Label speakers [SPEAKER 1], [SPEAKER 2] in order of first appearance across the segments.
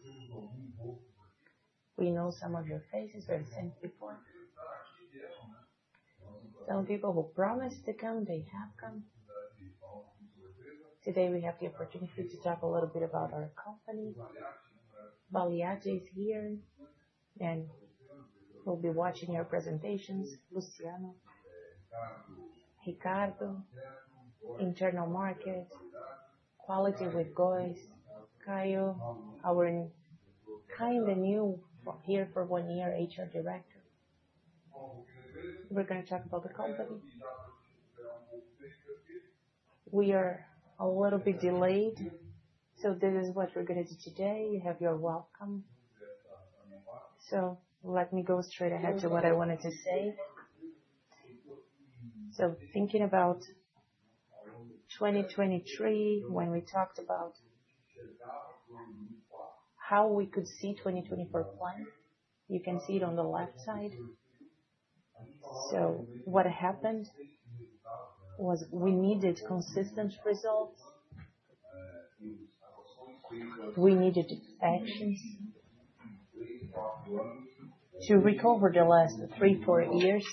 [SPEAKER 1] Everyone. We know some of your faces very well. Some people who promised to come, they have come. Today we have the opportunity to talk a little bit about our company. Bellini is here, and we'll be watching your presentations. Luciano, Ricardo, Internal Market, Quality with Góes, Caio, our kind of new here for one year, HR Director. We're going to talk about the company. We are a little bit delayed, so this is what we're going to do today. You have your welcome. Let me go straight ahead to what I wanted to say. Thinking about 2023, when we talked about how we could see 2024 plan, you can see it on the left side. What happened was we needed consistent results. We needed actions to recover the last three, four years.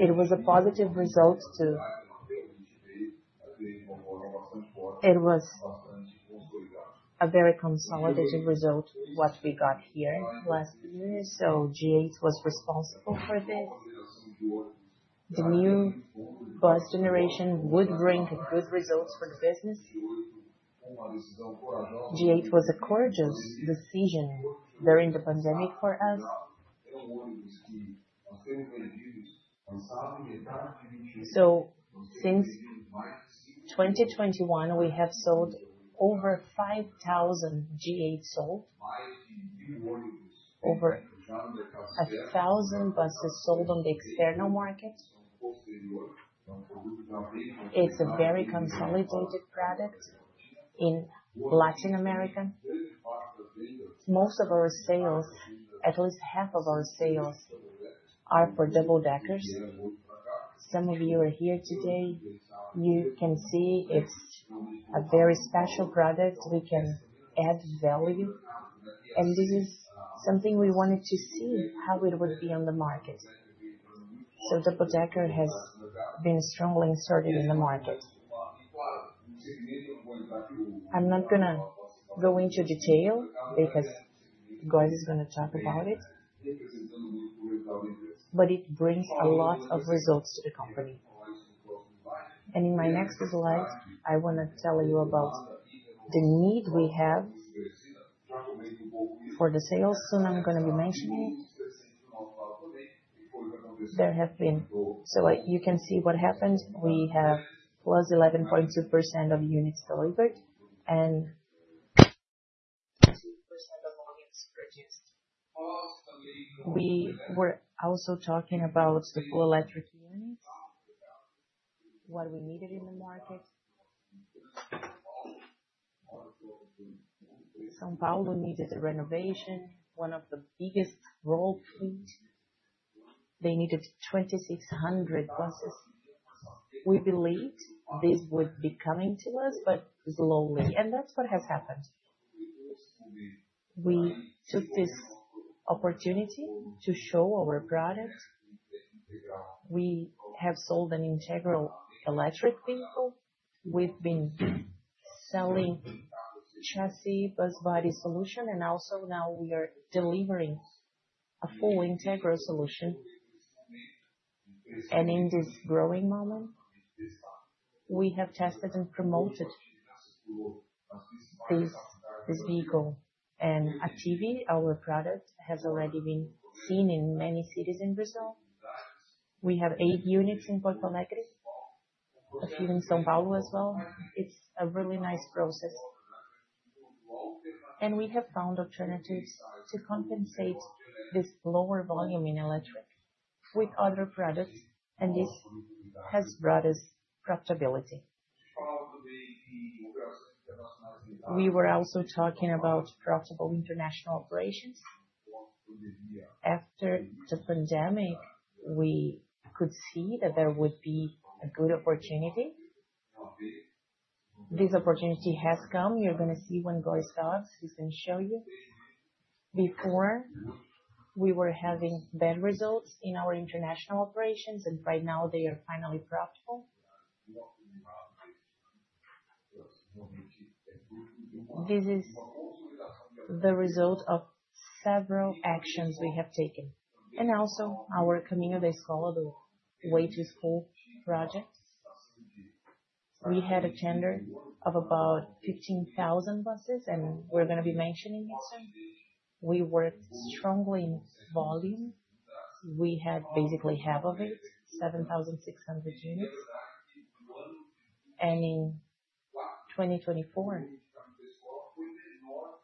[SPEAKER 1] It was a positive result. It was a very consolidated result what we got here last year. G8 was responsible for this. The new bus generation would bring good results for the business. G8 was a courageous decision during the pandemic for us. Since 2021, we have sold over 5,000 G8 sold. Over 1,000 buses sold on the external market. It's a very consolidated product in Latin America. Most of our sales, at least half of our sales, are for double deckers. Some of you are here today. You can see it's a very special product. We can add value. This is something we wanted to see how it would be on the market. Double decker has been strongly inserted in the market. I'm not going to go into detail because Góes is going to talk about it, but it brings a lot of results to the company. In my next slide, I want to tell you about the need we have for the sales. Soon I'm going to be mentioning there have been. So you can see what happened. We have +11.2% of units delivered, and we were also talking about the full electric units, what we needed in the market. São Paulo needed a renovation, one of the biggest role plays. They needed 2,600 buses. We believed this would be coming to us, but slowly. That's what has happened. We took this opportunity to show our product. We have sold an integral electric vehicle. We've been selling chassis bus body solution, and also now we are delivering a full integral solution. In this growing moment, we have tested and promoted this vehicle and activity. Our product has already been seen in many cities in Brazil. We have eight units in Porto Alegre, a few in São Paulo as well. It's a really nice process. We have found alternatives to compensate this lower volume in electric with other products, and this has brought us profitability. We were also talking about profitable international operations. After the pandemic, we could see that there would be a good opportunity. This opportunity has come. You're going to see when Góes talks, he's going to show you. Before, we were having bad results in our international operations, and right now they are finally profitable. This is the result of several actions we have taken. Also our Caminho da Escola way to school projects. We had a tender of about 15,000 buses, and we're going to be mentioning it soon. We worked strongly in volume. We had basically half of it, 7,600 units. In 2024,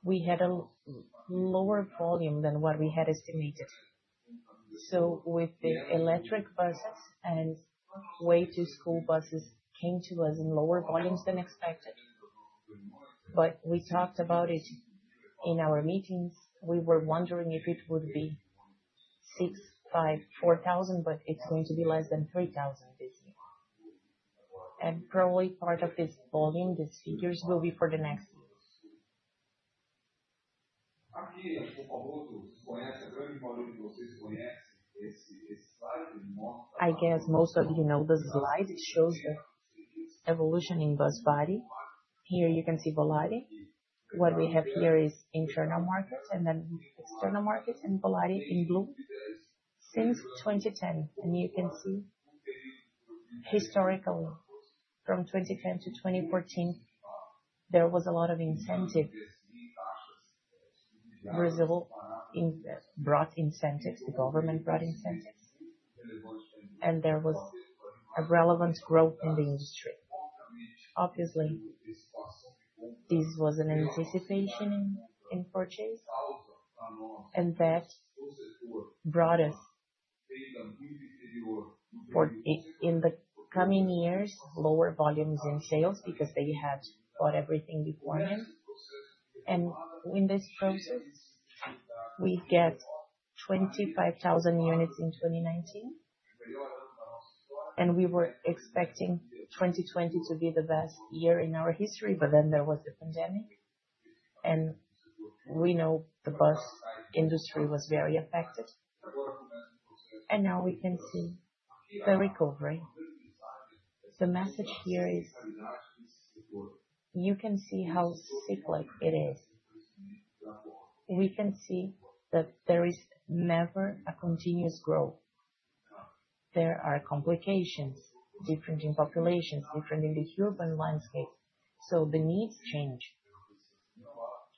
[SPEAKER 1] we had a lower volume than what we had estimated. The electric buses and way to school buses came to us in lower volumes than expected. We talked about it in our meetings. We were wondering if it would be 6,000 5,000 4,000, but it's going to be less than 3,000 this year. Probably part of this volume, these figures will be for the next year. I guess most of you know the slide. It shows the evolution in bus body. Here you can see Volare. What we have here is internal markets and then external markets and Volare in blue since 2010. You can see historically from 2010 to 2014, there was a lot of incentive. Brazil brought incentives. The government brought incentives. There was a relevant growth in the industry. Obviously, this was an anticipation in purchase. That brought us in the coming years lower volumes in sales because they had bought everything beforehand. In this process, we got 25,000 units in 2019. We were expecting 2020 to be the best year in our history, but then there was the pandemic. We know the bus industry was very affected. Now we can see the recovery. The message here is you can see how cyclical it is. We can see that there is never continuous growth. There are complications, different populations, different urban landscapes. The needs change.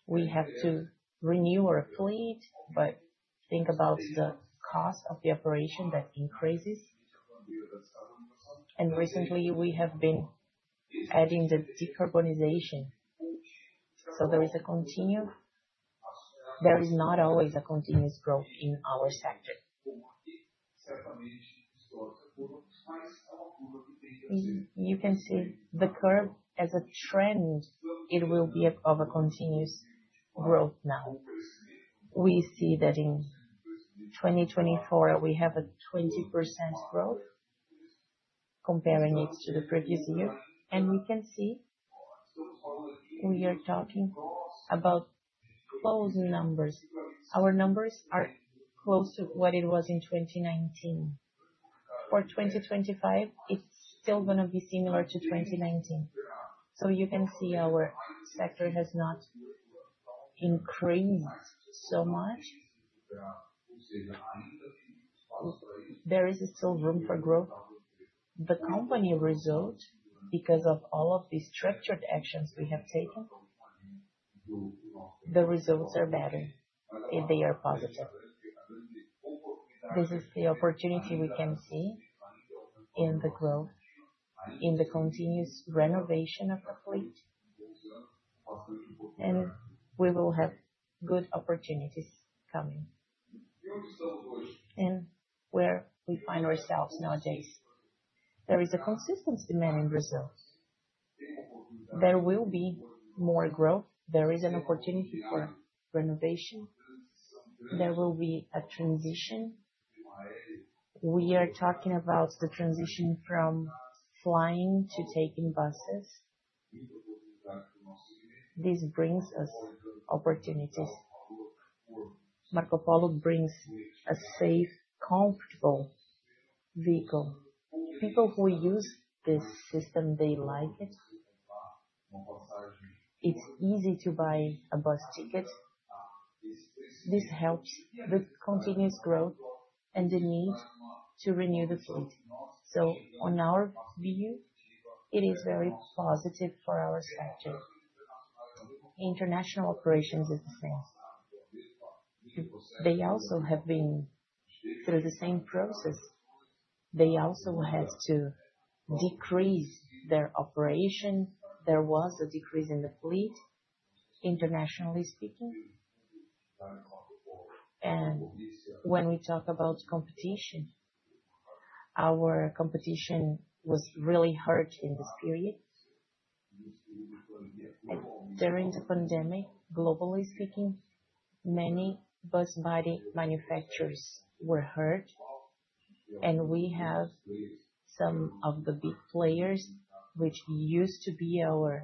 [SPEAKER 1] We have to renew our fleet, but think about the cost of the operation that increases. Recently, we have been adding the decarbonization. There is not always continuous growth in our sector. You can see the curve as a trend. It will be of a continuous growth now. We see that in 2024, we have a 20% growth comparing it to the previous year. We can see we are talking about close numbers. Our numbers are close to what it was in 2019. For 2025, it's still going to be similar to 2019. You can see our sector has not increased so much. There is still room for growth. The company result, because of all of these structured actions we have taken, the results are better if they are positive. This is the opportunity we can see in the growth, in the continuous renovation of the fleet. We will have good opportunities coming. Where we find ourselves nowadays, there is a consistent demand in Brazil. There will be more growth. There is an opportunity for renovation. There will be a transition. We are talking about the transition from flying to taking buses. This brings us opportunities. Marcopolo brings a safe, comfortable vehicle. People who use this system, they like it. It's easy to buy a bus ticket. This helps the continuous growth and the need to renew the fleet. So in our view, it is very positive for our sector. International operations is the same. They also have been through the same process. They also had to decrease their operation. There was a decrease in the fleet, internationally speaking. When we talk about competition, our competition was really hurt in this period. During the pandemic, globally speaking, many bus body manufacturers were hurt. We have some of the big players, which used to be our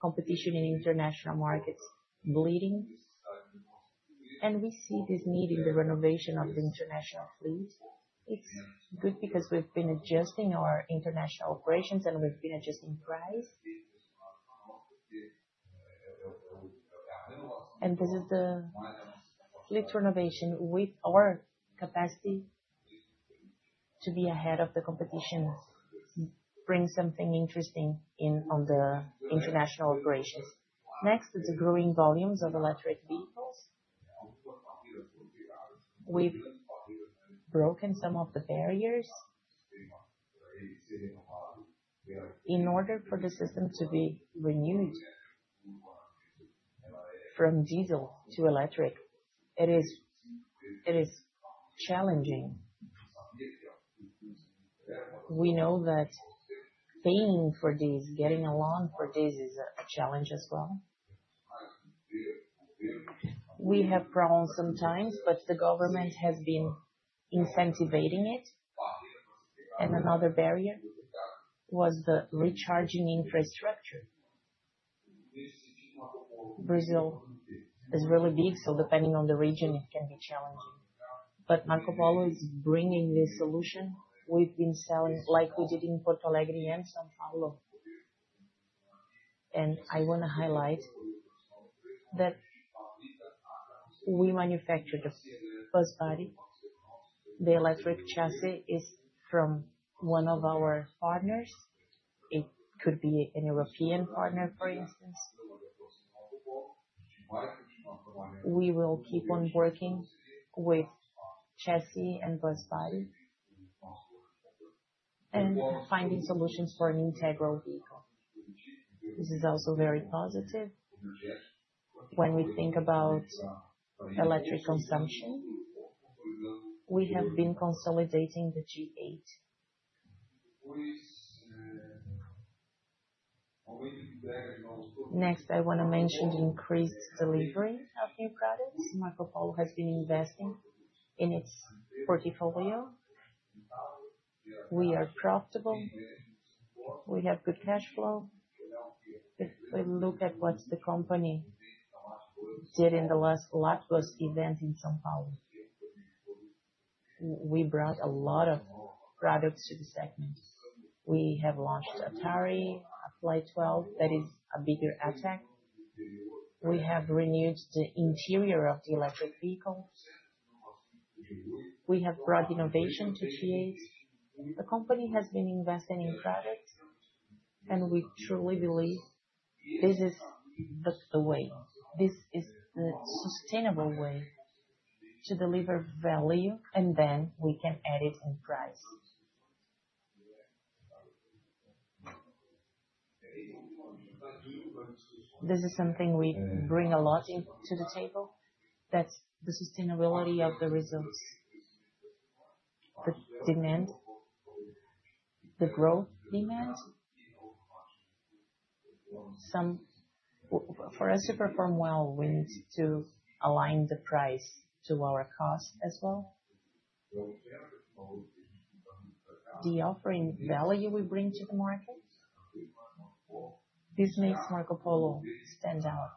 [SPEAKER 1] competition in international markets, bleeding. We see this need in the renovation of the international fleet. It's good because we've been adjusting our international operations, and we've been adjusting price. This is the fleet renovation with our capacity to be ahead of the competition, bring something interesting on the international operations. Next, it's the growing volumes of electric vehicles. We've broken some of the barriers. In order for the system to be renewed from diesel to electric, it is challenging. We know that paying for these, getting a loan for these is a challenge as well. We have problems sometimes, but the government has been incentivizing it. Another barrier was the recharging infrastructure. Brazil is really big, so depending on the region, it can be challenging. But Marcopolo is bringing this solution. We've been selling like we did in Porto Alegre and São Paulo. I want to highlight that we manufactured the bus body. The electric chassis is from one of our partners. It could be a European partner, for instance. We will keep on working with chassis and bus body and finding solutions for an integral vehicle. This is also very positive. When we think about electric consumption, we have been consolidating the G8. Next, I want to mention the increased delivery of new products. Marcopolo has been investing in its portfolio. We are profitable. We have good cash flow. If we look at what the company did in the last Lat.Bus event in São Paulo, we brought a lot of products to the segment. We have launched Attack 8, Fly 12 that is a bigger Attack. We have renewed the interior of the electric vehicles. We have brought innovation to G8. The company has been investing in products, and we truly believe this is the way. This is the sustainable way to deliver value. We can add it in price. This is something we bring a lot to the table. That's the sustainability of the results, the demand, the growth demand. For us to perform well, we need to align the price to our cost as well. The offering value we bring to the market, this makes Marcopolo stand out.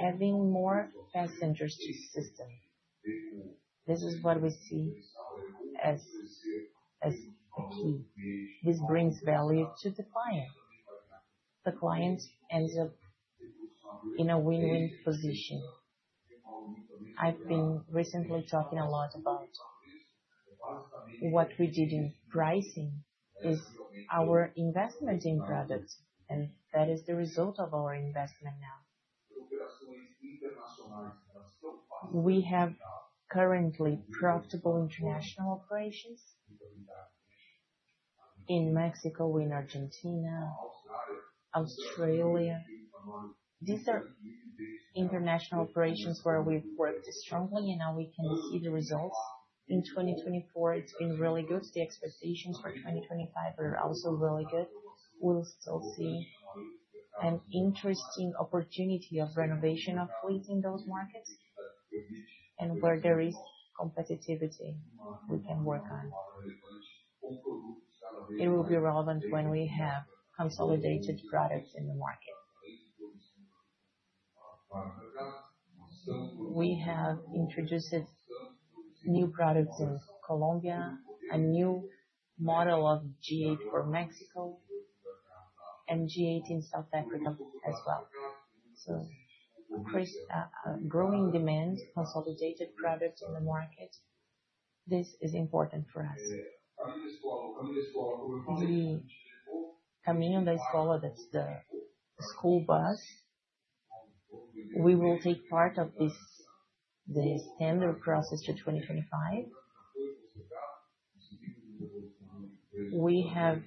[SPEAKER 1] Having more passengers to the system, this is what we see as key. This brings value to the client. The client ends up in a win-win position. I've been recently talking a lot about what we did in pricing is our investment in products, and that is the result of our investment now. We have currently profitable international operations in Mexico, in Argentina, Australia. These are international operations where we've worked strongly, and now we can see the results. In 2024, it's been really good. The expectations for 2025 are also really good. We'll still see an interesting opportunity of renovation of fleets in those markets and where there is competitivity we can work on. It will be relevant when we have consolidated products in the market. We have introduced new products in Colombia, a new model of G8 for Mexico, and G8 in South Africa as well. So growing demand, consolidated products in the market, this is important for us. Caminho da Escola, that's the school bus. We will take part of this tender process to 2025. We have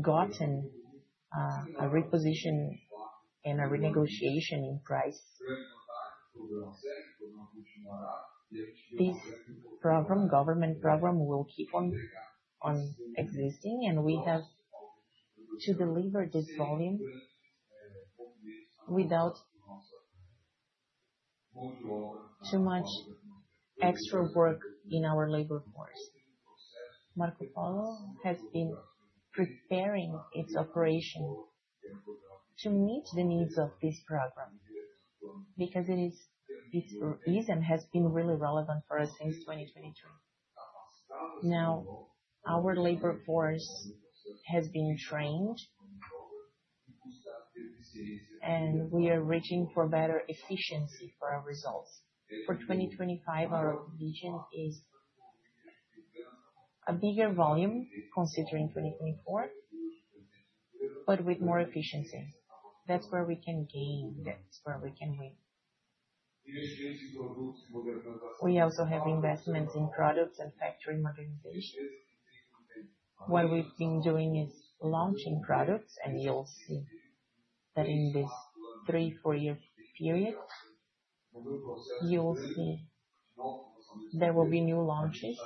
[SPEAKER 1] gotten a reposition and a renegotiation in price. This government program will keep on existing, and we have to deliver this volume without too much extra work in our labor force. Marcopolo has been preparing its operation to meet the needs of this program because it has been really relevant for us since 2023. Now, our labor force has been trained, and we are reaching for better efficiency for our results. For 2025, our vision is a bigger volume considering 2024, but with more efficiency. That's where we can gain. That's where we can win. We also have investments in products and factory modernization. What we've been doing is launching products, and you'll see that in this three, four-year period, you'll see there will be new launches.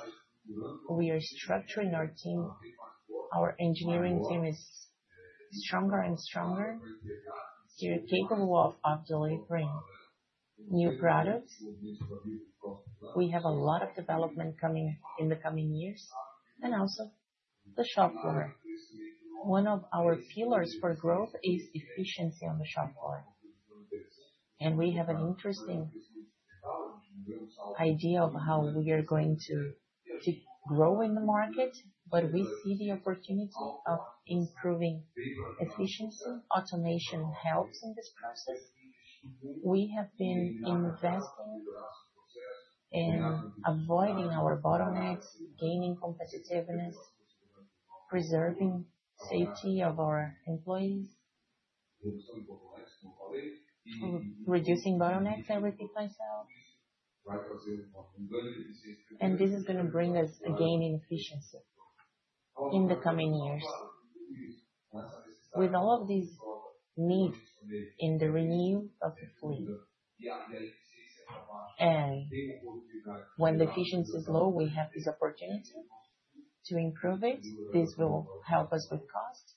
[SPEAKER 1] We are structuring our team. Our engineering team is stronger and stronger. They're capable of delivering new products. We have a lot of development coming in the coming years. Also the shop floor. One of our pillars for growth is efficiency on the shop floor. We have an interesting idea of how we are going to grow in the market, but we see the opportunity of improving efficiency. Automation helps in this process. We have been investing in avoiding our bottlenecks, gaining competitiveness, preserving safety of our employees, reducing bottlenecks. This is going to bring us a gain in efficiency in the coming years. With all of these needs in the renewal of the fleet, when the efficiency is low, we have this opportunity to improve it. This will help us with cost.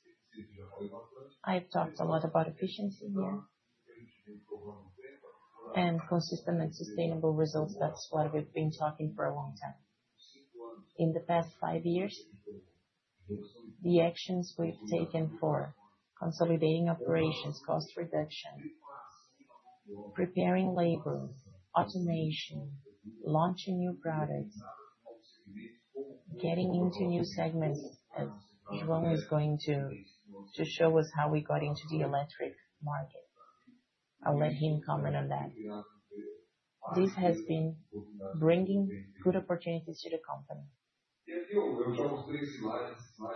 [SPEAKER 1] I've talked a lot about efficiency here. Consistent and sustainable results, that's what we've been talking about for a long time. In the past five years, the actions we've taken for consolidating operations, cost reduction, preparing labor, automation, launching new products, getting into new segments, as João is going to show us how we got into the electric market. I'll let him comment on that. This has been bringing good opportunities to the company.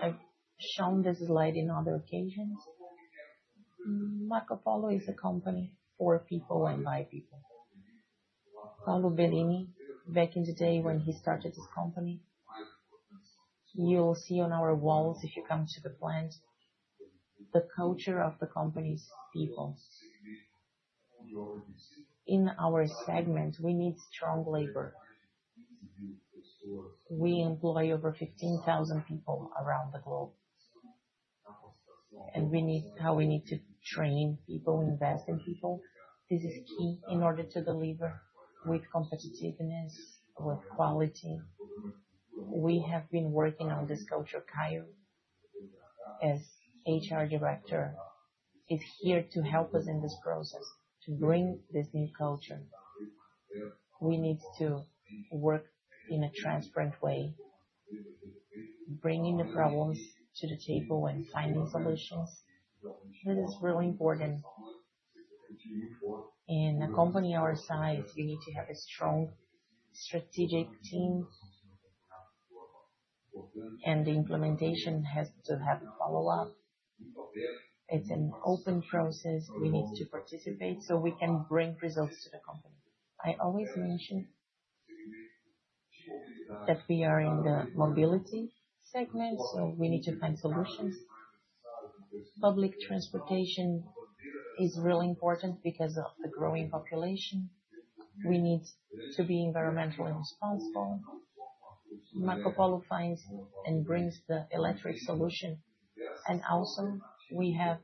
[SPEAKER 1] I've shown this slide on other occasions. Marcopolo is a company for people and by people. Paulo Bellini, back in the day when he started this company, you'll see on our walls if you come to the plant, the culture of the company's people. In our segment, we need strong labor. We employ over 15,000 people around the globe. How we need to train people, invest in people, this is key in order to deliver with competitiveness, with quality. We have been working on this culture. Caio, as HR Director, is here to help us in this process, to bring this new culture. We need to work in a transparent way, bringing the problems to the table and finding solutions. This is really important. In a company our size, we need to have a strong strategic team, and the implementation has to have follow-up. It's an open process. We need to participate so we can bring results to the company. I always mention that we are in the mobility segment, so we need to find solutions. Public transportation is really important because of the growing population. We need to be environmentally responsible. Marcopolo finds and brings the electric solution. Also, we have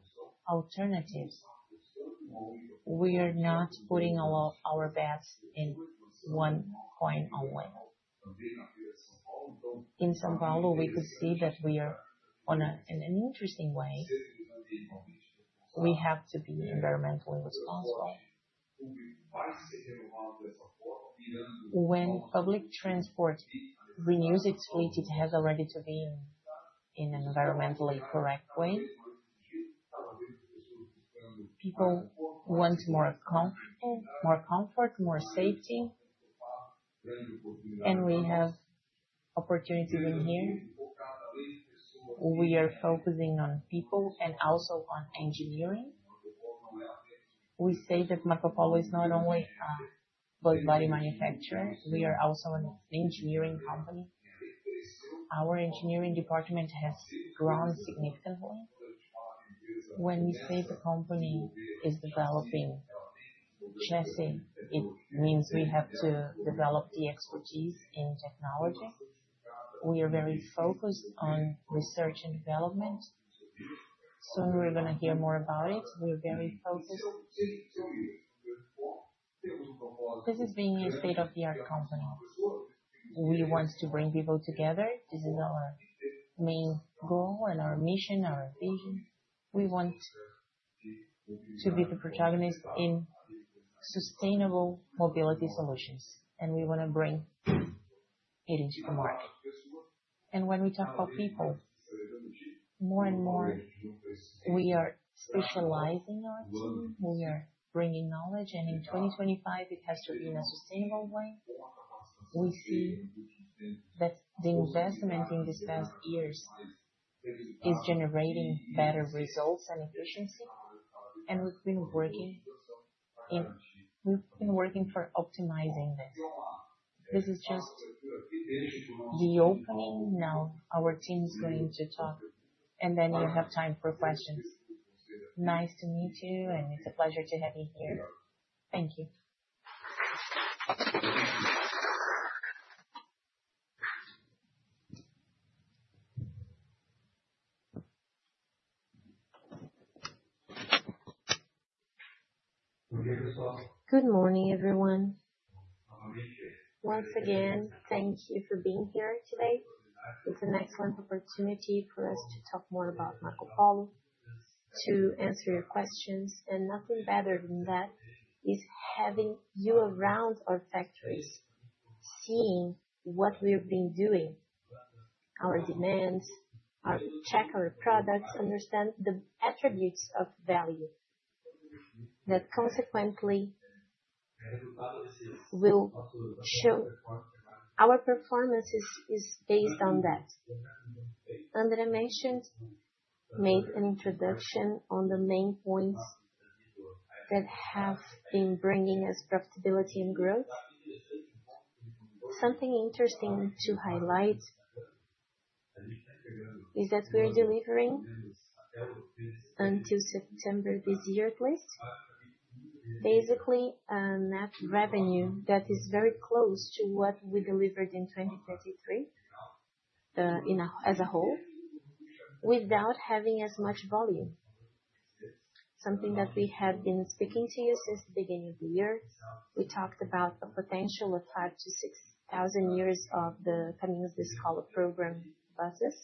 [SPEAKER 1] alternatives. We are not putting all of our bets in one coin only. In São Paulo, we could see that we are on an interesting way. We have to be environmentally responsible. When public transport renews its fleet, it has to be in an environmentally correct way. People want more comfort, more safety. We have opportunities here. We are focusing on people and also on engineering. We say that Marcopolo is not only a bus body manufacturer. We are also an engineering company. Our engineering department has grown significantly. When we say the company is developing chassis, it means we have to develop the expertise in technology. We are very focused on research and development. Soon we're going to hear more about it. We're very focused. This is being a state-of-the-art company. We want to bring people together. This is our main goal and our mission, our vision. We want to be the protagonist in sustainable mobility solutions, and we want to bring it into the market. When we talk about people, more and more we are specializing our team. We are bringing knowledge, and in 2025, it has to be in a sustainable way. We see that the investment in these past years is generating better results and efficiency, and we've been working for optimizing this. This is just the opening. Now our team is going to talk, and then you have time for questions. Nice to meet you, and it's a pleasure to have you here. Thank you.
[SPEAKER 2] Good morning, everyone. Once again, thank you for being here today. It's an excellent opportunity for us to talk more about Marcopolo, to answer your questions, and nothing better than that is having you around our factories, seeing what we have been doing, our demands, check our products, understand the attributes of value that consequently will show our performance is based on that. André mentioned, made an introduction on the main points that have been bringing us profitability and growth. Something interesting to highlight is that we are delivering until September this year, at least, basically, a net revenue that is very close to what we delivered in 2023 as a whole without having as much volume. Something that we have been speaking to you since the beginning of the year. We talked about the potential of 5,000-6,000 years of the Caminho da Escola program buses.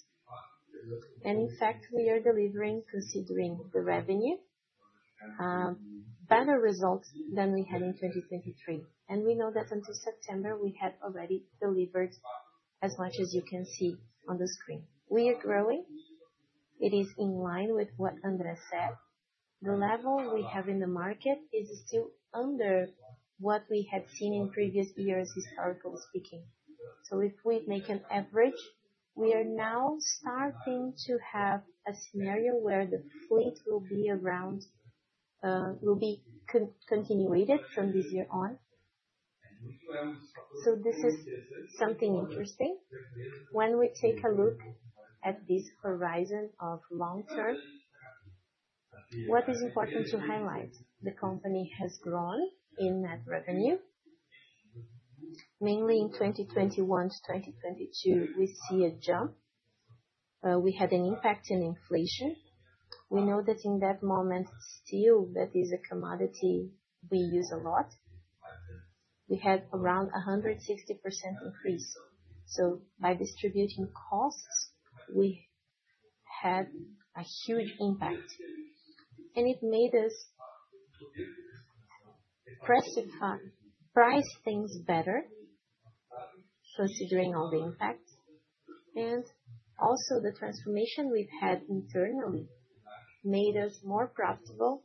[SPEAKER 2] In fact, we are delivering, considering the revenue, better results than we had in 2023. We know that until September, we had already delivered as much as you can see on the screen. We are growing. It is in line with what André said. The level we have in the market is still under what we had seen in previous years, historically speaking. If we make an average, we are now starting to have a scenario where the fleet will be continued from this year on. This is something interesting. When we take a look at this horizon of long term, what is important to highlight? The company has grown in net revenue. Mainly in 2021 to 2022, we see a jump. We had an impact in inflation. We know that in that moment, steel, that is a commodity we use a lot. We had around a 160% increase. By distributing costs, we had a huge impact. It made us price things better, considering all the impacts. Also, the transformation we've had internally made us more profitable.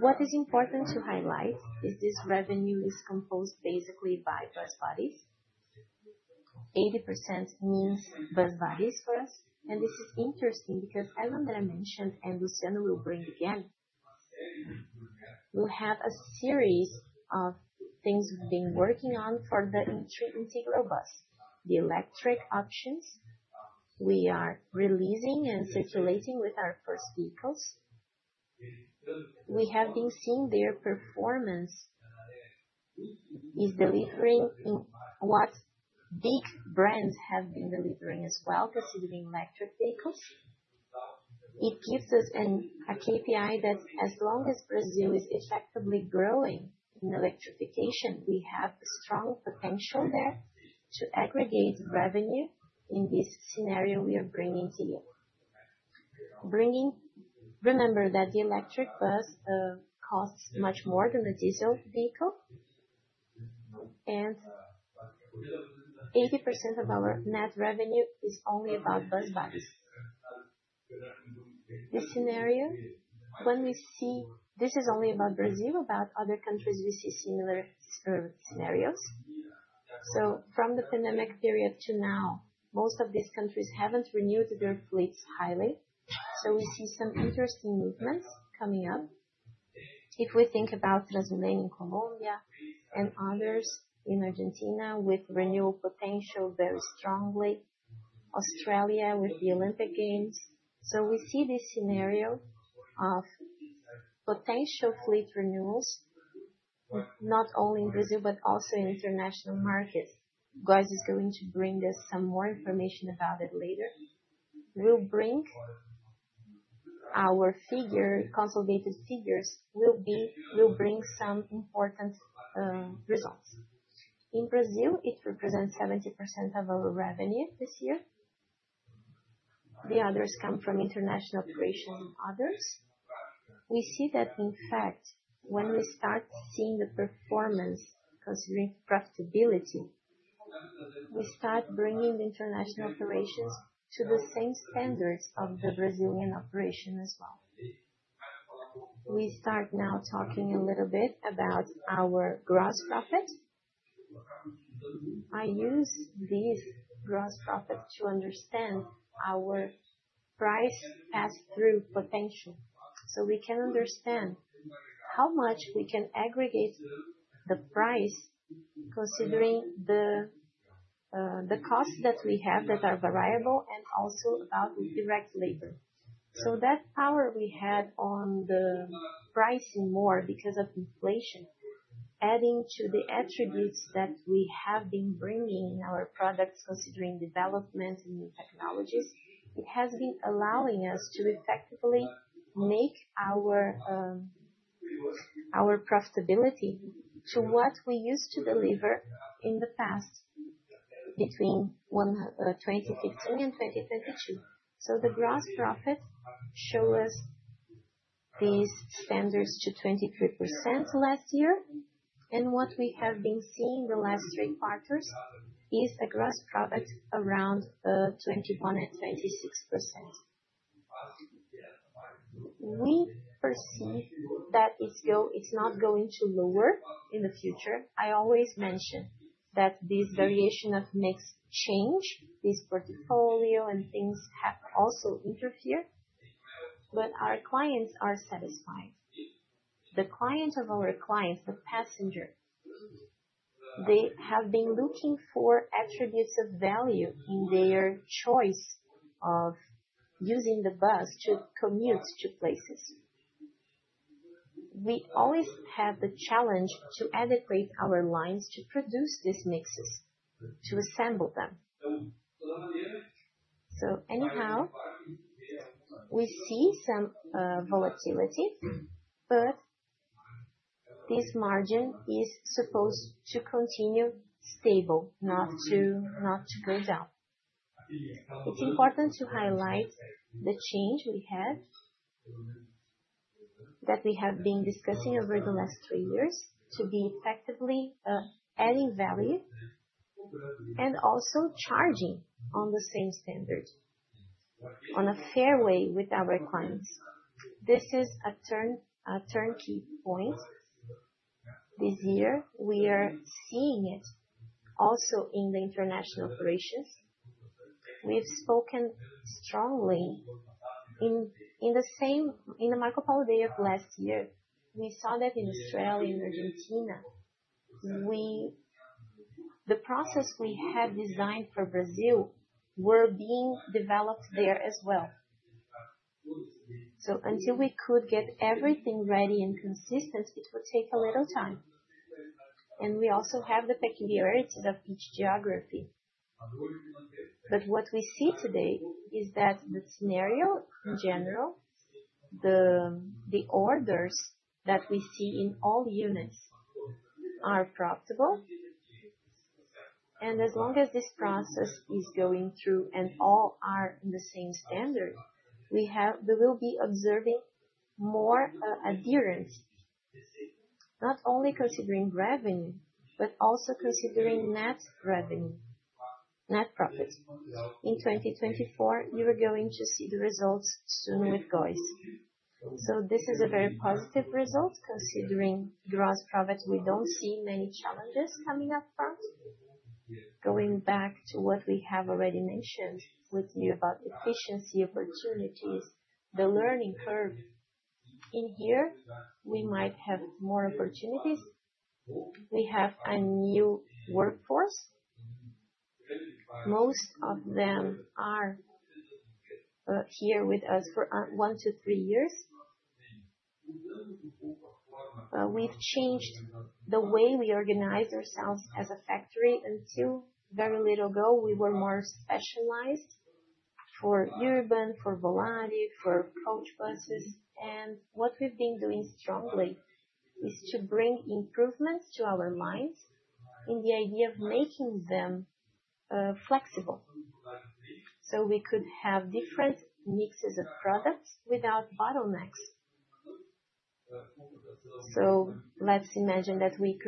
[SPEAKER 2] What is important to highlight is this revenue is composed basically by bus bodies. 80% means bus bodies for us. This is interesting because, as André mentioned and Luciano will bring again, we'll have a series of things we've been working on for the integral bus, the electric options. We are releasing and circulating with our first vehicles. We have been seeing their performance is delivering in what big brands have been delivering as well, considering electric vehicles. It gives us a KPI that as long as Brazil is effectively growing in electrification, we have a strong potential there to aggregate revenue in this scenario we are bringing to you. Remember that the electric bus costs much more than the diesel vehicle, and 80% of our net revenue is only about bus bodies. This scenario, when we see this is only about Brazil, about other countries, we see similar scenarios. From the pandemic period to now, most of these countries haven't renewed their fleets highly. We see some interesting movements coming up. If we think about TransMilenio, Colombia, and others in Argentina with renewal potential very strongly, Australia with the Olympic Games, we see this scenario of potential fleet renewals, not only in Brazil, but also in international markets. Góes is going to bring us some more information about it later. We'll bring our consolidated figures. We'll bring some important results. In Brazil, it represents 70% of our revenue this year. The others come from international operations and others. We see that, in fact, when we start seeing the performance, considering profitability, we start bringing the international operations to the same standards of the Brazilian operation as well. We start now talking a little bit about our gross profit. I use this gross profit to understand our price pass-through potential. We can understand how much we can aggregate the price, considering the costs that we have that are variable and also about direct labor. That power we had on the pricing more because of inflation, adding to the attributes that we have been bringing in our products, considering development and new technologies, it has been allowing us to effectively make our profitability to what we used to deliver in the past between 2015 and 2022. The gross profit shows us these standards to 23% last year. What we have been seeing the last three quarters is a gross profit around 21% and 26%. We perceive that it's not going to lower in the future. I always mention that this variation of mix change, this portfolio and things have also interfered, but our clients are satisfied. The client of our clients, the passenger, they have been looking for attributes of value in their choice of using the bus to commute to places. We always have the challenge to adequate our lines to produce these mixes, to assemble them. So anyhow, we see some volatility, but this margin is supposed to continue stable, not to go down. It's important to highlight the change we have that we have been discussing over the last three years to be effectively adding value and also charging on the same standard on a fair way with our clients. This is a turning point. This year, we are seeing it also in the international operations. We've spoken strongly. In the Marcopolo Day of last year, we saw that in Australia, in Argentina, the process we have designed for Brazil were being developed there as well. Until we could get everything ready and consistent, it would take a little time. We also have the peculiarities of each geography. But what we see today is that the scenario in general, the orders that we see in all units are profitable. As long as this process is going through and all are in the same standard, we will be observing more adherence, not only considering revenue, but also considering net revenue, net profit. In 2024, you are going to see the results soon with GOES. This is a very positive result considering gross profit. We don't see many challenges coming up front. Going back to what we have already mentioned with you about efficiency, opportunities, the learning curve. In here, we might have more opportunities. We have a new workforce. Most of them are here with us for one to three years. We've changed the way we organize ourselves as a factory. Until very recently, we were more specialized for urban, for Volare, for coach buses. What we've been doing strongly is bringing improvements to our lines with the idea of making them flexible so we could have different mixes of products without bottlenecks. Let's imagine that we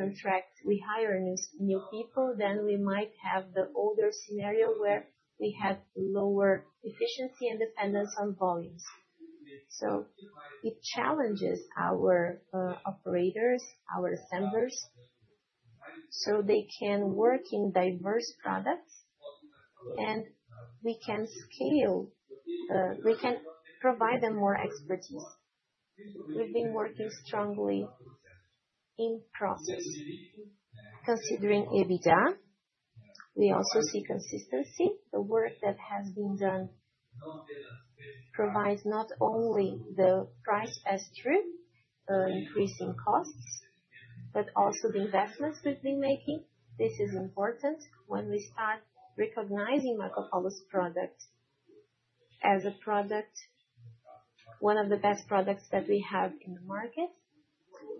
[SPEAKER 2] hire new people, then we might have the older scenario where we have lower efficiency and dependence on volumes. This challenges our operators, our assemblers, so they can work on diverse products and we can provide them more expertise. We've been working strongly on process. Considering EBITDA, we also see consistency. The work that has been done provides not only the price pass-through, increasing costs, but also the investments we've been making. This is important when we start recognizing Marcopolo's product as one of the best products that we have in the market.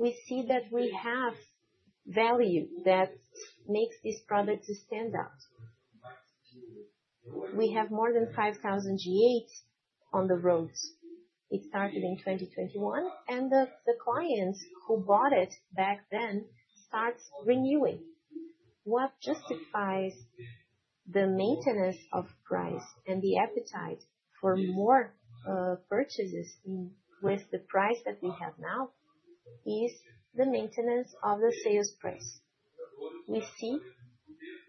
[SPEAKER 2] We see that we have value that makes this product stand out. We have more than 5,000 G8s on the roads. It started in 2021, and the clients who bought it back then started renewing. What justifies the maintenance of price and the appetite for more purchases with the price that we have now is the maintenance of the sales price. We see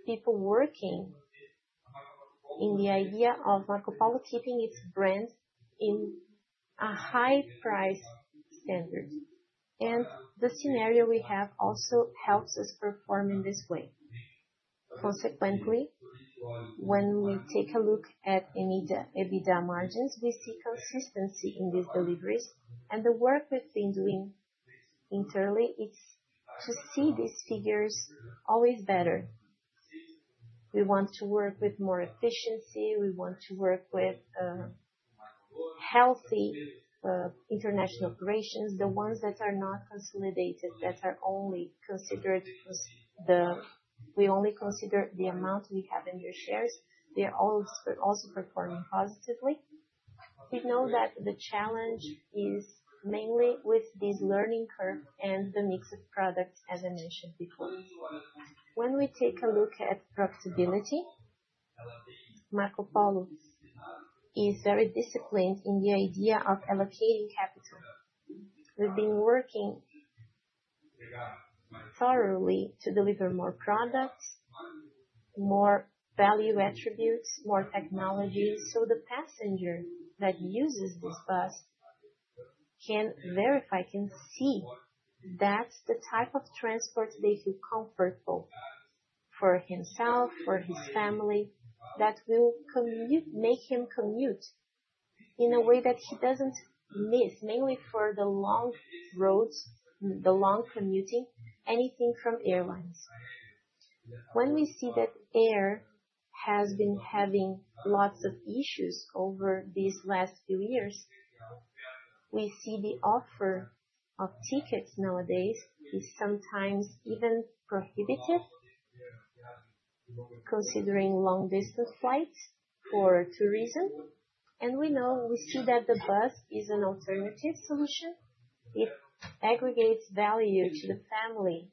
[SPEAKER 2] people working in the idea of Marcopolo keeping its brand in a high price standard. The scenario we have also helps us perform in this way. Consequently, when we take a look at EBITDA margins, we see consistency in these deliveries. The work we've been doing internally, it's to see these figures always better. We want to work with more efficiency. We want to work with healthy international operations, the ones that are not consolidated, that are only considered. We only consider the amount we have in their shares. They are also performing positively. We know that the challenge is mainly with this learning curve and the mix of products, as I mentioned before. When we take a look at profitability, Marcopolo is very disciplined in the idea of allocating capital. We've been working thoroughly to deliver more products, more value attributes, more technology. So the passenger that uses this bus can verify, can see that's the type of transport they feel comfortable for himself, for his family, that will make him commute in a way that he doesn't miss, mainly for the long roads, the long commuting, anything from airlines. When we see that air has been having lots of issues over these last few years, we see the offer of tickets nowadays is sometimes even prohibitive, considering long-distance flights for tourism. We see that the bus is an alternative solution. It aggregates value to the family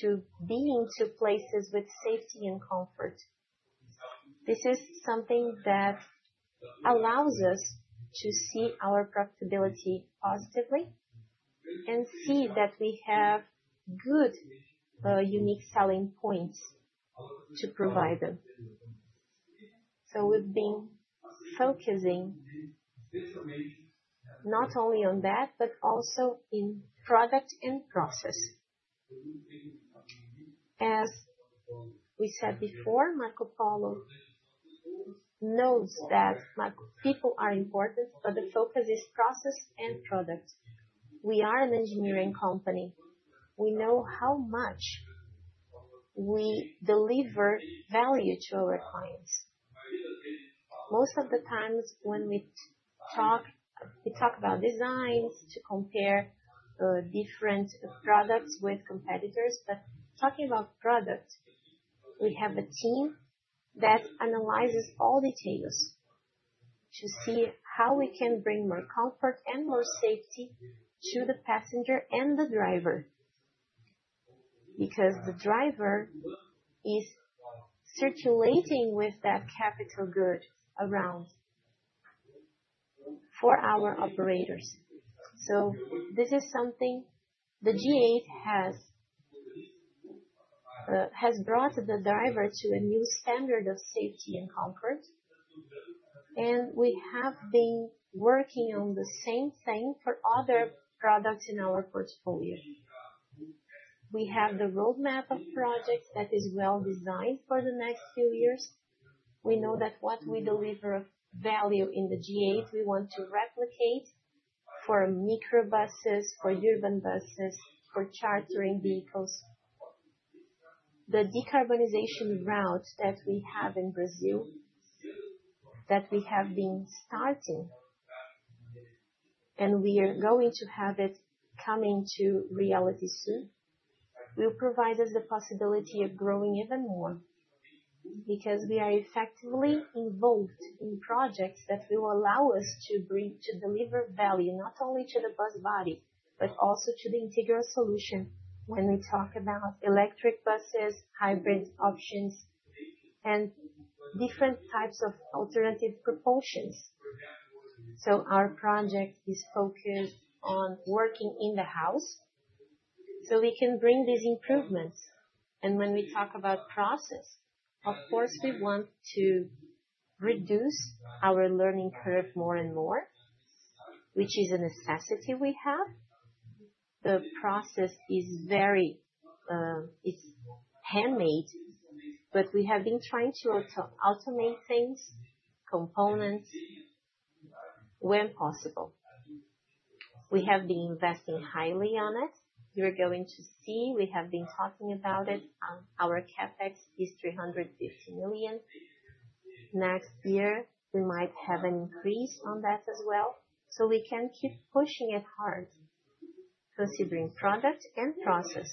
[SPEAKER 2] to being to places with safety and comfort. This is something that allows us to see our profitability positively and see that we have good unique selling points to provide them. We've been focusing not only on that, but also in product and process. As we said before, Marcopolo knows that people are important, but the focus is process and product. We are an engineering company. We know how much we deliver value to our clients. Most of the times when we talk, we talk about designs to compare different products with competitors. Talking about product, we have a team that analyzes all details to see how we can bring more comfort and more safety to the passenger and the driver because the driver is circulating with that capital good around for our operators. This is something the G8 has brought the driver to a new standard of safety and comfort. We have been working on the same thing for other products in our portfolio. We have the roadmap of projects that is well designed for the next few years. We know that what we deliver value in the G8, we want to replicate for microbuses, for urban buses, for chartering vehicles. The decarbonization route that we have in Brazil that we have been starting, and we are going to have it coming to reality soon, will provide us the possibility of growing even more because we are effectively involved in projects that will allow us to deliver value not only to the bus body, but also to the integral solution when we talk about electric buses, hybrid options, and different types of alternative propulsions. Our project is focused on working in the house so we can bring these improvements. When we talk about process, of course, we want to reduce our learning curve more and more, which is a necessity we have. The process is very handmade, but we have been trying to automate things, components when possible. We have been investing highly on it. You are going to see we have been talking about it. Our CapEx is $350 million. Next year, we might have an increase on that as well. We can keep pushing it hard, considering product and process,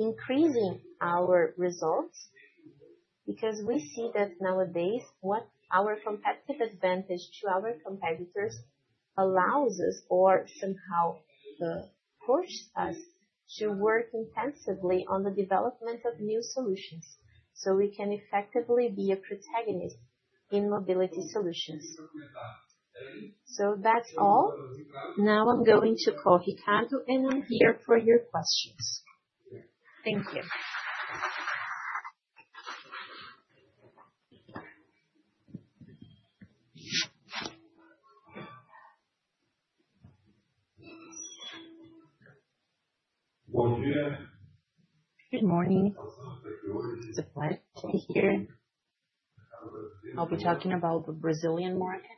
[SPEAKER 2] increasing our results because we see that nowadays what our competitive advantage to our competitors allows us or somehow pushes us to work intensively on the development of new solutions so we can effectively be a protagonist in mobility solutions. That's all. Now I'm going to call Ricardo, and I'm here for your questions. Thank you.
[SPEAKER 3] Good morning. It's a pleasure to be here. I'll be talking about the Brazilian market.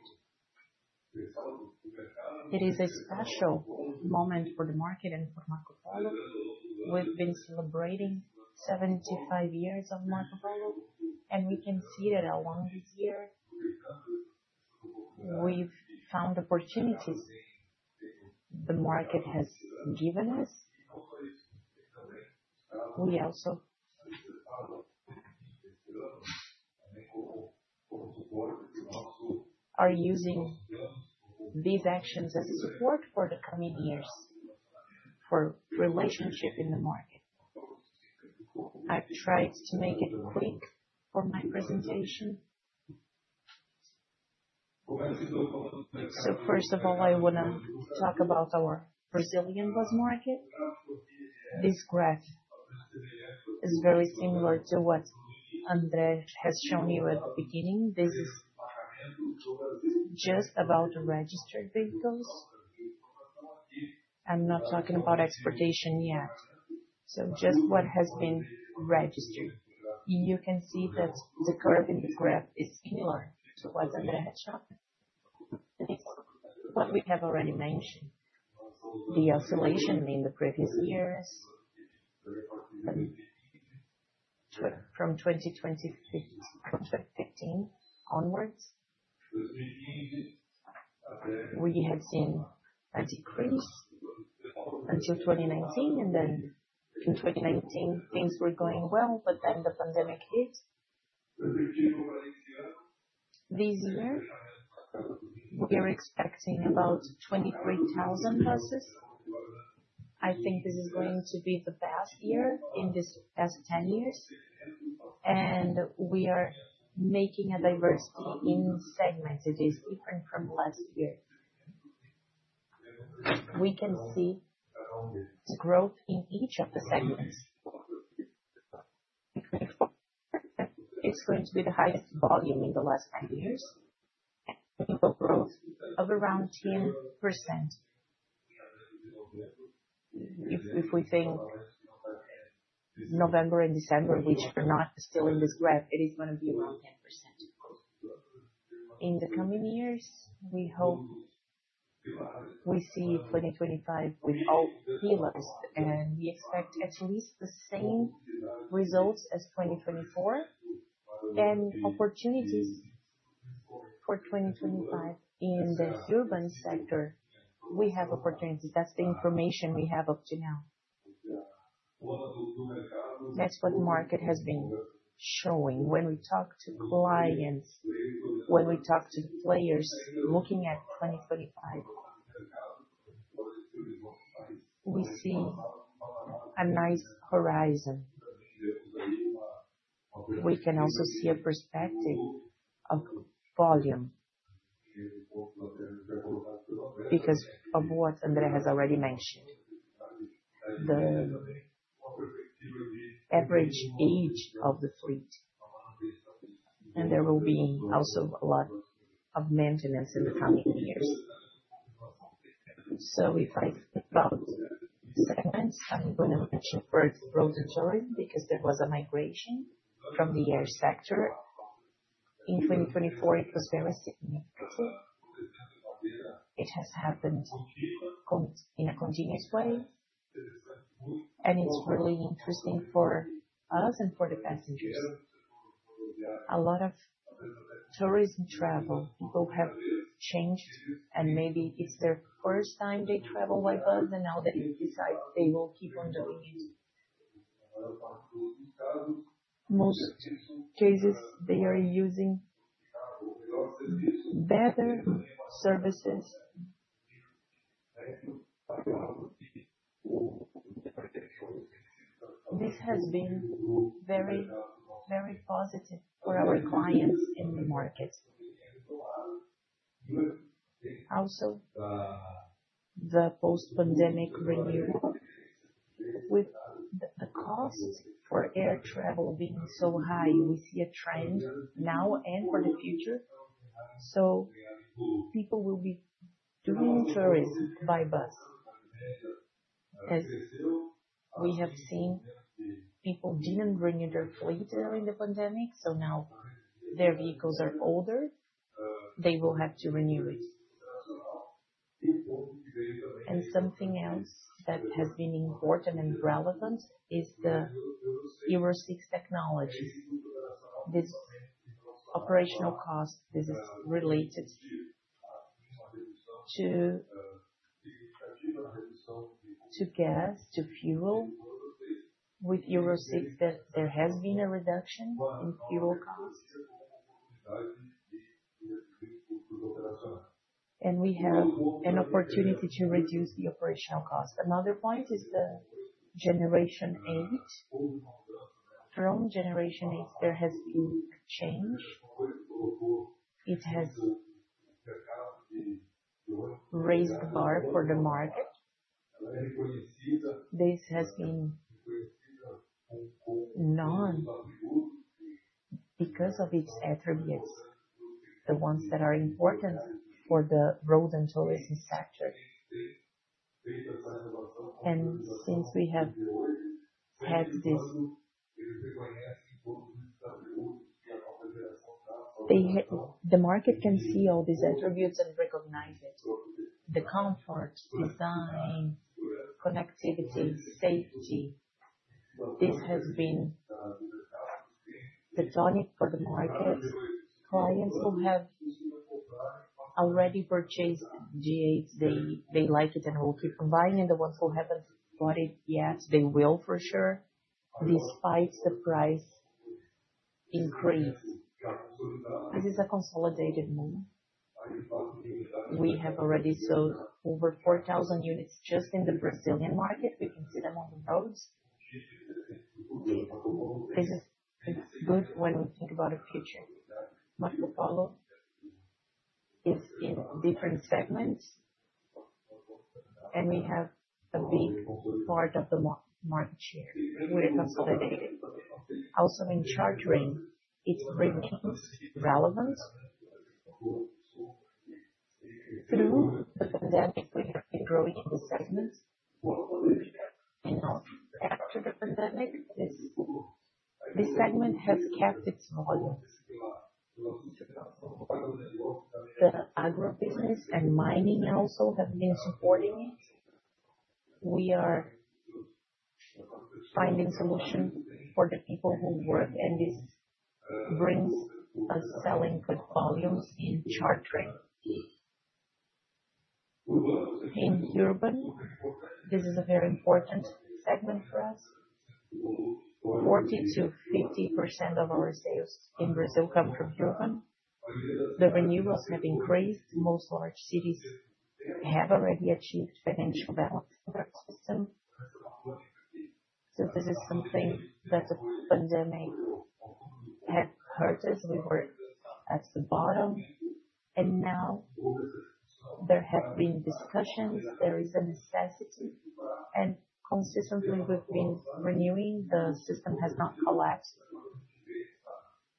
[SPEAKER 3] It is a special moment for the market and for Marcopolo. We've been celebrating 75 years of Marcopolo, and we can see that along this year we've found opportunities the market has given us. We also are using these actions as support for the coming years for relationship in the market. I've tried to make it quick for my presentation. First of all, I want to talk about our Brazilian bus market. This graph is very similar to what André has shown you at the beginning. This is just about registered vehicles. I'm not talking about exportation yet, just what has been registered. You can see that the curve in the graph is similar to what André had shown. It's what we have already mentioned, the oscillation in the previous years from 2015 onwards. We have seen a decrease until 2019, and then in 2019, things were going well, but then the pandemic hit. This year, we are expecting about 23,000 buses. I think this is going to be the best year in these past 10 years, and we are making a diversity in segments. It is different from last year. We can see growth in each of the segments. It's going to be the highest volume in the last 10 years, people growth of around 10%. If we think November and December, which are not still in this graph, it is going to be around 10%. In the coming years, we hope we see 2025 with all pillars, and we expect at least the same results as 2024 and opportunities for 2025 in the urban sector. We have opportunities. That's the information we have up to now. That's what the market has been showing. When we talk to clients, when we talk to the players looking at 2025, we see a nice horizon. We can also see a perspective of volume because of what André has already mentioned, the average age of the fleet. There will be also a lot of maintenance in the coming years. If I think about segments, I'm going to mention road tourism because there was a migration from the air sector. In 2024, it was very significant. It has happened in a continuous way, and it's really interesting for us and for the passengers. A lot of tourism travel, people have changed, and maybe it's their first time they travel by bus, and now they decide they will keep on doing it. Most cases, they are using better services. This has been very positive for our clients in the market. Also, the post-pandemic renewal, with the cost for air travel being high, we see a trend now and for the future. People will be doing tourism by bus. As we have seen, people didn't renew their fleet during the pandemic, now their vehicles are older. They will have to renew it. Something else that has been important and relevant is the Euro 6 technology. This operational cost is related to gas, to fuel. With Euro 6, there has been a reduction in fuel costs, and we have an opportunity to reduce the operational cost. Another point is the Generation 8. From Generation 8, there has been a change. It has raised the bar for the market. This has been known because of its attributes, the ones that are important for the road and tourism sector. Since we have had this, the market can see all these attributes and recognize it. The comfort, design, connectivity, safety, this has been the tonic for the market. Clients who have already purchased G8, they like it and will keep on buying, and the ones who haven't bought it yet, they will for sure, despite the price increase. This is a consolidated move. We have already sold over 4,000 units just in the Brazilian market. We can see them on the roads. This is good when we think about the future. Marcopolo is in different segments, and we have a big part of the market share. We are consolidated. Also, in chartering, it remains relevant. Through the pandemic, we have been growing in the segments, and after the pandemic, the segment has kept its volumes. The agribusiness and mining also have been supporting it. We are finding solutions for the people who work, and this brings us selling good volumes in chartering. In urban, this is a very important segment for us. 40%-50% of our sales in Brazil come from urban. The renewals have increased. Most large cities have already achieved financial balance in their system. This is something that the pandemic had hurt us. We were at the bottom, and now there have been discussions. There is a necessity, and consistently, we've been renewing. The system has not collapsed,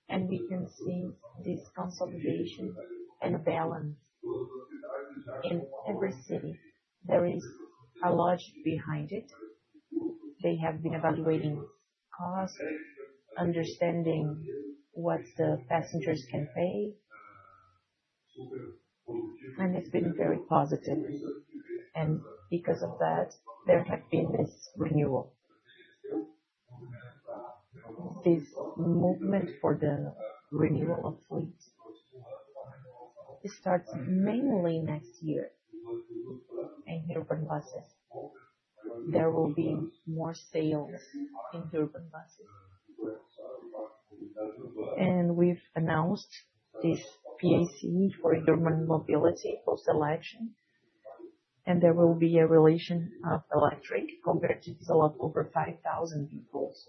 [SPEAKER 3] and we can see this consolidation and balance in every city. There is a logic behind it. They have been evaluating costs, understanding what the passengers can pay, and it's been very positive. Because of that, there has been this renewal. This movement for the renewal of fleet starts mainly next year in urban buses. There will be more sales in urban buses. We've announced this PAC for Urban Mobility for selection, and there will be a relation of electric compared to these a lot over 5,000 vehicles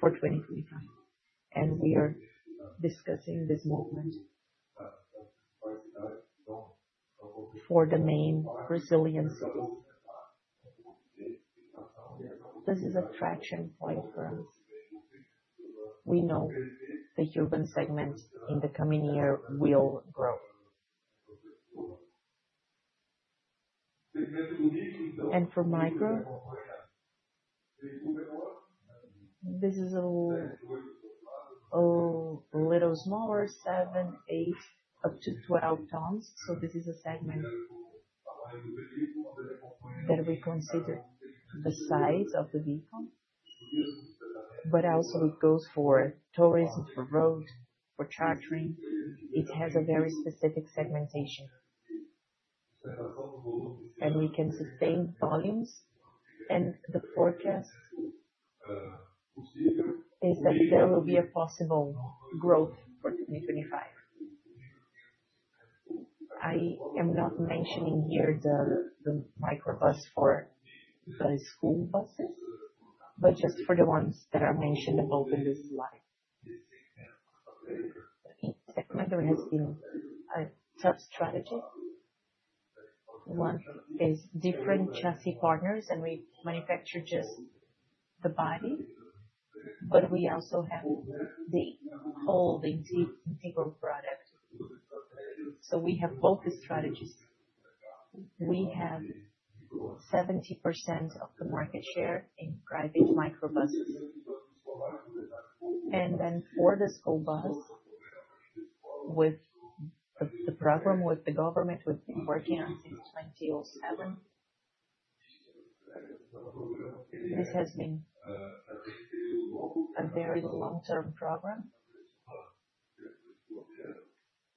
[SPEAKER 3] for 2025. We are discussing this movement for the main Brazilian cities. This is a traction point for us. We know the urban segment in the coming year will grow. For micro, this is a little smaller: seven, eight, up to 12 tons. This is a segment that we consider the size of the vehicle. It also goes for tourism, for road, for chartering. It has a very specific segmentation, and we can sustain volumes. The forecast is that there will be possible growth for 2025. I am not mentioning here the microbus for school buses, but just for the ones that are mentioned above in this slide. The segment has been a tough strategy. One is different chassis partners, and we manufacture just the body, but we also have the whole integral product. We have both strategies. We have 70% of the market share in private microbuses. For the school bus, with the program with the government, we've been working on since 2007. This has been a very long-term program.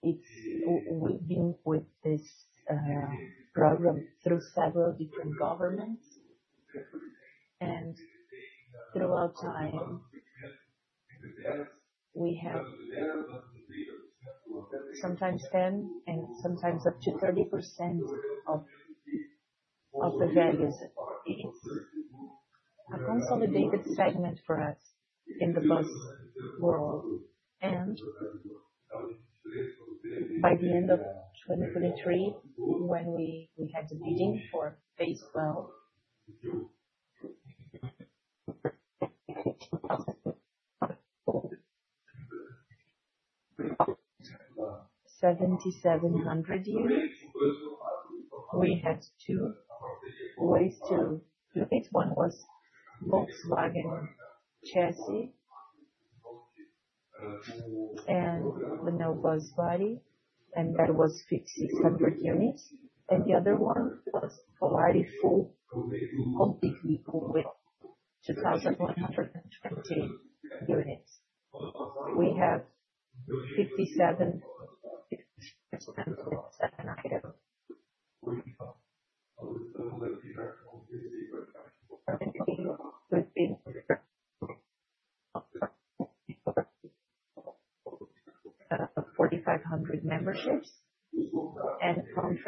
[SPEAKER 3] We've been with this program through several different governments. Throughout time, we have sometimes 10% and sometimes up to 30% of the values. It's a consolidated segment for us in the bus world. By the end of 2023, when we had the bidding for phase 12, 7,700 units. We had two ways to do this. One was Volkswagen chassis and the new bus body, and that was 5,600 units. The other one was Volare full, completely with 2,120 units.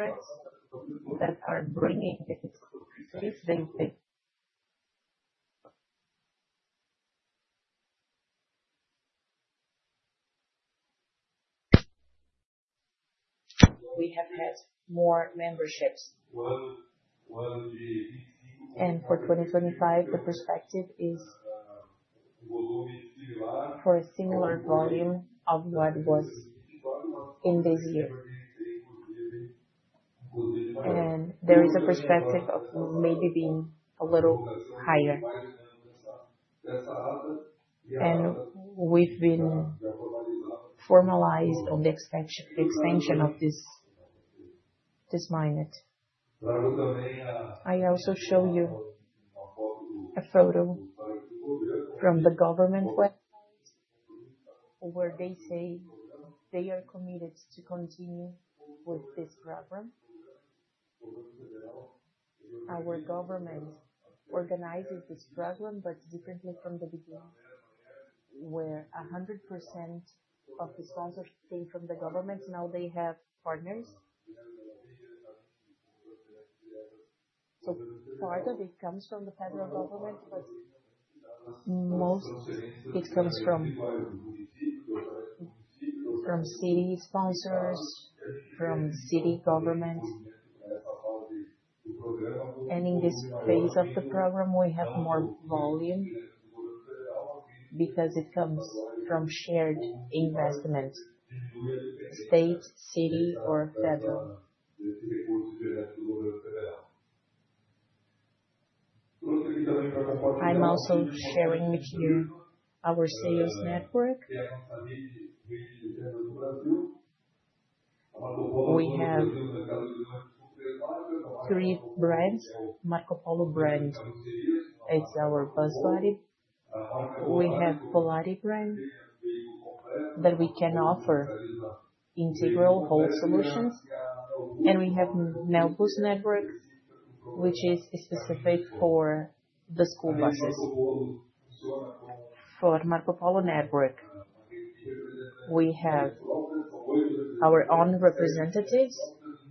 [SPEAKER 3] We have 57% with 7 items. We've been 4,500 memberships and contracts that are bringing this to this very big... We have had more memberships. For 2025, the perspective is for a similar volume of what was in this year. There is a perspective of maybe being a little higher. We've been formalized on the extension of this minute. I also show you a photo from the government website where they say they are committed to continue with this program. Our government organizes this program, but differently from the beginning, where 100% of the sponsors came from the government. Now they have partners. Part of it comes from the federal government, but most of it comes from city sponsors, from city government. In this phase of the program, we have more volume because it comes from shared investments, state, city, or federal. I'm also sharing with you our sales network. We have three brands. Marcopolo brand. It's our bus body. We have Volare brand that we can offer integral whole solutions. We have Neobus network, which is specific for the school buses. For Marcopolo network, we have our own representatives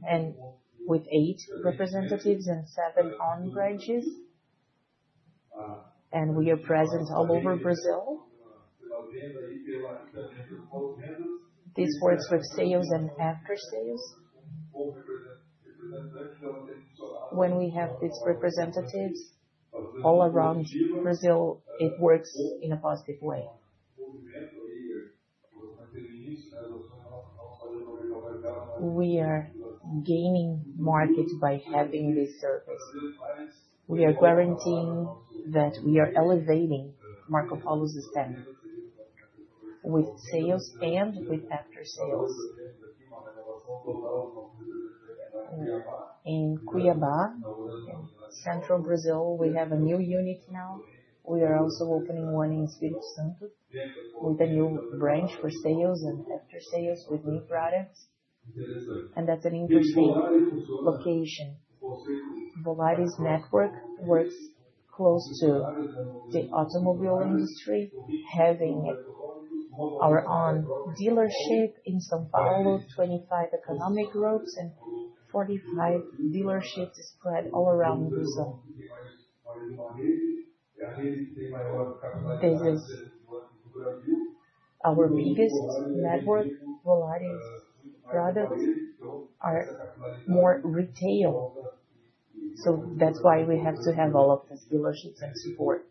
[SPEAKER 3] and with eight representatives and seven own branches. We are present all over Brazil. This works with sales and after sales. When we have these representatives all around Brazil, it works in a positive way. We are gaining market by having this service. We are guaranteeing that we are elevating Marcopolo's stand with sales and with after sales. In Cuiabá, in central Brazil, we have a new unit now. We are also opening one in Espírito Santo with a new branch for sales and after sales with new products. That's an interesting location. Volare Network works close to the automobile industry, having our own dealership in São Paulo, 25 economic groups, and 45 dealerships spread all around Brazil. This is our biggest network. Volare products are more retail. That's why we have to have all of these dealerships and support.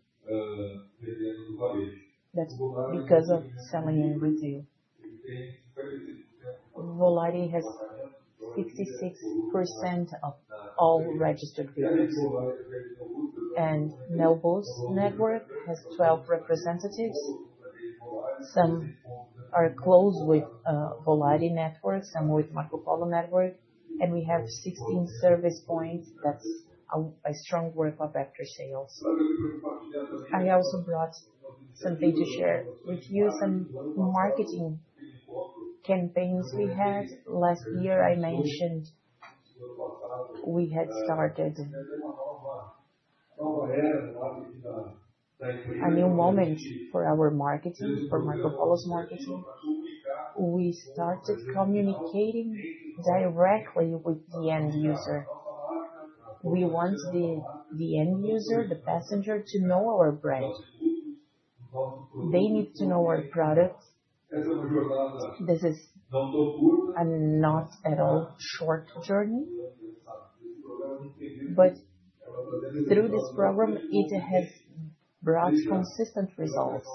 [SPEAKER 3] That's because of selling and retail. Volare has 66% of all registered dealers. Neobus network has 12 representatives. Some are close with Volare network, some with Marcopolo network. We have 16 service points. That's a strong work of after sales. I also brought something to share with you, some marketing campaigns we had last year. I mentioned we had started a new moment for our marketing, for Marcopolo's marketing. We started communicating directly with the end user. We want the end user, the passenger, to know our brand. They need to know our products. This is not at all a short journey. Through this program, it has brought consistent results.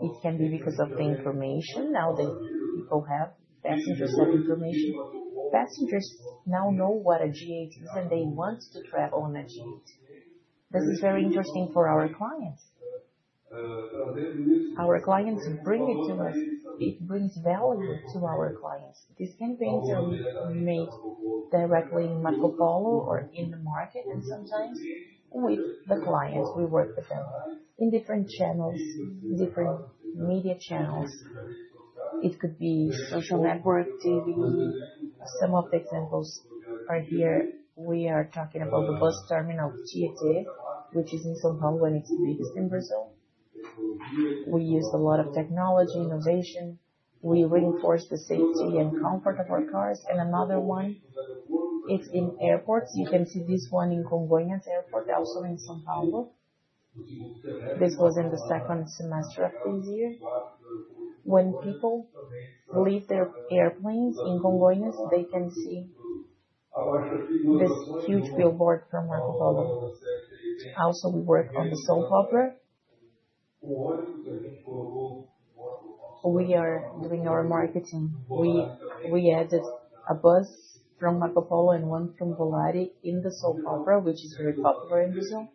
[SPEAKER 3] It can be because of the information now that people have. Passengers have information. Passengers now know what a G8 is, and they want to travel on a G8. This is very interesting for our clients. Our clients bring it to us. It brings value to our clients. These campaigns are made directly in Marcopolo or in the market, and sometimes with the clients. We work with them in different channels, different media channels. It could be social network, TV. Some of the examples are here. We are talking about the bus terminal Tietê, which is in São Paulo and it's the biggest in Brazil. We use a lot of technology, innovation. We reinforce the safety and comfort of our cars. Another one, it's in airports. You can see this one in Congonhas Airport, also in São Paulo. This was in the second semester of this year. When people leave their airplanes in Congonhas, they can see this huge billboard from Marcopolo. Also, we work on the soap opera. We are doing our marketing. We added a bus from Marcopolo and one from Volare in the soap opera, which is very popular in Brazil.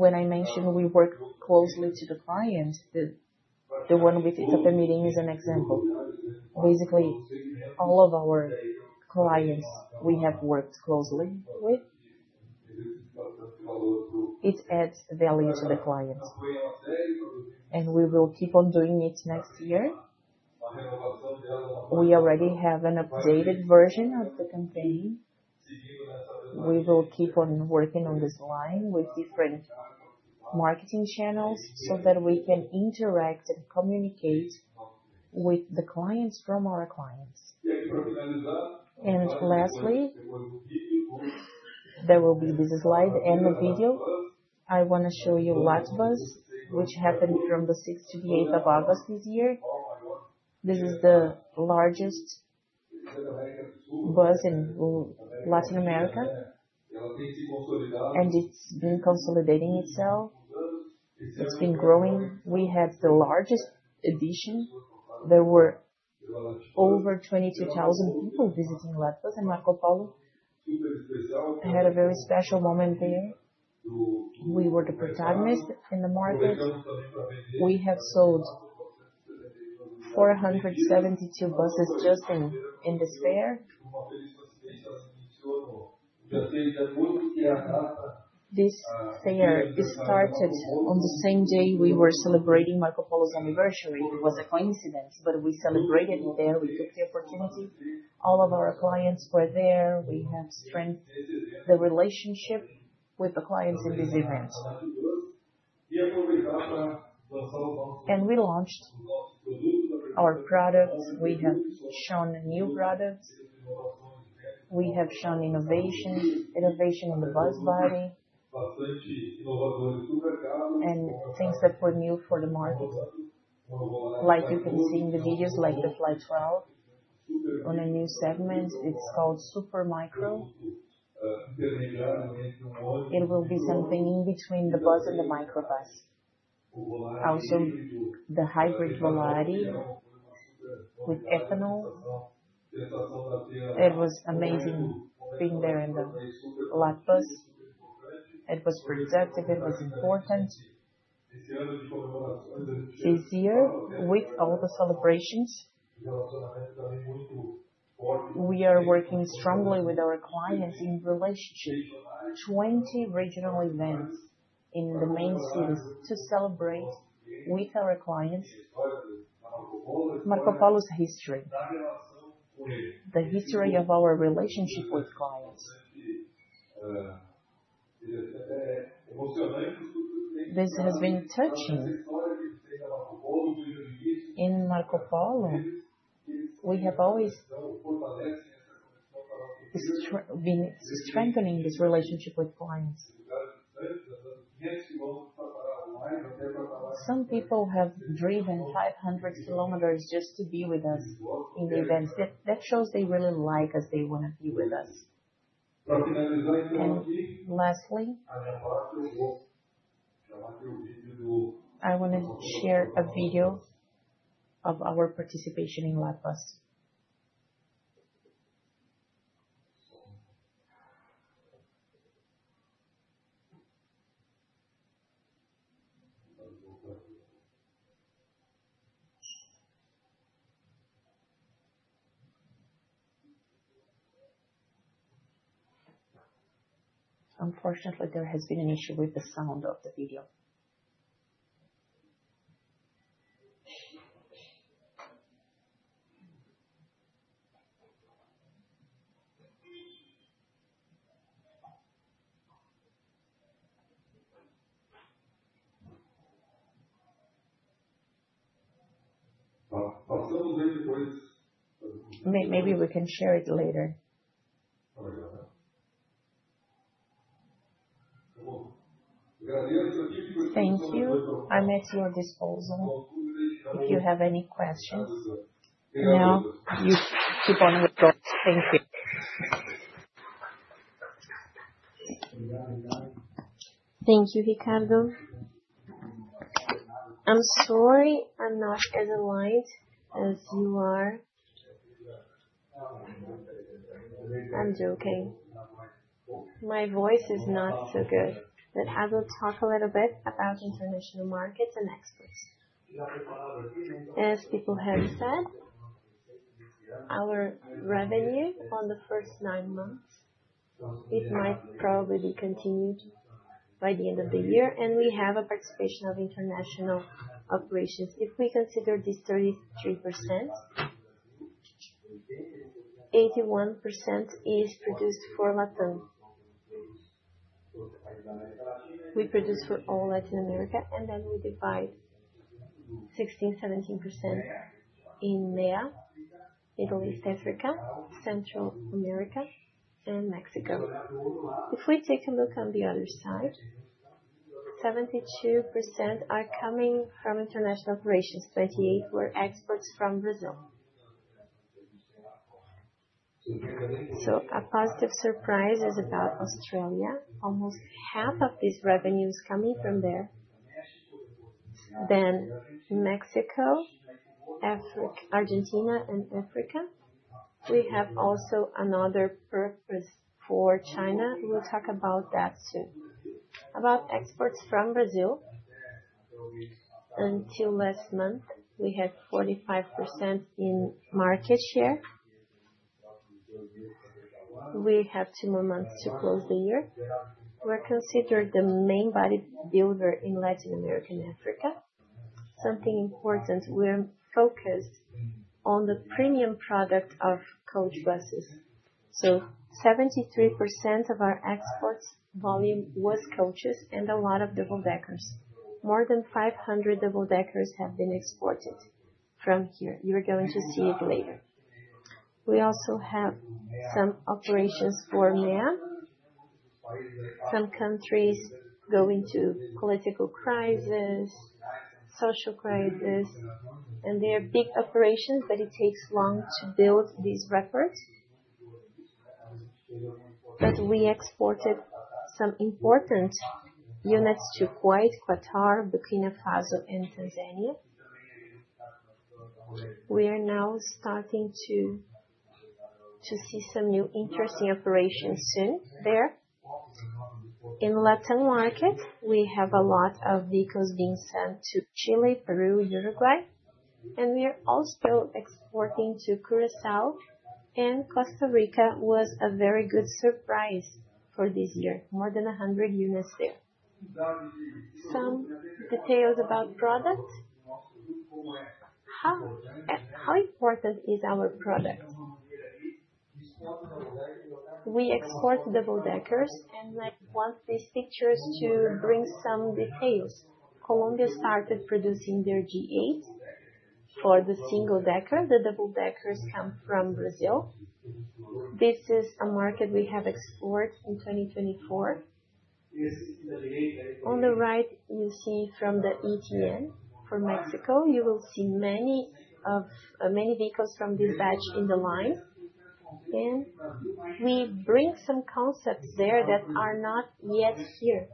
[SPEAKER 3] When I mentioned we work closely to the client, the one with Itapemirim is an example. Basically, all of our clients we have worked closely with. It adds value to the client. We will keep on doing it next year. We already have an updated version of the campaign. We will keep on working on this line with different marketing channels so that we can interact and communicate with the clients from our clients. Lastly, there will be this slide and a video. I want to show you Lat.Bus, which happened from the 6th to the 8th of August this year. This is the largest bus in Latin America, and it's been consolidating itself. It's been growing. We had the largest edition. There were over 22,000 people visiting Lat.Bus and Marcopolo. I had a very special moment there. We were the protagonists in the market. We have sold 472 buses just in this fair. This fair started on the same day we were celebrating Marcopolo's anniversary. It was a coincidence, but we celebrated it there. We took the opportunity. All of our clients were there. We have strengthened the relationship with the clients in this event. We launched our products. We have shown new products. We have shown innovation, innovation in the bus body, and things that were new for the market. Like you can see in the videos, like the Fly 12, on a new segment. It's called Super Micro. It will be something in between the bus and the microbus. Also, the hybrid Volare with ethanol. It was an amazing thing there in the Lat.Bus. It was productive. It was important. This year, with all the celebrations, we are working strongly with our clients in relationship, 20 regional events in the main cities to celebrate with our clients Marcopolo's history, the history of our relationship with clients. This has been touching in Marcopolo. We have always been strengthening this relationship with clients. Some people have driven 500 km just to be with us in the events. That shows they really like us. They want to be with us. Lastly, I want to share a video of our participation in Lat.Bus. Unfortunately, there has been an issue with the sound of the video. Maybe we can share it later. Thank you. I'm at your disposal if you have any questions. Now you keep on with. Thank you.
[SPEAKER 4] Thank you, Ricardo. I'm sorry I'm not as aligned as you are. I'm joking. My voice is not so good. I will talk a little bit about international markets and exports. As people have said, our revenue on the first nine months will probably be continued by the end of the year. We have a participation of international operations. If we consider this 33%, 81% is produced for LATAM. We produce for all Latin America, and then we divide 16%, 17% in MEA, Middle East Africa, Central America, and Mexico. If we take a look on the other side, 72% are coming from international operations. 28% were exports from Brazil. A positive surprise is about Australia. Almost half of these revenues are coming from there. Then Mexico, Argentina, and Africa. We have also another purpose for China. We'll talk about that soon. About exports from Brazil, until last month, we had 45% in market share. We have two more months to close the year. We're considered the main body builder in Latin America and Africa. Something important, we're focused on the premium product of coach buses. 73% of our exports volume was coaches and a lot of double-deckers. More than 500 double-deckers have been exported from here. You're going to see it later. We also have some operations for MEA. Some countries go into political crisis, social crisis. They are big operations, but it takes long to build these records. We exported some important units to Kuwait, Qatar, Burkina Faso, and Tanzania. We are now starting to see some new interesting operations soon there. In the LATAM market, we have a lot of vehicles being sent to Chile, Peru, Uruguay. We are also exporting to Curaçao and Costa Rica. It was a very good surprise for this year. More than 100 units there. Some details about product. How important is our product? We export double-deckers. I want these pictures to bring some details. Colombia started producing their G8 for the single-decker. The double-deckers come from Brazil. This is a market we have exported in 2024. On the right, you see from the ETN for Mexico. You will see many vehicles from this batch in the line. We bring some concepts there that are not yet here.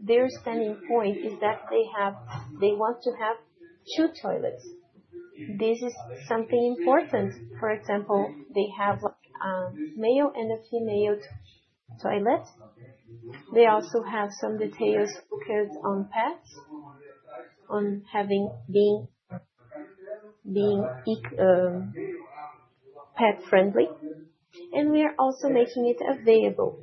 [SPEAKER 4] Their standing point is that they want to have two toilets. This is something important. For example, they have a male and a female toilet. They also have some details on pets, on being pet-friendly. We are also making it available.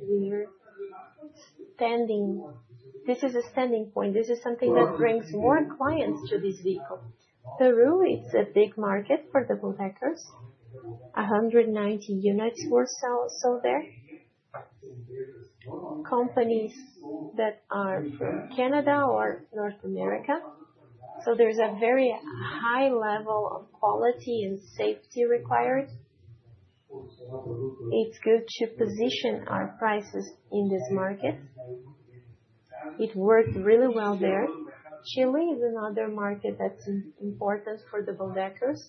[SPEAKER 4] This is a standing point. This is something that brings more clients to this vehicle. Peru, it's a big market for double-deckers. 190 units were sold there. Companies that are from Canada or North America. There's a very high level of quality and safety required. It's good to position our prices in this market. It worked really well there. Chile is another market that's important for double-deckers.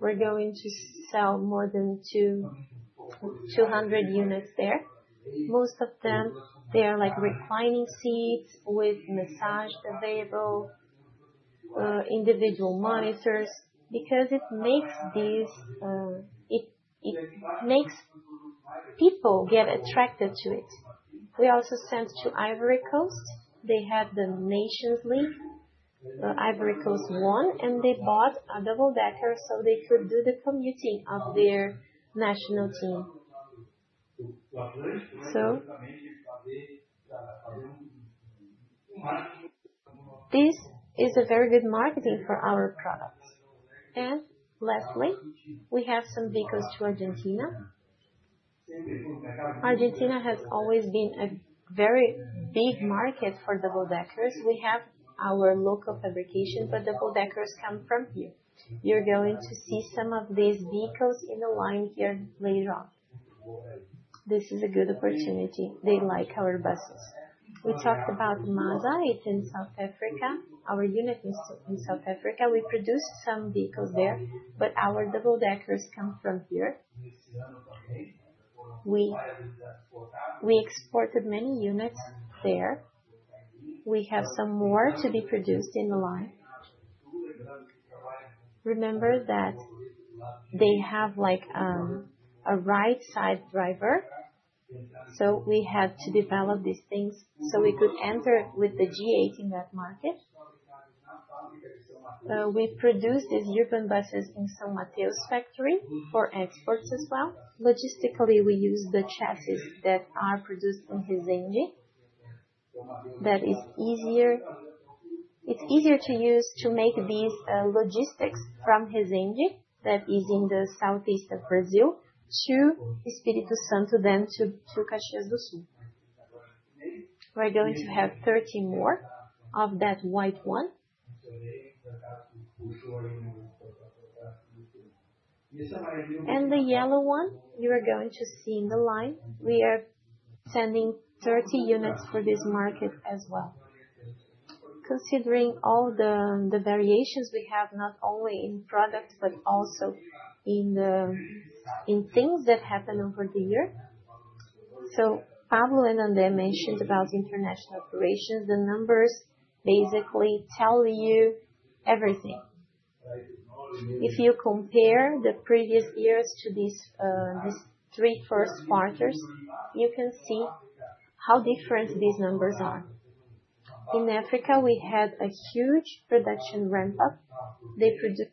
[SPEAKER 4] We're going to sell more than 200 units there. Most of them, they are reclining seats with massage available, individual monitors. Because it makes people get attracted to it. We also sent to Ivory Coast. They had the Nations League. Ivory Coast won, and they bought a double-decker they could do the commuting of their national team. This is very good marketing for our product. And lastly, we have some vehicles to Argentina. Argentina has always been a very big market for double-deckers. We have our local fabrication, but double-deckers come from here. You're going to see some of these vehicles in the line here later on. This is a good opportunity. They like our buses. We talked about MASA. It's in South Africa. Our unit is in South Africa. We produced some vehicles there, but our double-deckers come from here. We exported many units there. We have some more to be produced in the line. Remember that they have a right-side driver. We had to develop these things so we could enter with the G8 in that market. We produced these urban buses in São Mateus factory for exports as well. Logistically, we use the chassis that are produced in Resende. That is easier. It's easier to use to make these logistics from Resende, that is in the southeast of Brazil, to Espírito Santo, then to Caxias do Sul. We're going to have 30 more of that white one. The yellow one you are going to see in the line. We are sending 30 units for this market as well. Considering all the variations we have, not only in product, but also in things that happen over the year. Pablo and André mentioned about international operations. The numbers basically tell you everything. If you compare the previous years to these three first quarters, you can see how different these numbers are. In Africa, we had a huge production ramp-up. They produced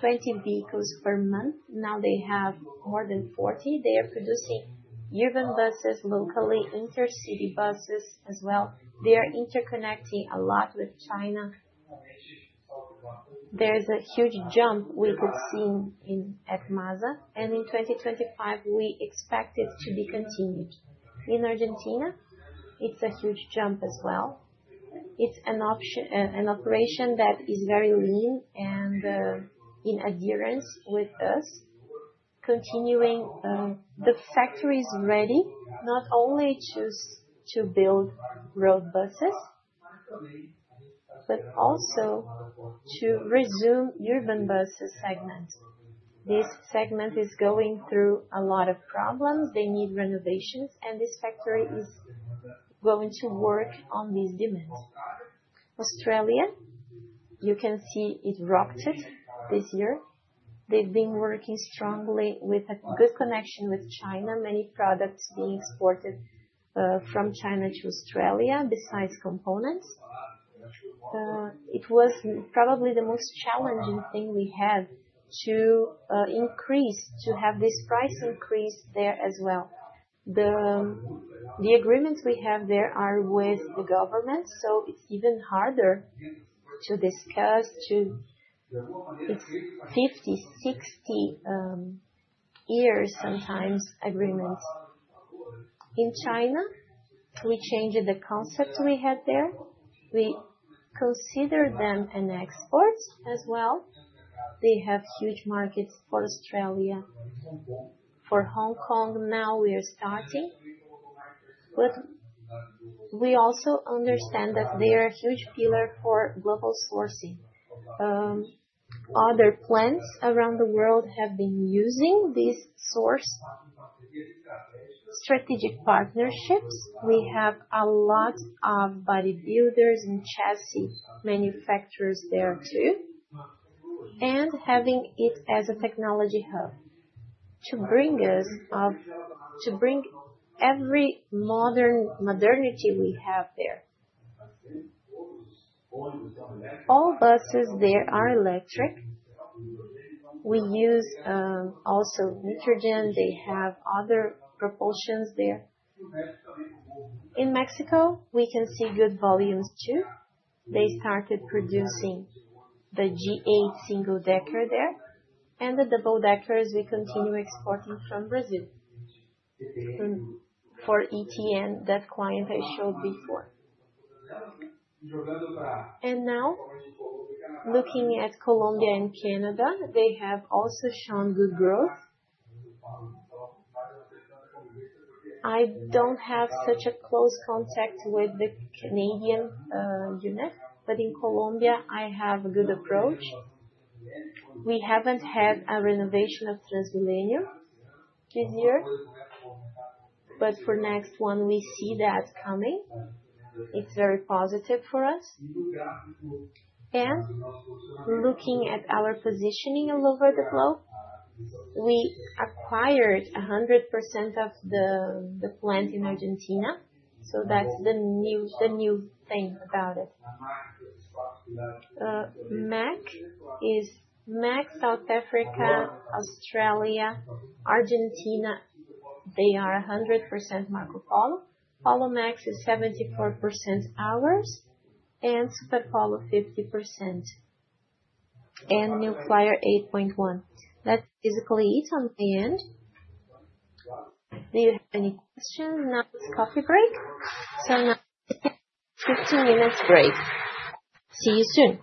[SPEAKER 4] 20 vehicles per month. Now they have more than 40. They are producing urban buses locally, intercity buses as well. They are interconnecting a lot with China. There's a huge jump we could see at MASA. In 2025, we expect it to be continued. In Argentina, it's a huge jump as well. It's an operation that is very lean and in adherence with us. Continuing. The factory is ready not only to build road buses, but also to resume urban buses segment. This segment is going through a lot of problems. They need renovations. This factory is going to work on these demands. Australia, you can see it rocked this year. They've been working strongly with a good connection with China. Many products being exported from China to Australia, besides components. It was probably the most challenging thing we had to increase, to have this price increase there as well. The agreements we have there are with the government, so it's even harder to discuss. It's 50, 60 years sometimes agreements. In China, we changed the concept we had there. We consider them an export as well. They have huge markets for Australia, for Hong Kong. Now we are starting. We also understand that they are a huge pillar for global sourcing. Other plants around the world have been using this source. Strategic partnerships. We have a lot of bodybuilders and chassis manufacturers there too. Having it as a technology hub to bring us every modernity we have there. All buses there are electric. We use also nitrogen. They have other propulsions there. In Mexico, we can see good volumes too. They started producing the G8 single-decker there. The double-deckers, we continue exporting from Brazil for ETN, that client I showed before. Now, looking at Colombia and Canada, they have also shown good growth. I don't have such a close contact with the Canadian unit, but in Colombia, I have a good approach. We haven't had a renovation of TransMilenio this year, but for next one, we see that coming. It's very positive for us. Looking at our positioning all over the globe, we acquired 100% of the plant in Argentina. So that's the new thing about it. MAC is MAC, South Africa, Australia, Argentina. They are 100% Marcopolo. Polomex is 74% ours. Superpolo, 50%. New Flyer 8.1%. That's physically it on the end. Do you have any questions? Now it's coffee break. So now, 15 minutes break. See you soon.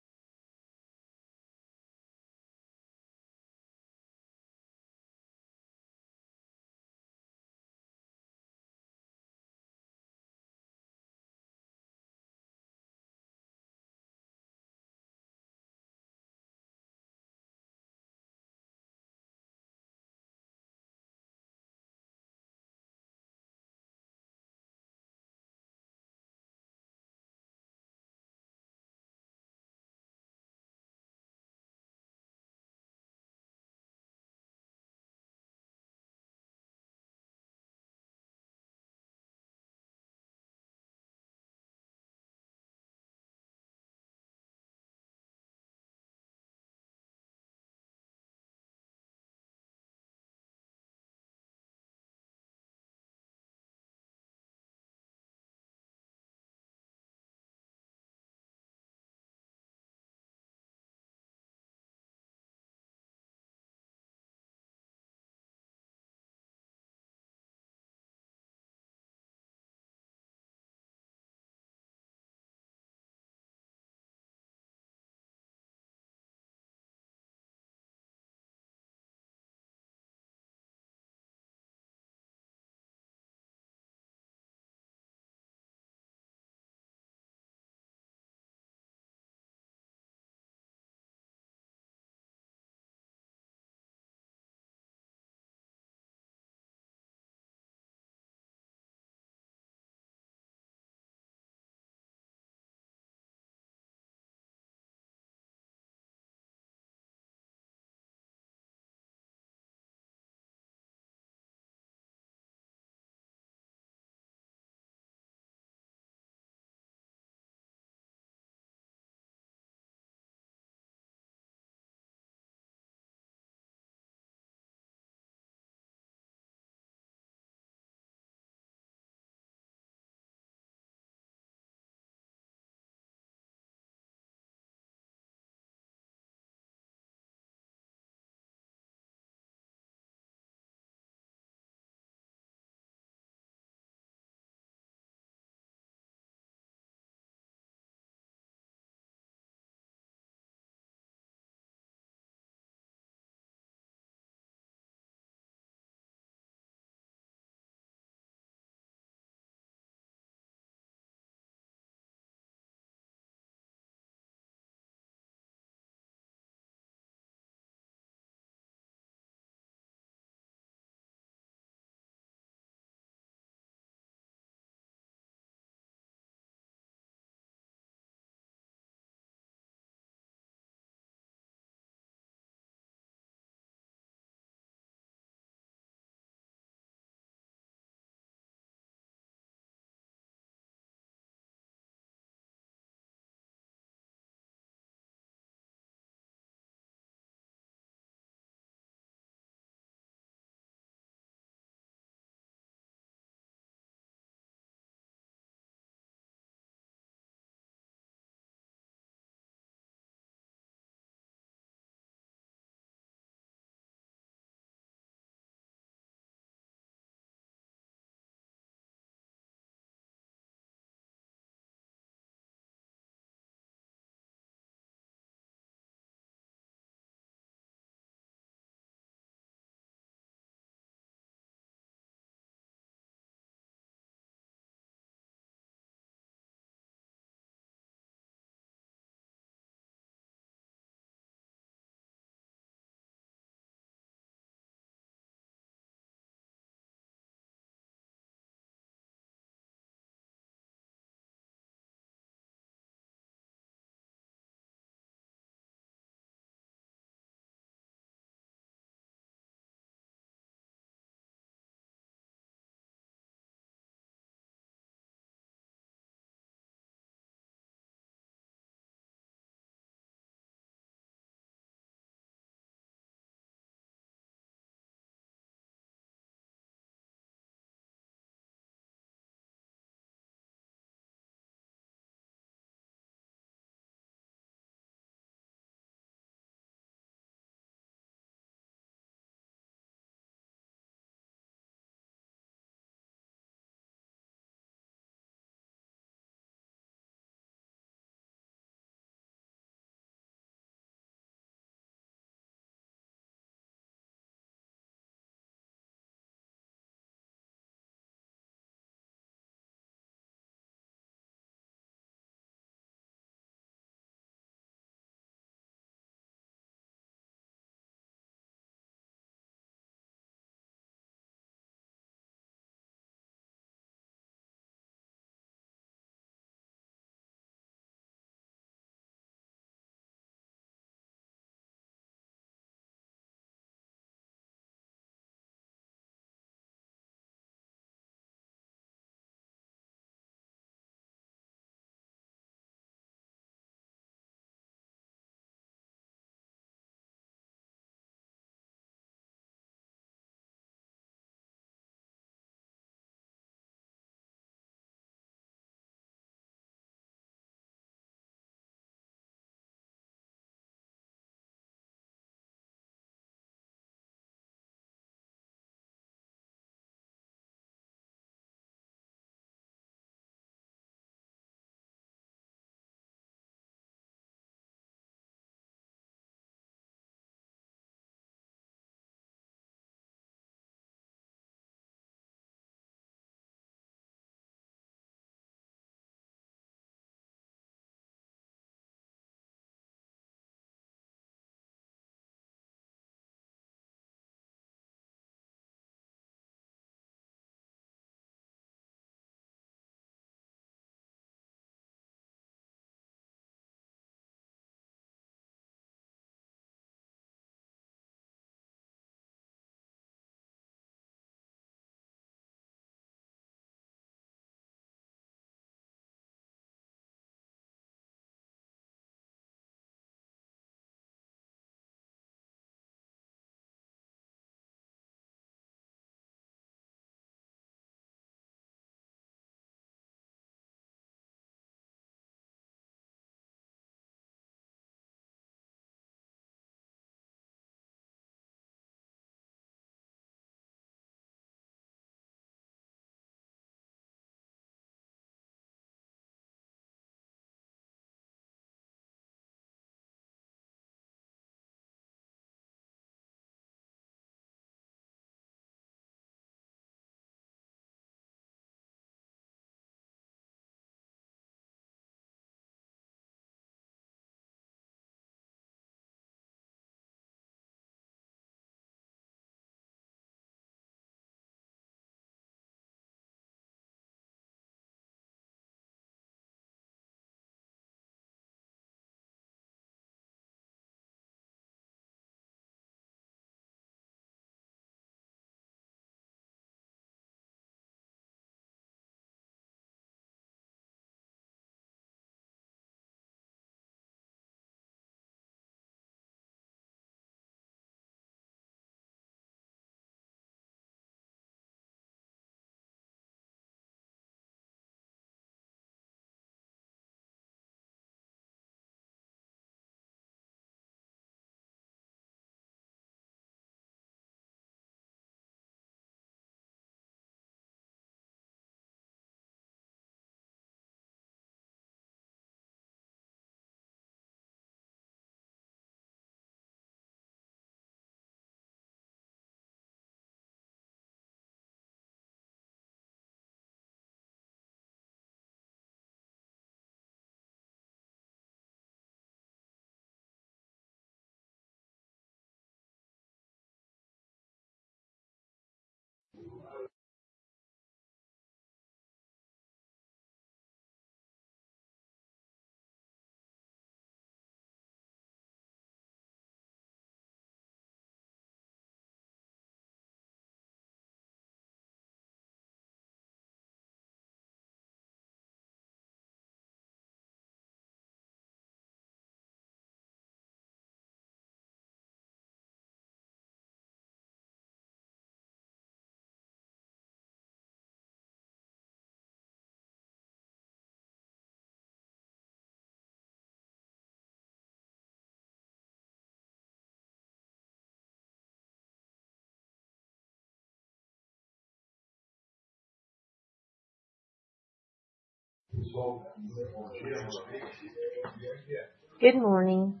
[SPEAKER 5] Good morning.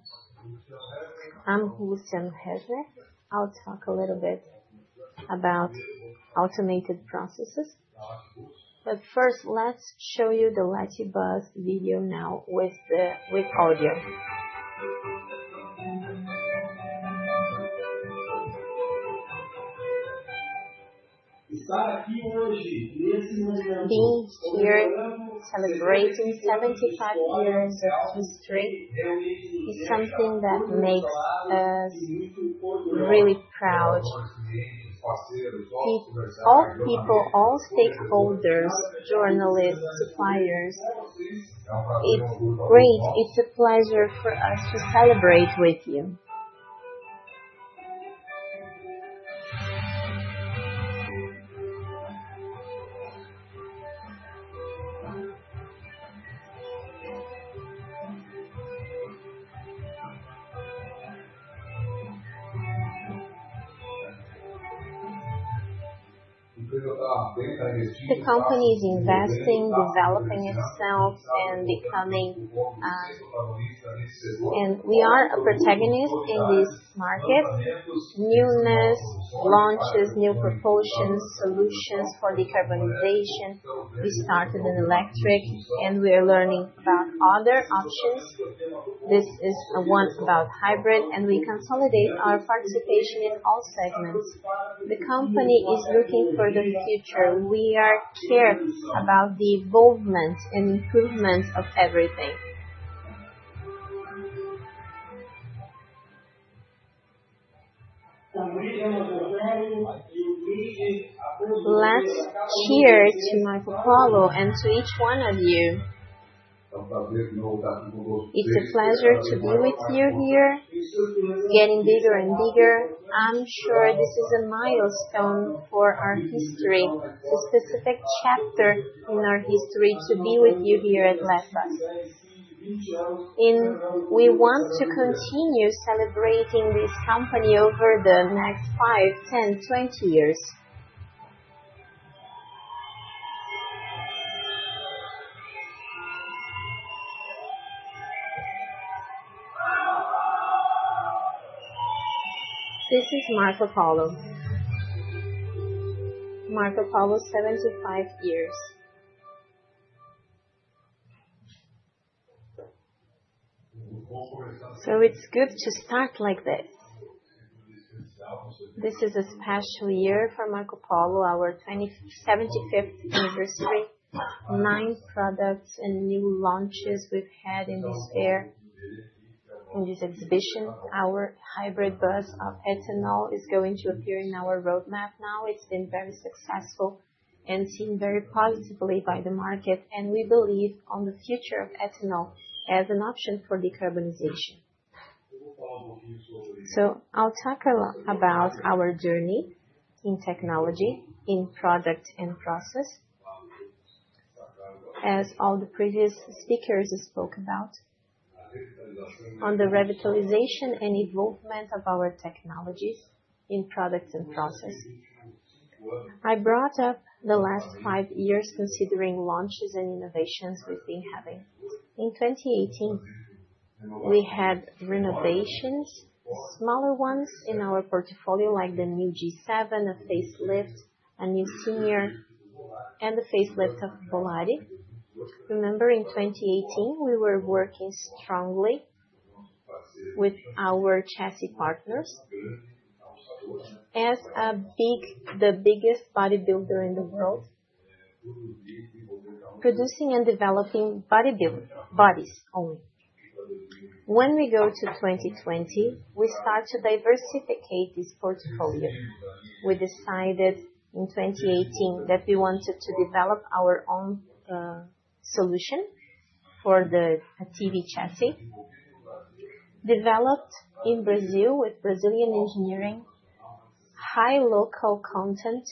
[SPEAKER 5] I'm Luciano Resner. I'll talk a little bit about automated processes. First, let's show you the Lat.Bus video now with the audio. Estar aqui hoje, nesse momento, celebrating 75 years of history is something that makes us really proud. All people, all stakeholders, journalists, suppliers—it's great, it's a pleasure for us to celebrate with you. The company is investing, developing itself, and becoming a—we are a protagonist in this market. Newness launches new proportions, solutions for decarbonization. We started an electric, and we are learning about other options. This is one about hybrid, and we consolidate our participation in all segments. The company is looking for the future. We are here about the evolvement and improvement of everything. Let's cheer to Marcopolo and to each one of you. It's a pleasure to be with you here, getting bigger and bigger. I'm sure this is a milestone for our history, a specific chapter in our history to be with you here at Lat.Bus. We want to continue celebrating this company over the next 5, 10, 20 years. This is Marcopolo. Marcopolo, 75 years. It's good to start like this. This is a special year for Marcopolo, our 75th anniversary. Nine products and new launches we've had in this fair, in this exhibition. Our hybrid bus of ethanol is going to appear in our roadmap now. It's been very successful and seen very positively by the market, and we believe in the future of ethanol as an option for decarbonization. So I'll talk about our journey in technology, in product and process, as all the previous speakers spoke about, on the revitalization and evolvement of our technologies in product and process. I brought up the last five years considering launches and innovations we've been having. In 2018, we had renovations, smaller ones in our portfolio, like the new G7, a facelift, a new Senior, and the facelift of Volare. Remember, in 2018, we were working strongly with our chassis partners as the biggest bodybuilder in the world, producing and developing bodies only. When we go to 2020, we start to diversify this portfolio. We decided in 2018 that we wanted to develop our own solution for the EV chassis, developed in Brazil with Brazilian engineering, high local content,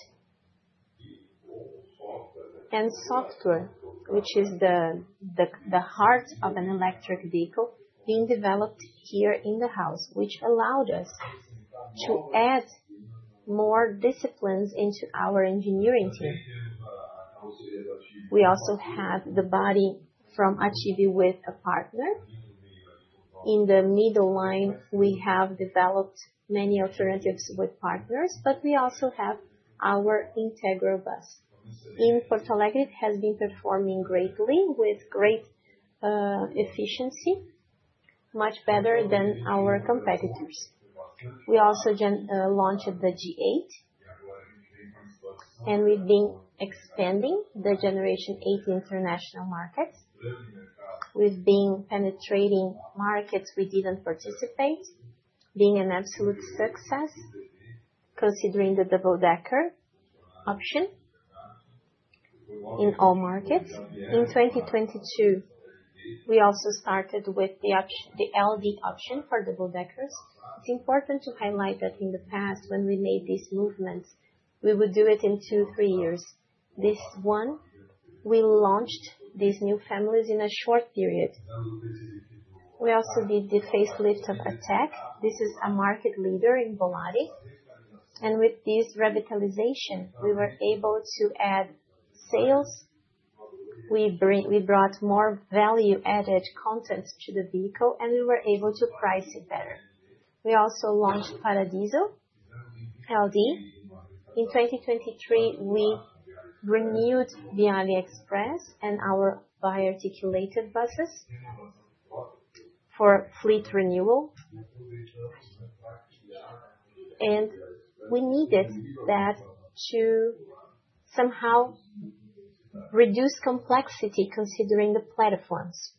[SPEAKER 5] and software, which is the heart of an electric vehicle, being developed here in the house, which allowed us to add more disciplines into our engineering team. We also had the body from EV with a partner. In the middle line, we have developed many alternatives with partners, but we also have our integral bus. In Porto Alegre, it has been performing greatly with great efficiency, much better than our competitors. We also launched the G8, and we've been expanding the Generation 8 to international markets. We've been penetrating markets we didn't participate in, being an absolute success considering the double-decker option in all markets. In 2022, we also started with the LD option for double-deckers. It's important to highlight that in the past, when we made these movements, we would do it in two, three years. This one, we launched these new families in a short period. We also did the facelift of Attack. This is a market leader in Volare. With this revitalization, we were able to add sales. We brought more value-added content to the vehicle, and we were able to price it better. We also launched Paradiso LD. In 2023, we renewed the Attivi Express and our bi-articulated buses for fleet renewal. We needed that to somehow reduce complexity considering the platforms.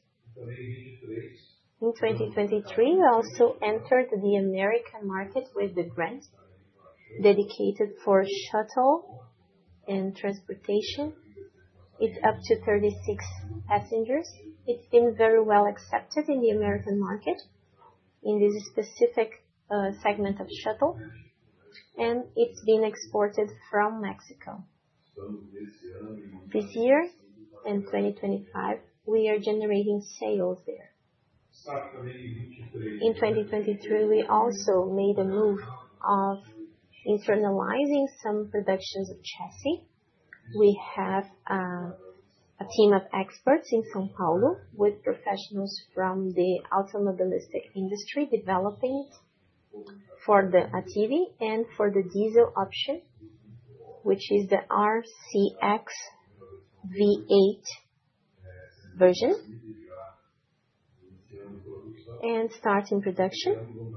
[SPEAKER 5] In 2023, we also entered the American market with the grant dedicated for shuttle and transportation. It's up to 36 passengers. It's been very well accepted in the American market in this specific segment of shuttle, and it's been exported from Mexico. This year and 2025, we are generating sales there. In 2023, we also made a move of internalizing some productions of chassis. We have a team of experts in São Paulo with professionals from the automotive industry developing for the Attivi and for the diesel option, which is the RCX V8 version, and starting production.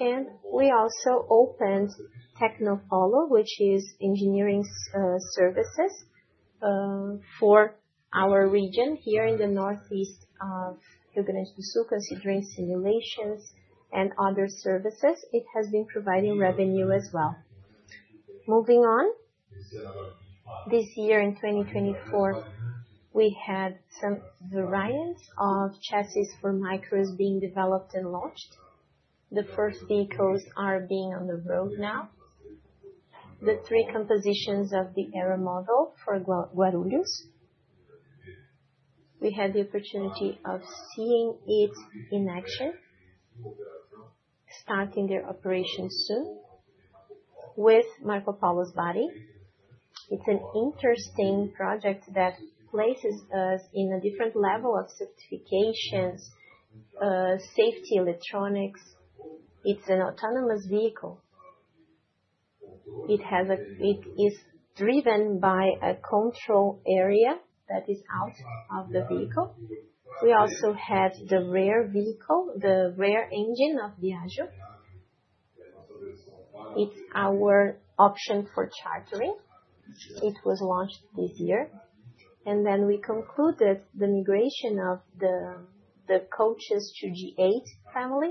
[SPEAKER 5] We also opened Tecnopolo, which is engineering services for our region here in the northeast of Rio Grande do Sul, considering simulations and other services. It has been providing revenue as well. Moving on, this year in 2024, we had some variants of chassis for micros being developed and launched. The first vehicles are being on the road now. The three compositions of the Aeromóvel for Guarulhos. We had the opportunity of seeing it in action, starting their operation soon with Marcopolo's body. It's an interesting project that places us in a different level of certifications, safety electronics. It's an autonomous vehicle. It is driven by a control area that is out of the vehicle. We also have the rear vehicle, the rear engine of Viaggio. It's our option for chartering. It was launched this year. We concluded the migration of the coaches to G8 family.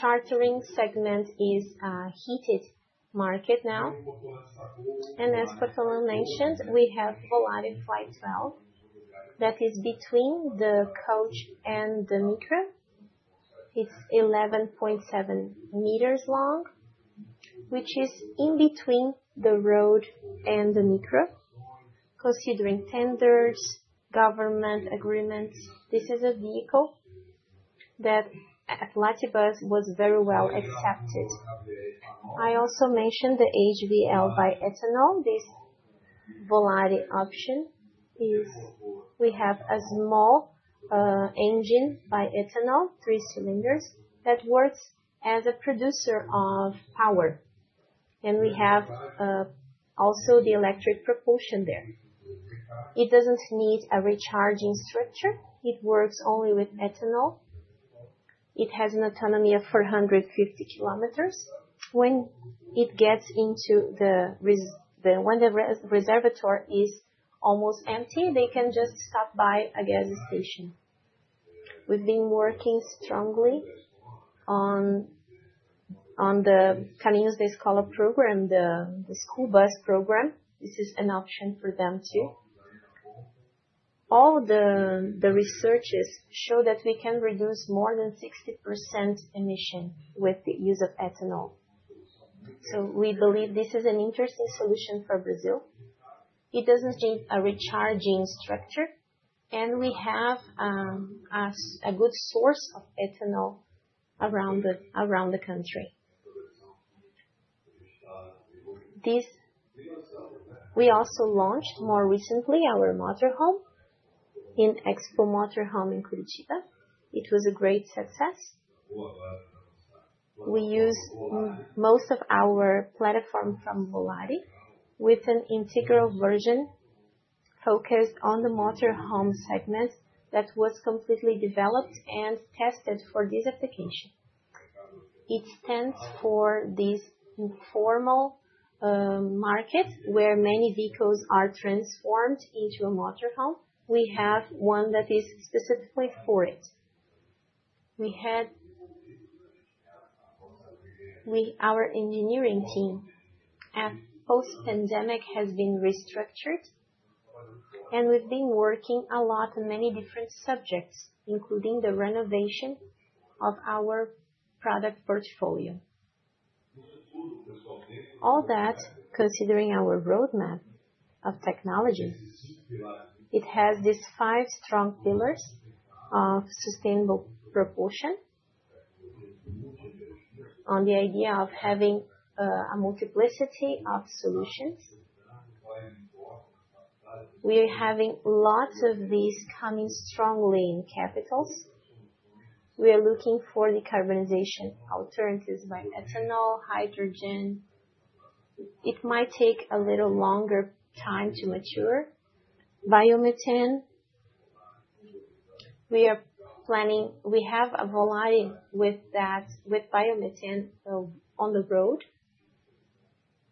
[SPEAKER 5] Chartering segment is a heated market now. As Portolan mentioned, we have Volare Fly 12 that is between the coach and the micro. It's 11.7 meters long, which is in between the road and the micro, considering tenders, government agreements. This is a vehicle that at Lat.Bus was very well accepted. I also mentioned the HVL by ethanol. This Volare option is we have a small engine by ethanol, three cylinders that works as a producer of power. We have also the electric propulsion there. It doesn't need a recharging structure. It works only with ethanol. It has an autonomy of 450 km. When it gets into the when the reservoir is almost empty, they can just stop by a gas station. We've been working strongly on the Caminhos da Escola program, the school bus program. This is an option for them too. All the researches show that we can reduce more than 60% emission with the use of ethanol. We believe this is an interesting solution for Brazil. It doesn't need a recharging structure, and we have a good source of ethanol around the country. We also launched more recently our motorhome in Expo Motorhome in Curitiba. It was a great success. We used most of our platform from Volare with an integral version focused on the motorhome segment that was completely developed and tested for this application. It stands for this formal market where many vehicles are transformed into a motorhome. We have one that is specifically for it. Our engineering team has been restructured, and we've been working a lot on many different subjects, including the renovation of our product portfolio. All that, considering our roadmap of technology, it has these five strong pillars of sustainable propulsion on the idea of having a multiplicity of solutions. We are having lots of these coming strongly in capitals. We are looking for decarbonization alternatives by ethanol, hydrogen. It might take a little longer time to mature. Biomethane, we have a Volare with biomethane on the road.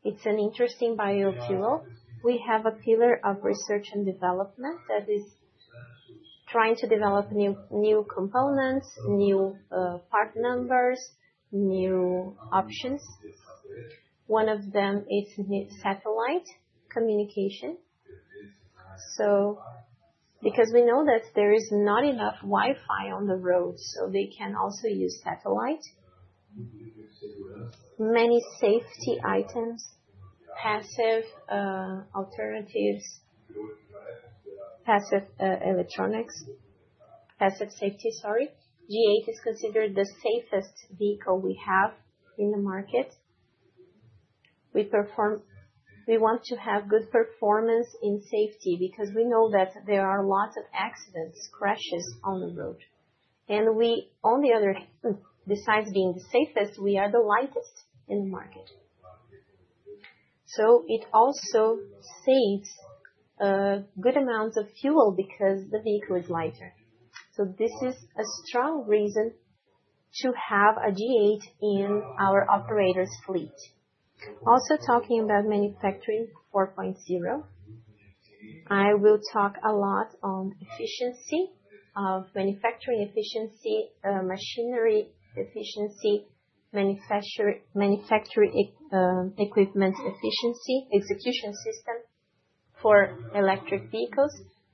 [SPEAKER 5] It's an interesting biopillar. We have a pillar of research and development that is trying to develop new components, new part numbers, new options. One of them is satellite communication. Because we know that there is not enough Wi-Fi on the road, they can also use satellite. Many safety items, passive alternatives, passive electronics, passive safety. G8 is considered the safest vehicle we have in the market. We want to have good performance in safety because we know that there are lots of accidents, crashes on the road. On the other hand, besides being the safest, we are the lightest in the market. It also saves good amounts of fuel because the vehicle is lighter. This is a strong reason to have a G8 in our operator's fleet. Also talking about manufacturing 4.0, I will talk a lot on efficiency of manufacturing efficiency, machinery efficiency, manufacturing equipment efficiency, execution system for electric vehicles,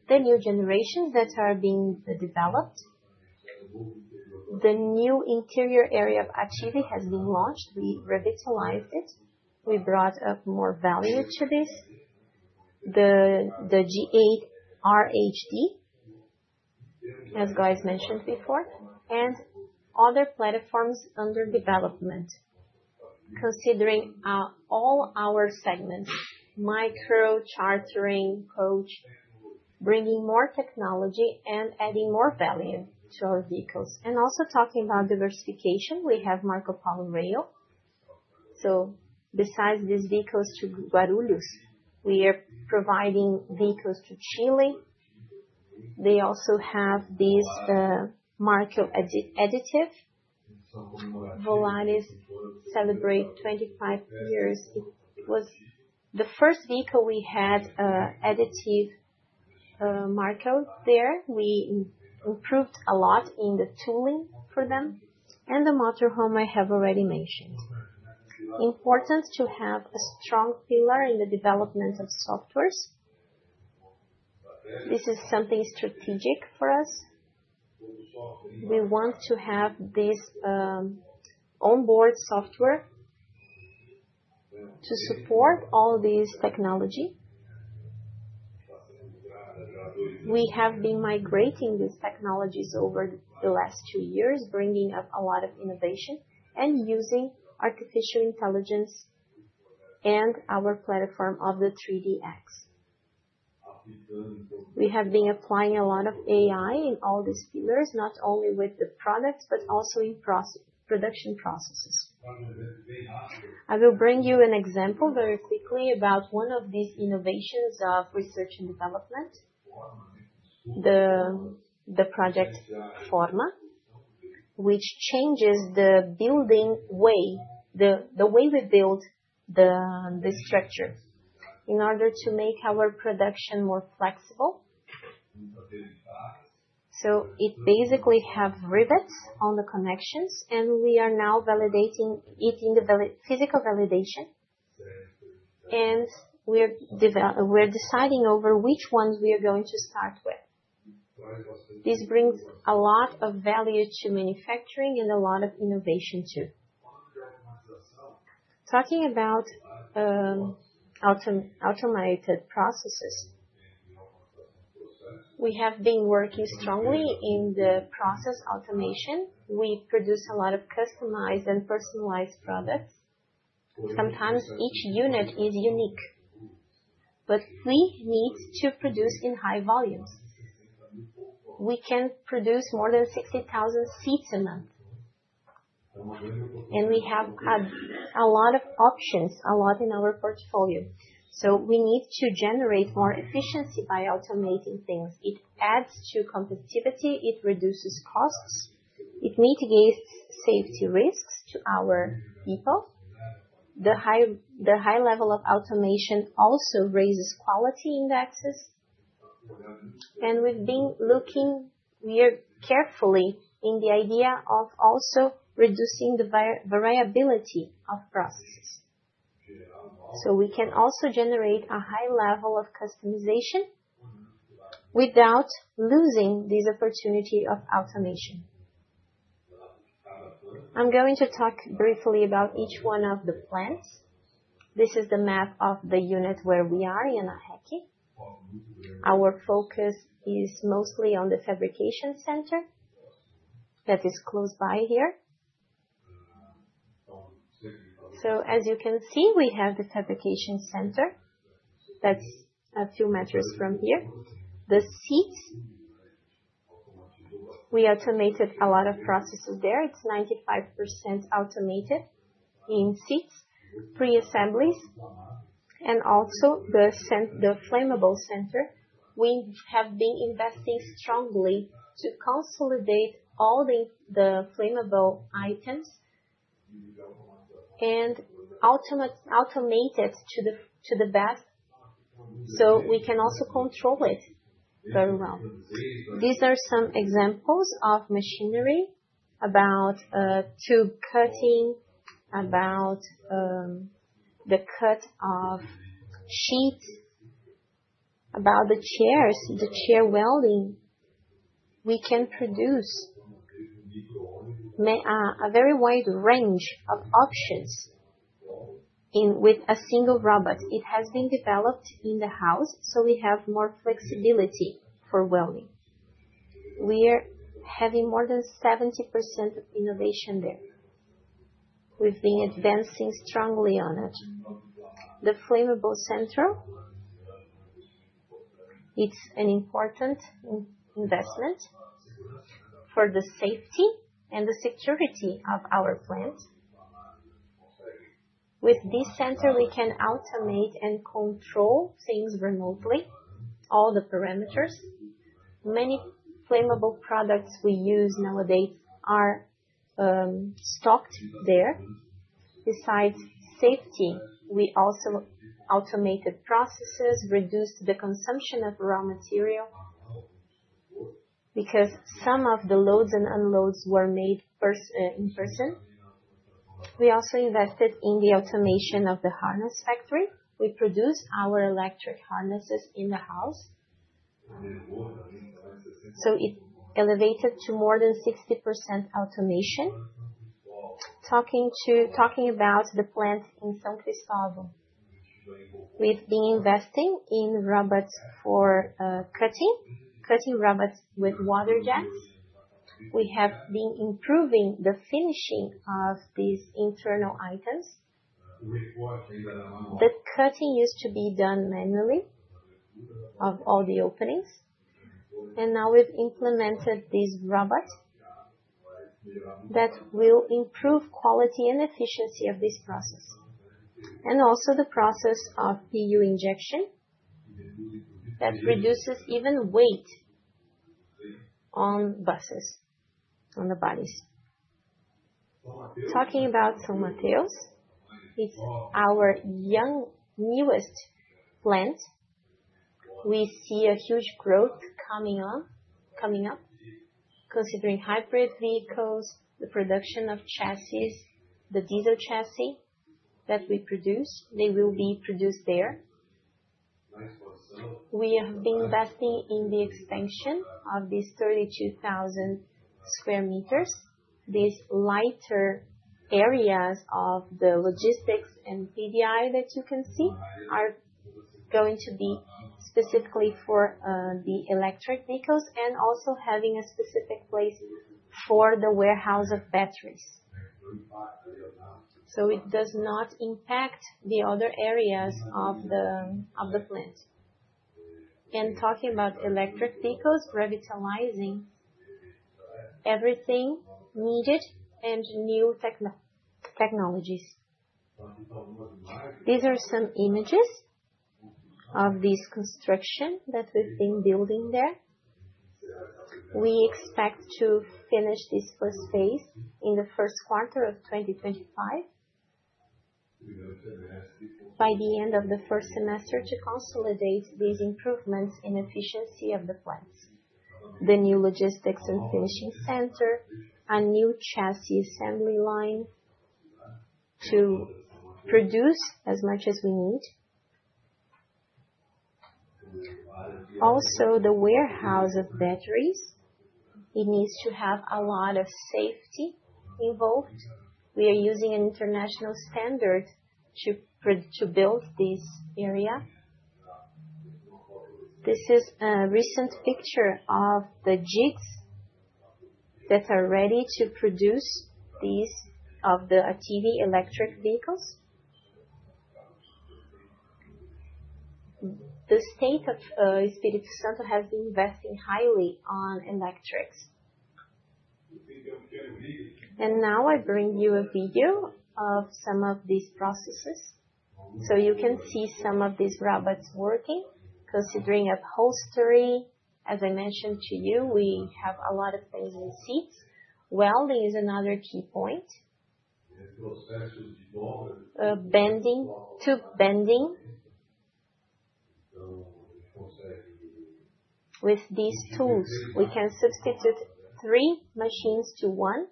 [SPEAKER 5] the new generations that are being developed. The new interior area of Attivi has been launched. We revitalized it. We brought up more value to this. The G8 RHD, as guys mentioned before, and other platforms under development, considering all our segments, micro, chartering, coach, bringing more technology and adding more value to our vehicles. Also talking about diversification, we have Marcopolo Rail. Besides these vehicles to Guarulhos, we are providing vehicles to Chile. They also have this Marco additive. Volare celebrates 25 years. It was the first vehicle we had additive Marco there. We improved a lot in the tooling for them. The motorhome I have already mentioned. Important to have a strong pillar in the development of software. This is something strategic for us. We want to have this onboard software to support all this technology. We have been migrating these technologies over the last two years, bringing up a lot of innovation and using artificial intelligence and our platform of the 3DX. We have been applying a lot of AI in all these pillars, not only with the products, but also in production processes. I will bring you an example very quickly about one of these innovations of research and development, the project FORMA, which changes the building way, the way we build the structure in order to make our production more flexible. It basically has rivets on the connections, and we are now validating it in the physical validation, and we're deciding over which ones we are going to start with. This brings a lot of value to manufacturing and a lot of innovation too. Talking about automated processes, we have been working strongly in the process automation. We produce a lot of customized and personalized products. Sometimes each unit is unique, but we need to produce in high volumes. We can produce more than 60,000 seats a month, and we have a lot of options, a lot in our portfolio. So we need to generate more efficiency by automating things. It adds to competitivity. It reduces costs. It mitigates safety risks to our people. The high level of automation also raises quality indexes. We've been looking here carefully in the idea of also reducing the variability of processes. So we can also generate a high level of customization without losing this opportunity of automation. I'm going to talk briefly about each one of the plants. This is the map of the unit where we are in Ana Rech. Our focus is mostly on the fabrication center that is close by here. As you can see, we have the fabrication center that's a few meters from here. The seats, we automated a lot of processes there. It's 95% automated in seats, pre-assemblies, and also the Flammables Center. We have been investing strongly to consolidate all the flammable items and automate it to the best so we can also control it very well. These are some examples of machinery about tube cutting, about the cut of sheets, about the chairs, the chair welding. We can produce a very wide range of options with a single robot. It has been developed in the house, so we have more flexibility for welding. We are having more than 70% of innovation there. We've been advancing strongly on it. The Flammables Center is an important investment for the safety and security of our plant. With this center, we can automate and control things remotely, all the parameters. Many flammable products we use nowadays are stocked there. Besides safety, we also automated processes, reduced the consumption of raw material because some of the loads and unloads were made in person. We also invested in the automation of the harness factory. We produce our electric harnesses in house. So it elevated to more than 60% automation. Talking about the plant in São Cristóvão, we've been investing in robots for cutting, cutting robots with water jets. We have been improving the finishing of these internal items. The cutting used to be done manually of all the openings. Now we've implemented this robot that will improve quality and efficiency of this process. Also, the process of PU injection reduces even weight on buses, on the bodies. Talking about São Mateus, it's our newest plant. We see huge growth coming up, considering hybrid vehicles, the production of chassis, the diesel chassis that we produce. They will be produced there. We have been investing in the expansion of these 32,000 sq m. These lighter areas of the logistics and PDI that you can see are going to be specifically for the electric vehicles and also having a specific place for the warehouse of batteries so it does not impact the other areas of the plant. Talking about electric vehicles, revitalizing everything needed and new technologies. These are some images of this construction that we've been building there. We expect to finish this first phase in the first quarter of 2025, by the end of the first semester, to consolidate these improvements in efficiency of the plants, the new logistics and finishing center, a new chassis assembly line to produce as much as we need. Also, the warehouse of batteries needs to have a lot of safety involved. We are using an international standard to build this area. This is a recent picture of the jigs that are ready to produce these Attivi electric vehicles. The state of Espírito Santo has been investing highly on electrics. Now I bring you a video of some of these processes so you can see some of these robots working, considering upholstery. As I mentioned to you, we have a lot of things in seats. Welding is another key point. Bending, tube bending. With these tools, we can substitute three machines to one.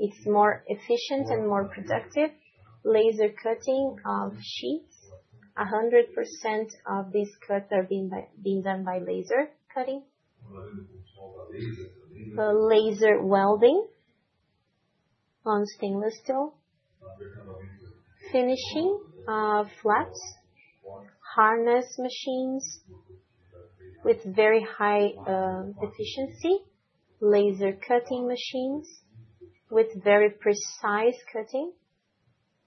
[SPEAKER 5] It's more efficient and more productive. Laser cutting of sheets, 100% of these cuts are being done by laser cutting. Laser welding on stainless steel. Finishing flaps, harness machines with very high efficiency, laser cutting machines with very precise cutting.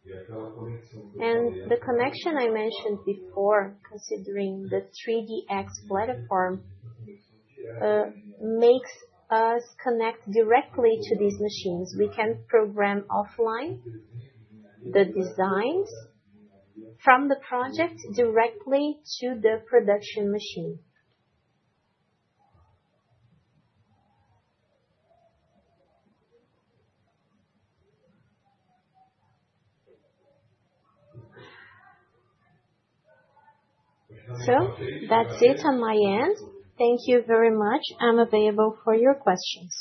[SPEAKER 5] The connection I mentioned before, considering the 3DX platform, makes us connect directly to these machines. We can program offline the designs from the project directly to the production machine. So that's it on my end. Thank you very much. I'm available for your questions.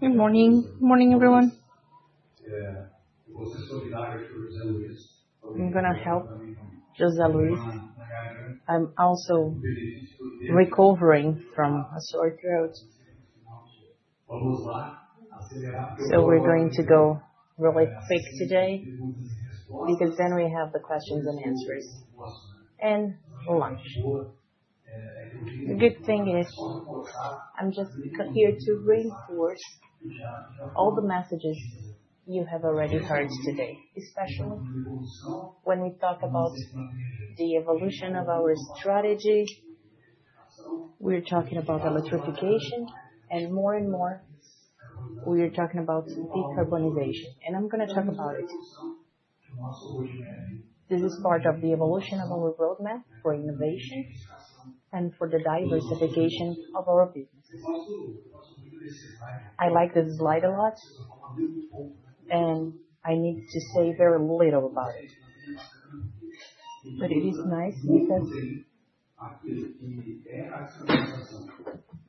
[SPEAKER 6] Good morning. Good morning, everyone. I'm going to help José Luis. I'm also recovering from a sore throat. So we're going to go really quick today because then we have the questions and answers and lunch. The good thing is I'm just here to reinforce all the messages you have already heard today, especially when we talk about the evolution of our strategy. We're talking about electrification, and more and more, we are talking about decarbonization. I'm going to talk about it. This is part of the evolution of our roadmap for innovation and for the diversification of our businesses. I like this slide a lot, and I need to say very little about it. It is nice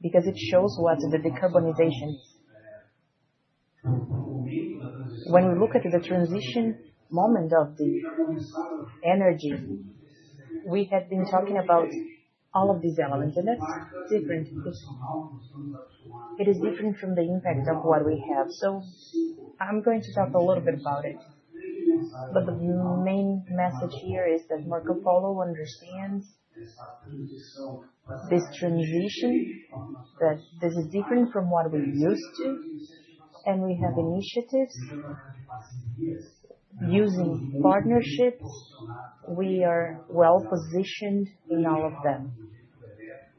[SPEAKER 6] because it shows what the decarbonization is. When we look at the transition moment of the energy, we had been talking about all of these elements, and that's different. It is different from the impact of what we have. I'm going to talk a little bit about it. The main message here is that Marcopolo understands this transition, that this is different from what we're used to, and we have initiatives using partnerships. We are well-positioned in all of them.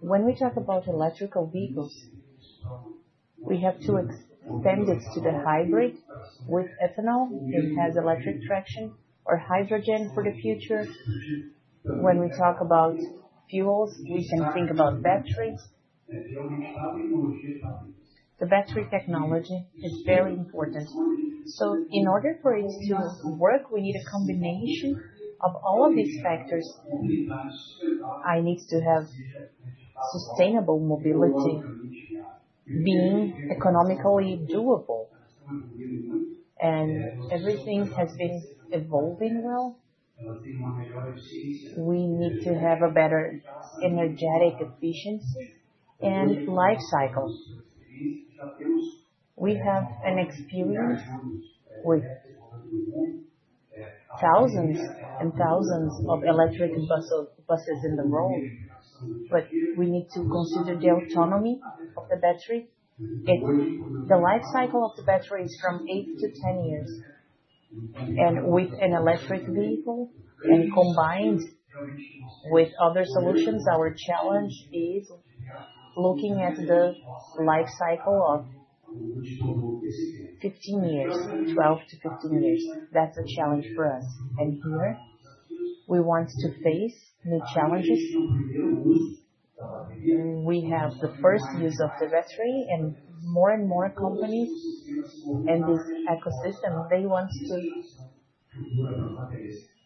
[SPEAKER 6] When we talk about electrical vehicles, we have to extend it to the hybrid with ethanol. It has electric traction or hydrogen for the future. When we talk about fuels, we can think about batteries. The battery technology is very important. In order for it to work, we need a combination of all of these factors. I need to have sustainable mobility being economically doable. Everything has been evolving well. We need to have better energetic efficiency and life cycle. We have an experience with thousands and thousands of electric buses in the world, but we need to consider the autonomy of the battery. The life cycle of the battery is from eight to 10 years. With an electric vehicle and combined with other solutions, our challenge is looking at the life cycle of 15 years, 12-15 years. That's a challenge for us. Here, we want to face new challenges. We have the first use of the battery, and more and more companies in this ecosystem want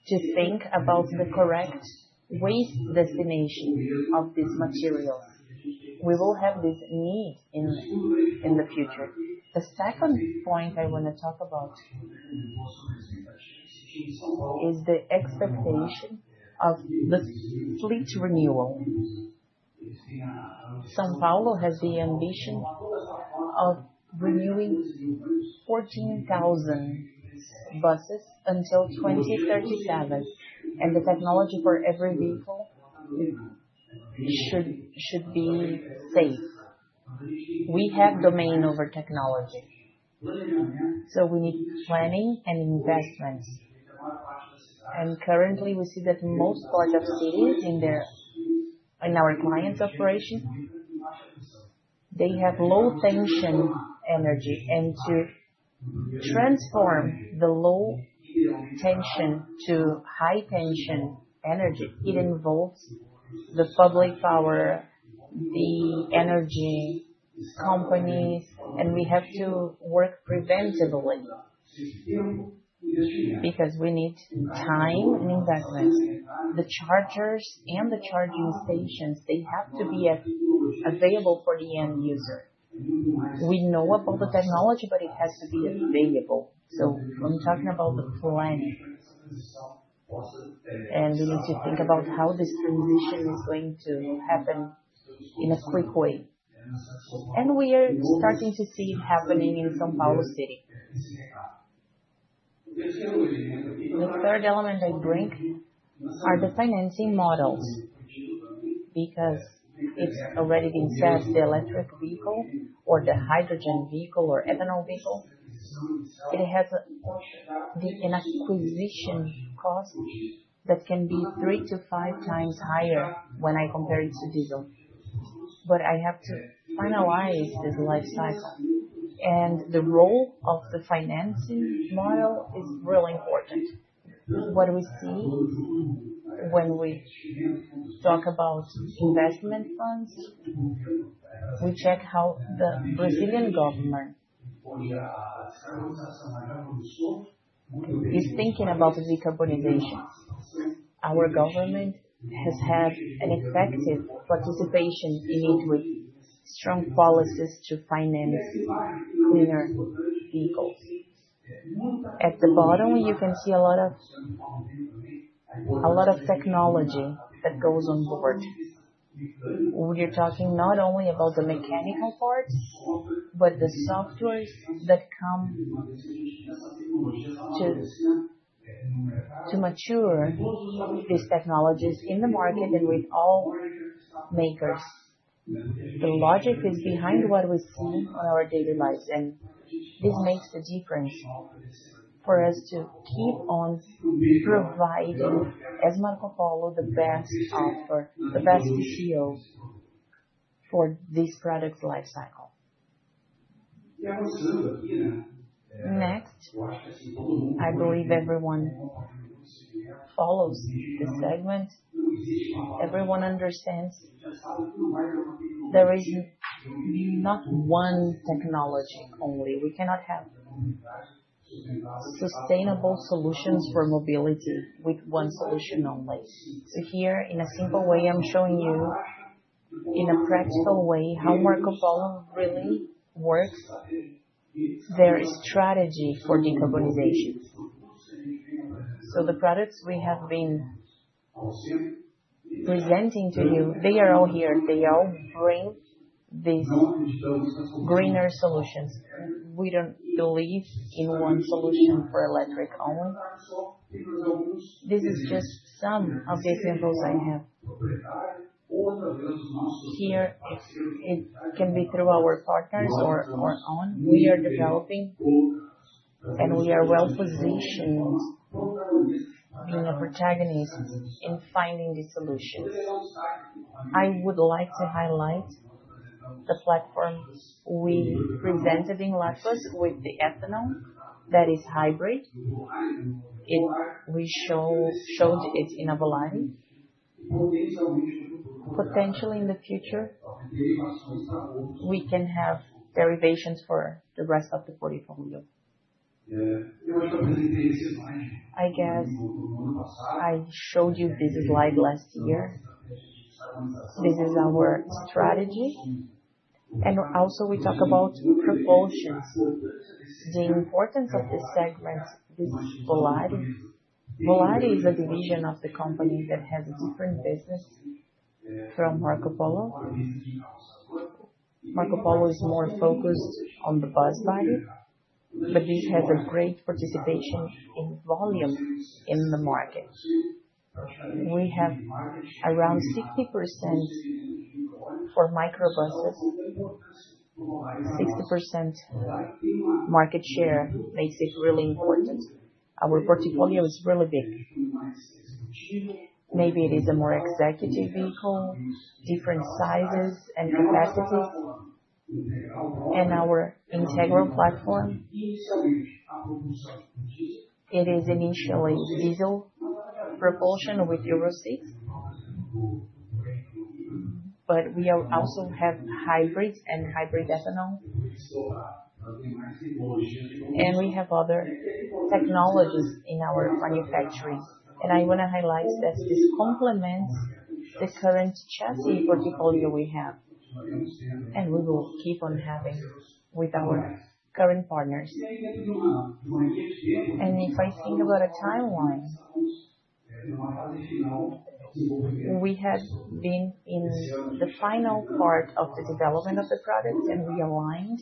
[SPEAKER 6] to think about the correct waste destination of these materials. We will have this need in the future. The second point I want to talk about is the expectation of the fleet renewal. São Paulo has the ambition of renewing 14,000 buses until 2037. The technology for every vehicle should be safe. We have domain over technology. We need planning and investments. Currently, we see that most large cities in our clients' operations have low-tension energy. To transform the low-tension to high-tension energy, it involves the public power, the energy companies, and we have to work preventively because we need time and investments. The chargers and the charging stations, they have to be available for the end user. We know about the technology, but it has to be available. I'm talking about the planning. We need to think about how this transition is going to happen in a quick way. We are starting to see it happening in São Paulo City. The third element I bring are the financing models because it's already been said, the electric vehicle or the hydrogen vehicle or ethanol vehicle, it has an acquisition cost that can be three to five times higher when I compare it to diesel. But I have to finalize this life cycle. The role of the financing model is really important. What we see when we talk about investment funds, we check how the Brazilian government is thinking about decarbonization. Our government has had an effective participation in it with strong policies to finance cleaner vehicles. At the bottom, you can see a lot of technology that goes on board. We are talking not only about the mechanical parts, but the software that comes to mature these technologies in the market and with all makers. The logic is behind what we see in our daily lives. This makes a difference for us to keep on providing, as Marcopolo, the best offer, the best CEO for this product's life cycle. Next, I believe everyone follows this segment. Everyone understands there is not one technology only. We cannot have sustainable solutions for mobility with one solution only. Here, in a simple way, I'm showing you in a practical way how Marcopolo really works their strategy for decarbonization. The products we have been presenting to you, they are all here. They all bring these greener solutions. We don't believe in one solution for electric only. This is just some of the examples I have. Here, it can be through our partners or our own. We are developing, and we are well-positioned being a protagonist in finding these solutions. I would like to highlight the platform we presented in Lat.Bus with the ethanol that is hybrid. We showed it in Avalanche. Potentially, in the future, we can have derivations for the rest of the portfolio. I guess I showed you this slide last year. This is our strategy. We also talk about propulsions, the importance of this segment, this Volare. Volare is a division of the company that has a different business from Marcopolo. Marcopolo is more focused on the bus body, but this has a great participation in volume in the market. We have around 60% for microbuses, 60% market share. Makes it really important. Our portfolio is really big. Maybe it is a more executive vehicle, different sizes and capacities. Our integral platform, it is initially diesel propulsion with Euro 6, but we also have hybrids and hybrid ethanol. We have other technologies in our manufacturing. I want to highlight that this complements the current chassis portfolio we have, and we will keep on having with our current partners. If I think about a timeline, we have been in the final part of the development of the product, and we aligned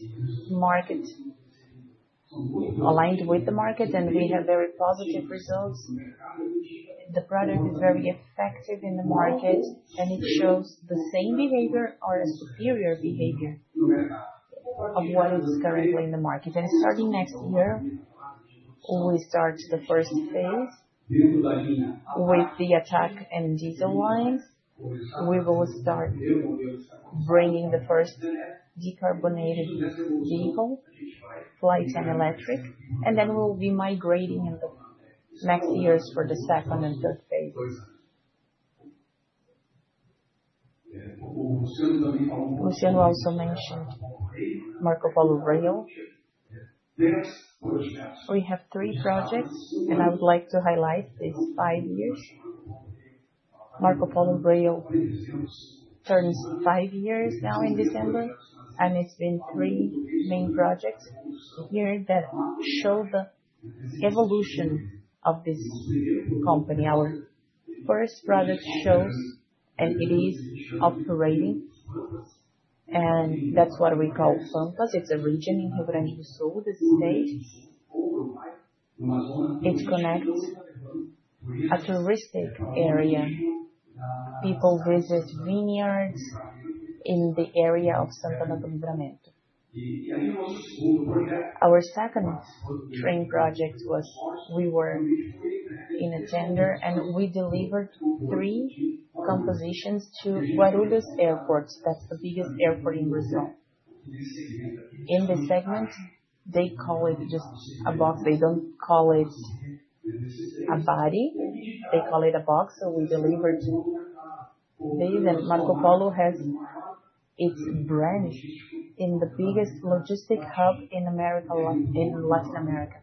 [SPEAKER 6] with the market, and we have very positive results. The product is very effective in the market, and it shows the same behavior or a superior behavior of what is currently in the market. Starting next year, we start the first phase with the Attack and diesel lines. We will start bringing the first decarbonated vehicle, Fly and electric, and then we'll be migrating in the next years for the second and third phases. We also mentioned Marcopolo Rail. We have three projects, and I would like to highlight these five years. Marcopolo Rail turns five years now in December, and it's been three main projects here that show the evolution of this company. Our first product shows, and it is operating. That's what we call Funcus. It's a region in Rio Grande do Sul, the state. It connects a touristic area. People visit vineyards in the area of Santa Ana do Livramento. Our second train project was we were in a tender, and we delivered three compositions to Guarulhos Airport. That's the biggest airport in Brazil. In the segment, they call it just a box. They don't call it a body. They call it a box. We delivered these, and Marcopolo has its branch in the biggest logistic hub in Latin America.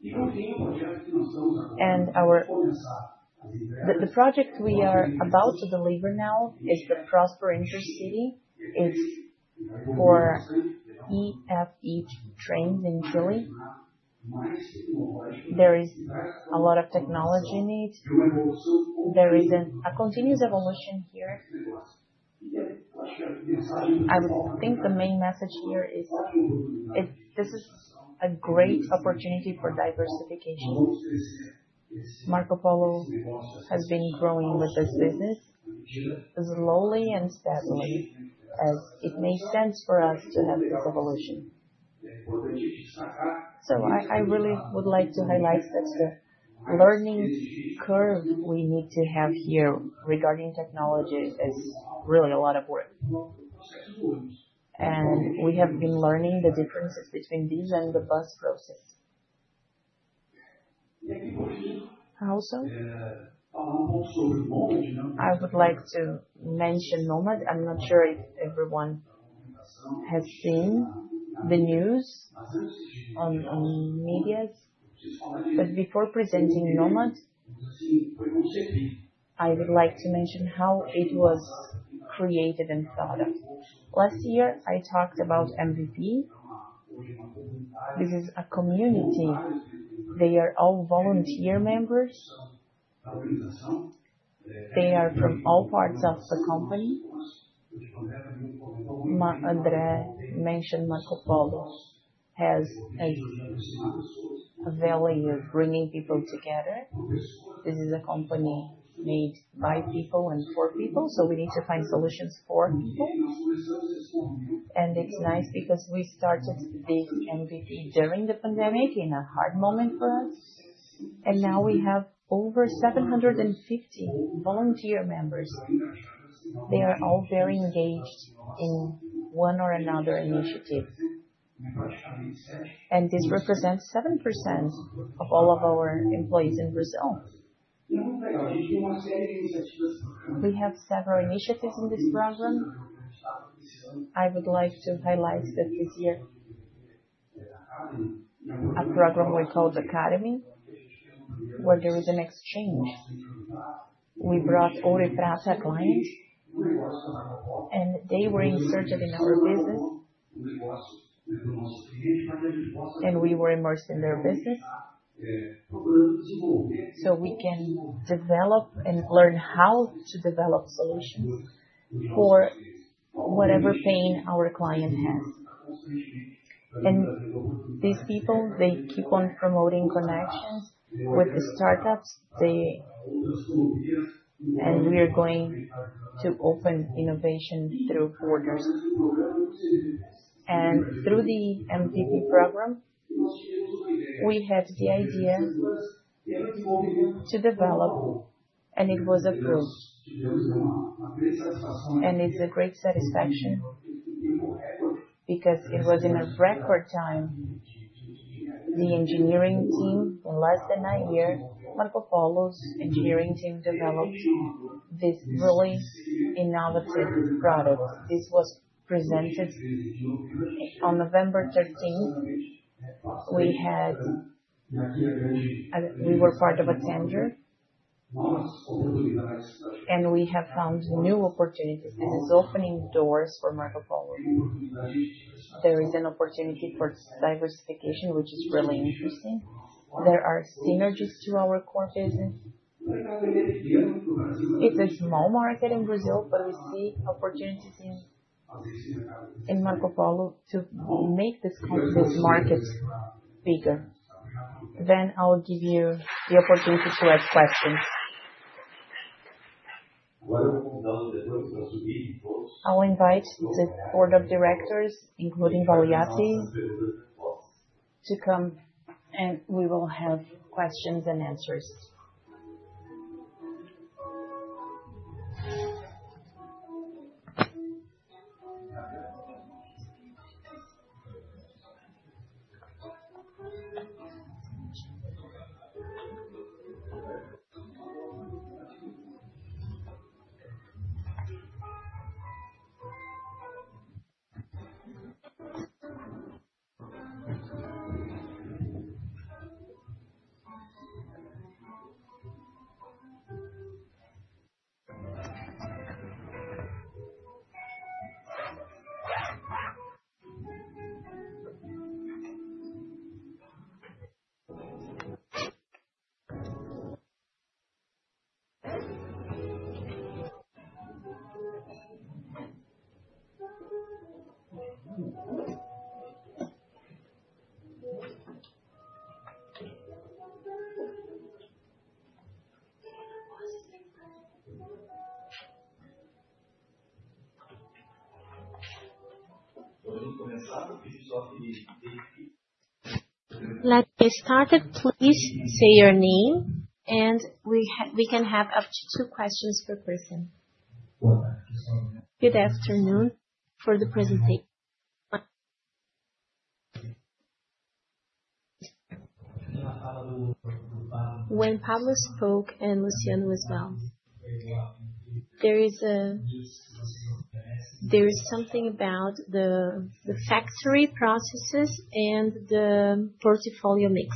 [SPEAKER 6] The project we are about to deliver now is the Prosper Intercity. It's for EFE trains in Chile. There is a lot of technology need. There is a continuous evolution here. I would think the main message here is this is a great opportunity for diversification. Marcopolo has been growing with this business slowly and steadily, as it makes sense for us to have this evolution. I really would like to highlight that the learning curve we need to have here regarding technology is really a lot of work. We have been learning the differences between these and the bus process. Also, I would like to mention Nomade. I'm not sure if everyone has seen the news on media. But before presenting Nomade, I would like to mention how it was created and thought of. Last year, I talked about MVP. This is a community. They are all volunteer members. They are from all parts of the company. Andre mentioned Marcopolo has a value of bringing people together. This is a company made by people and for people. We need to find solutions for people. It's nice because we started this MVP during the pandemic in a hard moment for us. Now we have over 750 volunteer members. They are all very engaged in one or another initiative. This represents 7% of all of our employees in Brazil. We have several initiatives in this program. I would like to highlight that this year, a program we called Academy, where there was an exchange. We brought Ouro e Prata clients, and they were inserted in our business, and we were immersed in their business so we can develop and learn how to develop solutions for whatever pain our client has. These people keep on promoting connections with the startups. We are going to open innovation through borders. Through the MVP program, we had the idea to develop, and it was approved. It's a great satisfaction because it was in a record time. The engineering team, in less than a year, Marcopolo's engineering team developed this really innovative product. This was presented on November 13th. We were part of a tender, and we have found new opportunities. This is opening doors for Marcopolo. There is an opportunity for diversification, which is really interesting. There are synergies to our core business. It's a small market in Brazil, but we see opportunities in Marcopolo to make this market bigger. I'll give you the opportunity to ask questions. I'll invite the board of directors, including Valiati, to come, and we will have questions and answers. Let's get started. Please say your name, and we can have up to two questions per person. Good afternoon. For the presentation. When Pablo spoke and Luciano as well, there is something about the factory processes and the portfolio mix.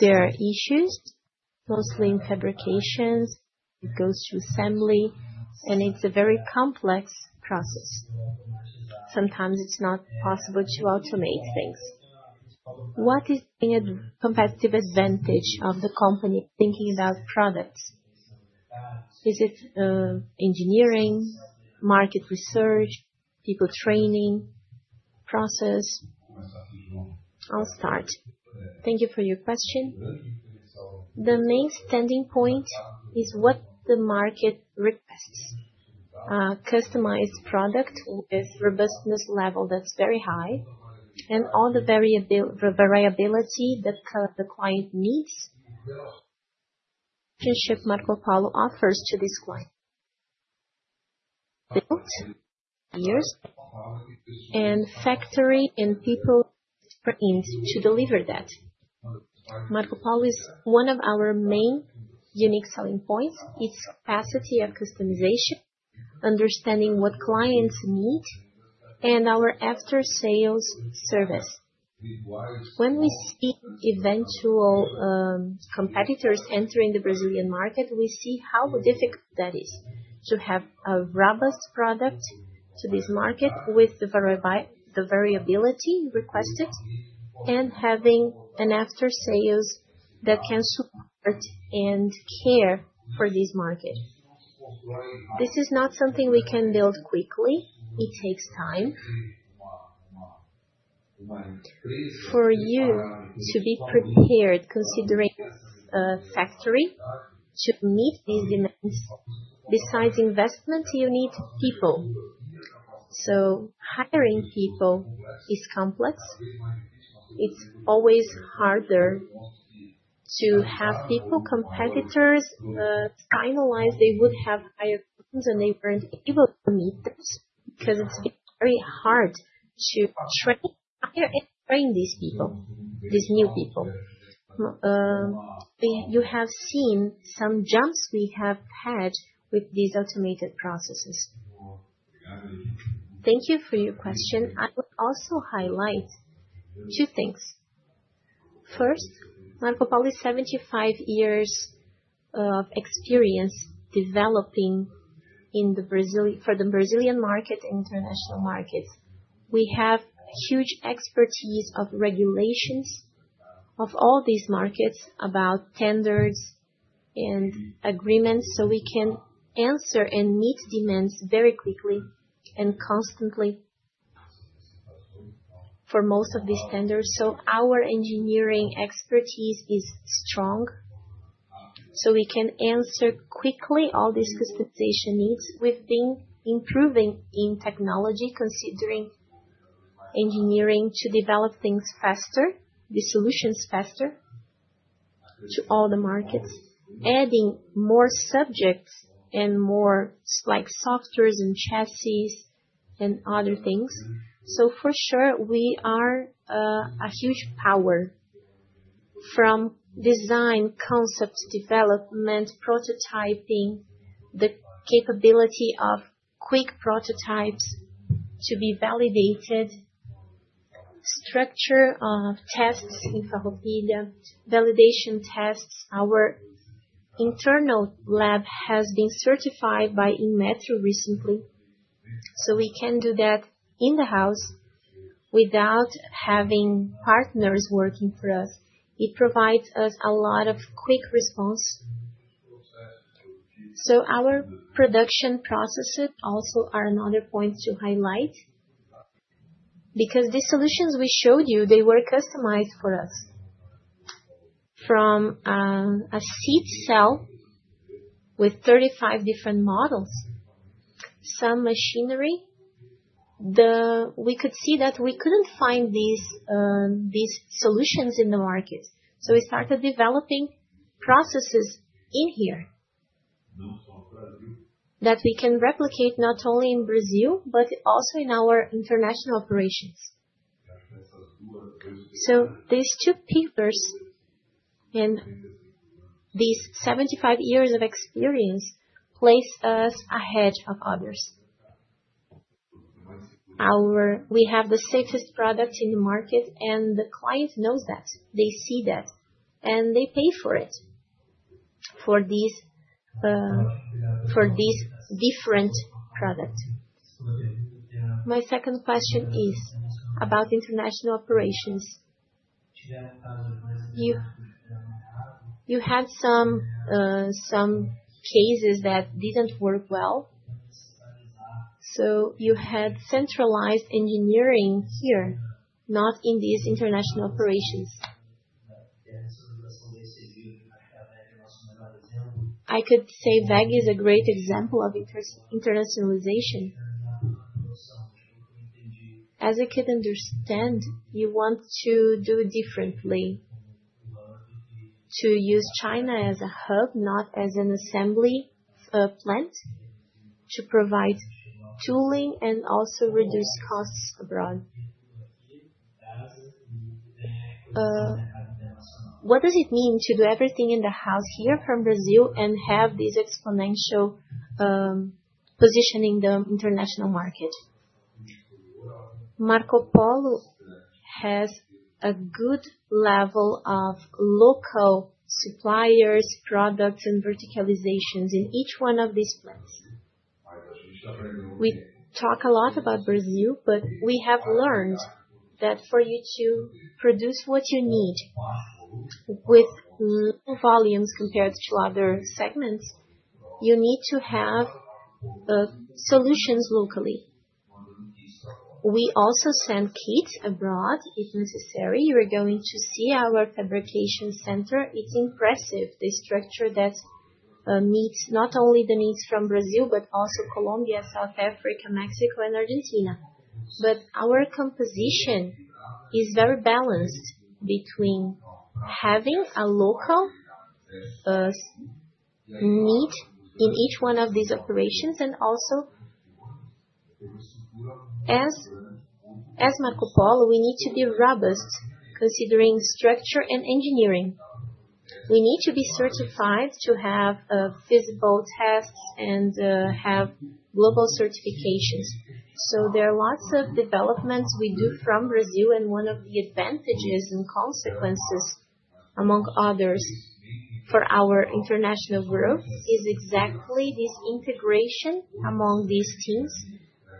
[SPEAKER 6] There are issues, mostly in fabrications. It goes to assembly, and it's a very complex process. Sometimes it's not possible to automate things. What is the competitive advantage of the company thinking about products? Is it engineering, market research, people training, process?
[SPEAKER 2] I'll start. Thank you for your question. The main standing point is what the market requests: a customized product with robustness level that's very high, and all the variability that the client needs. Partnership Marcopolo offers to this client. Built years and factory and people trained to deliver that. Marcopolo is one of our main unique selling points. It's capacity of customization, understanding what clients need, and our after-sales service. When we see eventual competitors entering the Brazilian market, we see how difficult that is to have a robust product to this market with the variability requested and having an after-sales that can support and care for this market. This is not something we can build quickly. It takes time for you to be prepared, considering a factory to meet these demands. Besides investment, you need people. So hiring people is complex. It's always harder to have people, competitors finalize. They would have higher options, and they weren't able to meet them because it's very hard to train these people, these new people. You have seen some jumps we have had with these automated processes.
[SPEAKER 5] Thank you for your question. I would also highlight two things. First, Marcopolo is 75 years of experience developing for the Brazilian market and international markets. We have huge expertise of regulations of all these markets, about tenders and agreements, so we can answer and meet demands very quickly and constantly for most of these tenders. So our engineering expertise is strong, so we can answer quickly all these customization needs. We've been improving in technology, considering engineering to develop things faster, the solutions faster to all the markets, adding more subjects and more software and chassis and other things. For sure, we are a huge power from design, concepts, development, prototyping, the capability of quick prototypes to be validated, structure of tests in Farroupilha, validation tests. Our internal lab has been certified by Inmetro recently, we can do that in the house without having partners working for us. It provides us a lot of quick response. Our production processes also are another point to highlight because the solutions we showed you, they were customized for us from a seed cell with 35 different models, some machinery. We could see that we couldn't find these solutions in the market. So we started developing processes in here that we can replicate not only in Brazil, but also in our international operations. These two people and these 75 years of experience place us ahead of others. We have the safest product in the market, and the client knows that. They see that, and they pay for it, for these different products. My second question is about international operations. You had some cases that didn't work well. You had centralized engineering here, not in these international operations. I could say WEG is a great example of internationalization. As I could understand, you want to do differently, to use China as a hub, not as an assembly plant to provide tooling and also reduce costs abroad. What does it mean to do everything in the house here from Brazil and have this exponential position in the international market?
[SPEAKER 1] Marcopolo has a good level of local suppliers, products, and verticalizations in each one of these plants. We talk a lot about Brazil, but we have learned that for you to produce what you need with volumes compared to other segments, you need to have solutions locally. We also send kits abroad if necessary. You are going to see our fabrication center. It's impressive, the structure that meets not only the needs from Brazil, but also Colombia, South Africa, Mexico, and Argentina. But our composition is very balanced between having a local need in each one of these operations. And also, as Marcopolo, we need to be robust, considering structure and engineering. We need to be certified to have physical tests and have global certifications. There are lots of developments we do from Brazil, and one of the advantages and consequences, among others, for our international growth is exactly this integration among these teams.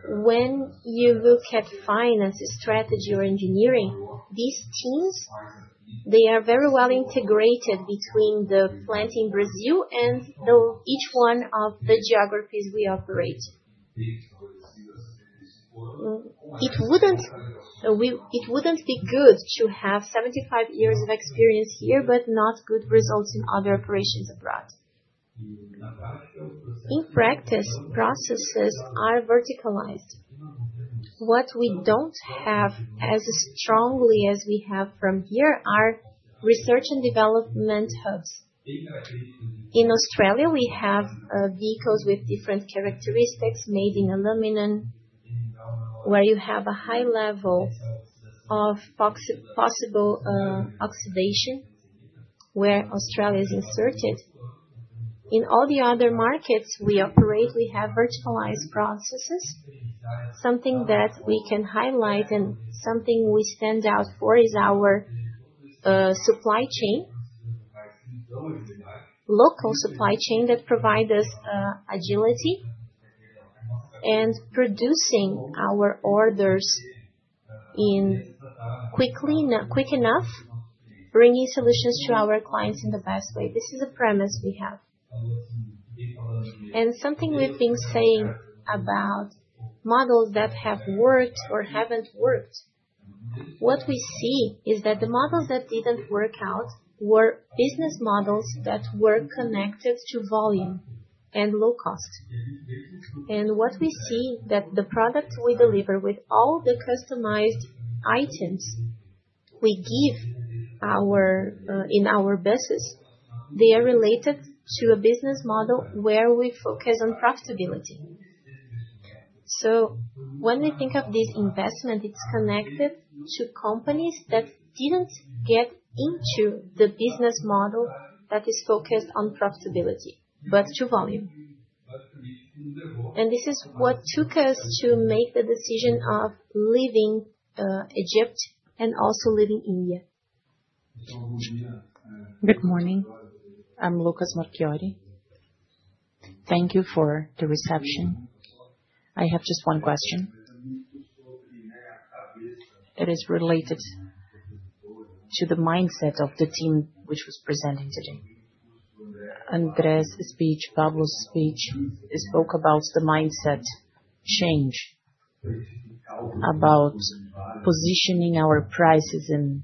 [SPEAKER 1] When you look at finance, strategy, or engineering, these teams, they are very well integrated between the plant in Brazil and each one of the geographies we operate. It wouldn't be good to have 75 years of experience here, but not good results in other operations abroad. In practice, processes are verticalized. What we don't have as strongly as we have from here are research and development hubs. In Australia, we have vehicles with different characteristics made in aluminum, where you have a high level of possible oxidation, where Australia is inserted. In all the other markets we operate, we have verticalized processes. Something that we can highlight and something we stand out for is our supply chain, local supply chain that provides us agility and producing our orders quickly enough, bringing solutions to our clients in the best way. This is a premise we have. Something we've been saying about models that have worked or haven't worked, what we see is that the models that didn't work out were business models that were connected to volume and low cost. What we see is that the product we deliver with all the customized items we give in our business, they are related to a business model where we focus on profitability. So when we think of this investment, it's connected to companies that didn't get into the business model that is focused on profitability, but to volume. This is what took us to make the decision of leaving Egypt and also leaving India. Good morning. I'm Lucas Marchiori. Thank you for the reception. I have just one question that is related to the mindset of the team which was presenting today. Andres' speech, Pablo's speech, they spoke about the mindset change, about positioning our prices in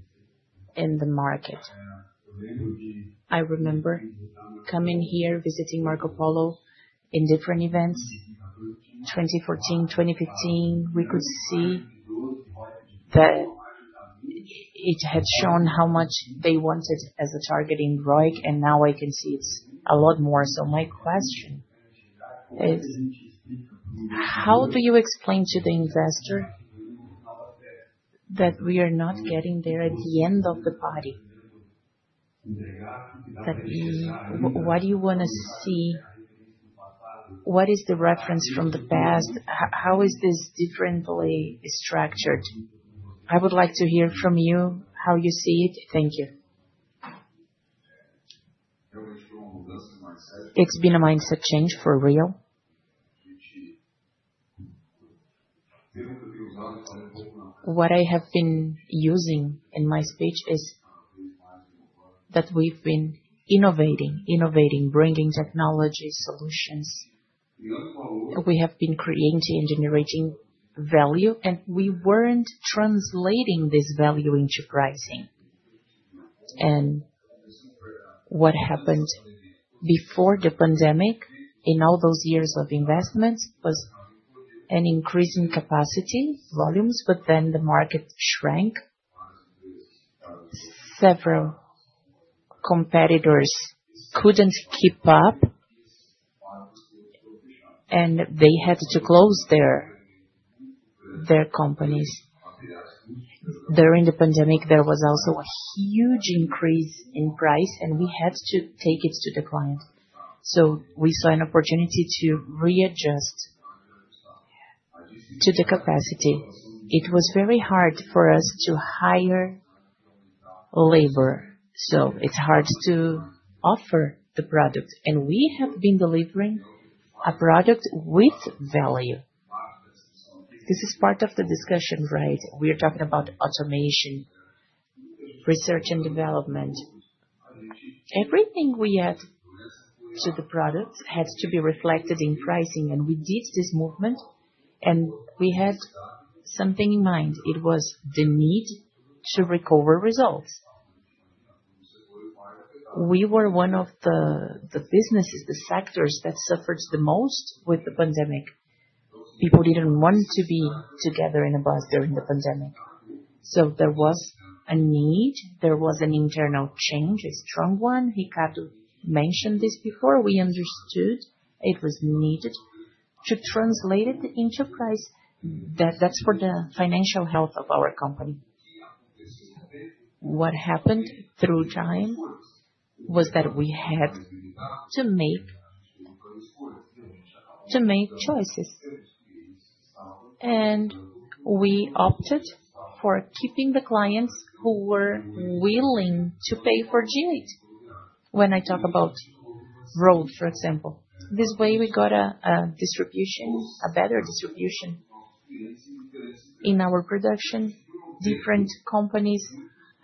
[SPEAKER 1] the market. I remember coming here, visiting Marcopolo in different events, 2014, 2015, we could see that it had shown how much they wanted as a target in ROIC, and now I can see it's a lot more. My question is, how do you explain to the investor that we are not getting there at the end of the party? What do you want to see? What is the reference from the past? How is this differently structured? I would like to hear from you how you see it. Thank you. It's been a mindset change for real. What I have been using in my speech is that we've been innovating, innovating, bringing technologies, solutions. We have been creating and generating value, and we weren't translating this value into pricing. What happened before the pandemic in all those years of investment was an increase in capacity, volumes, but then the market shrank. Several competitors couldn't keep up, and they had to close their companies. During the pandemic, there was also a huge increase in price, and we had to take it to the client. We saw an opportunity to readjust to the capacity. It was very hard for us to hire labor, so it's hard to offer the product. We have been delivering a product with value. This is part of the discussion, right? We are talking about automation, research, and development. Everything we add to the product has to be reflected in pricing, and we did this movement, and we had something in mind. It was the need to recover results. We were one of the businesses, the sectors that suffered the most with the pandemic. People didn't want to be together in a bus during the pandemic. So there was a need. There was an internal change, a strong one. Ricardo mentioned this before. We understood it was needed to translate it into price. That's for the financial health of our company. What happened through time was that we had to make choices, and we opted for keeping the clients who were willing to pay for G8. When I talk about ROIC, for example, this way we got a distribution, a better distribution in our production. Different companies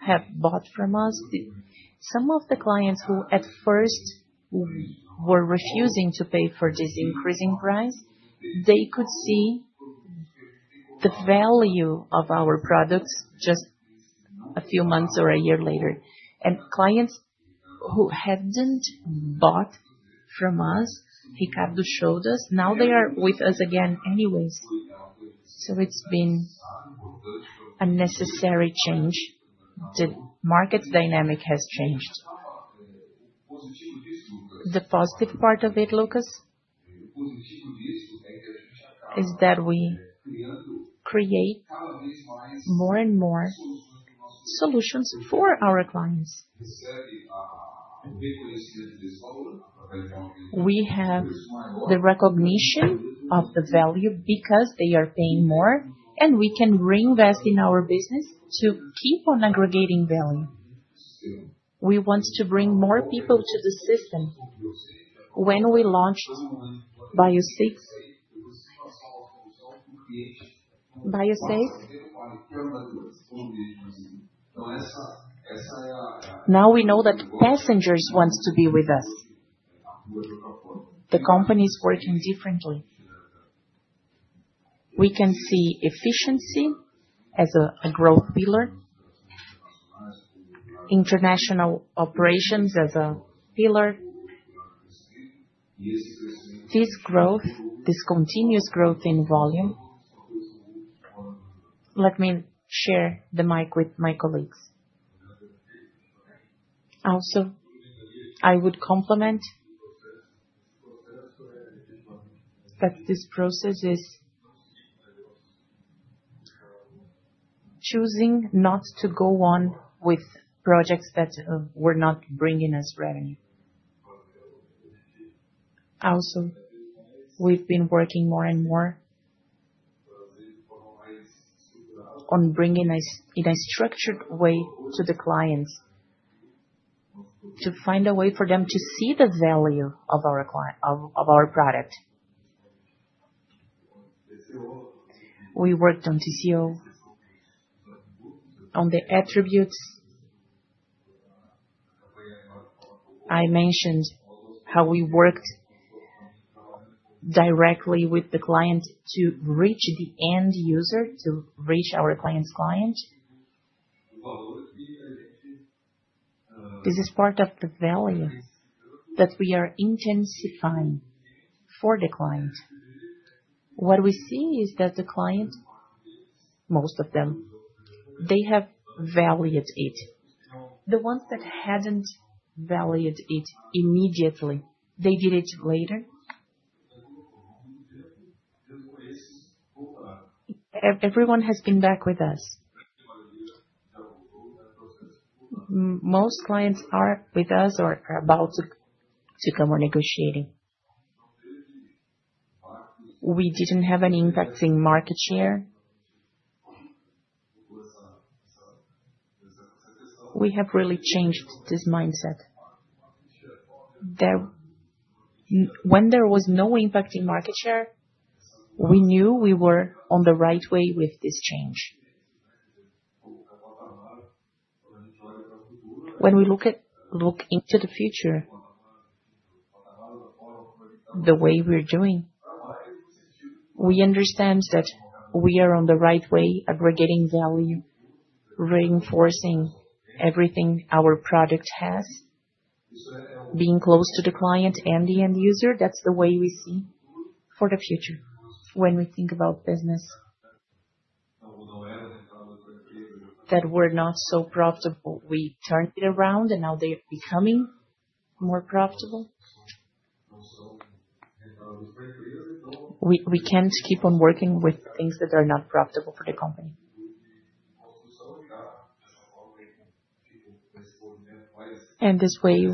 [SPEAKER 1] have bought from us. Some of the clients who at first were refusing to pay for this increasing price, they could see the value of our products just a few months or a year later. Clients who hadn't bought from us, Ricardo showed us, now they are with us again anyways. So it's been a necessary change. The market dynamic has changed. The positive part of it, Lucas, is that we create more and more solutions for our clients. We have the recognition of the value because they are paying more, and we can reinvest in our business to keep on aggregating value. We want to bring more people to the system. When we launched BioSafe, now we know that passengers want to be with us. The company is working differently. We can see efficiency as a growth pillar, international operations as a pillar. This growth, this continuous growth in volume, let me share the mic with my colleagues. Also, I would complement that this process is choosing not to go on with projects that were not bringing us revenue. Also, we've been working more and more on bringing in a structured way to the clients to find a way for them to see the value of our product. We worked on TCO, on the attributes. I mentioned how we worked directly with the client to reach the end user, to reach our client's client. This is part of the value that we are intensifying for the client. What we see is that the client, most of them, they have valued it. The ones that hadn't valued it immediately, they did it later. Everyone has been back with us. Most clients are with us or are about to come or negotiating. We didn't have any impact in market share. We have really changed this mindset. When there was no impact in market share, we knew we were on the right way with this change. When we look into the future, the way we're doing, we understand that we are on the right way, aggregating value, reinforcing everything our product has, being close to the client and the end user. That's the way we see for the future when we think about business. We're not so profitable, we turned it around, and now they're becoming more profitable. We can't keep on working with things that are not profitable for the company. This way,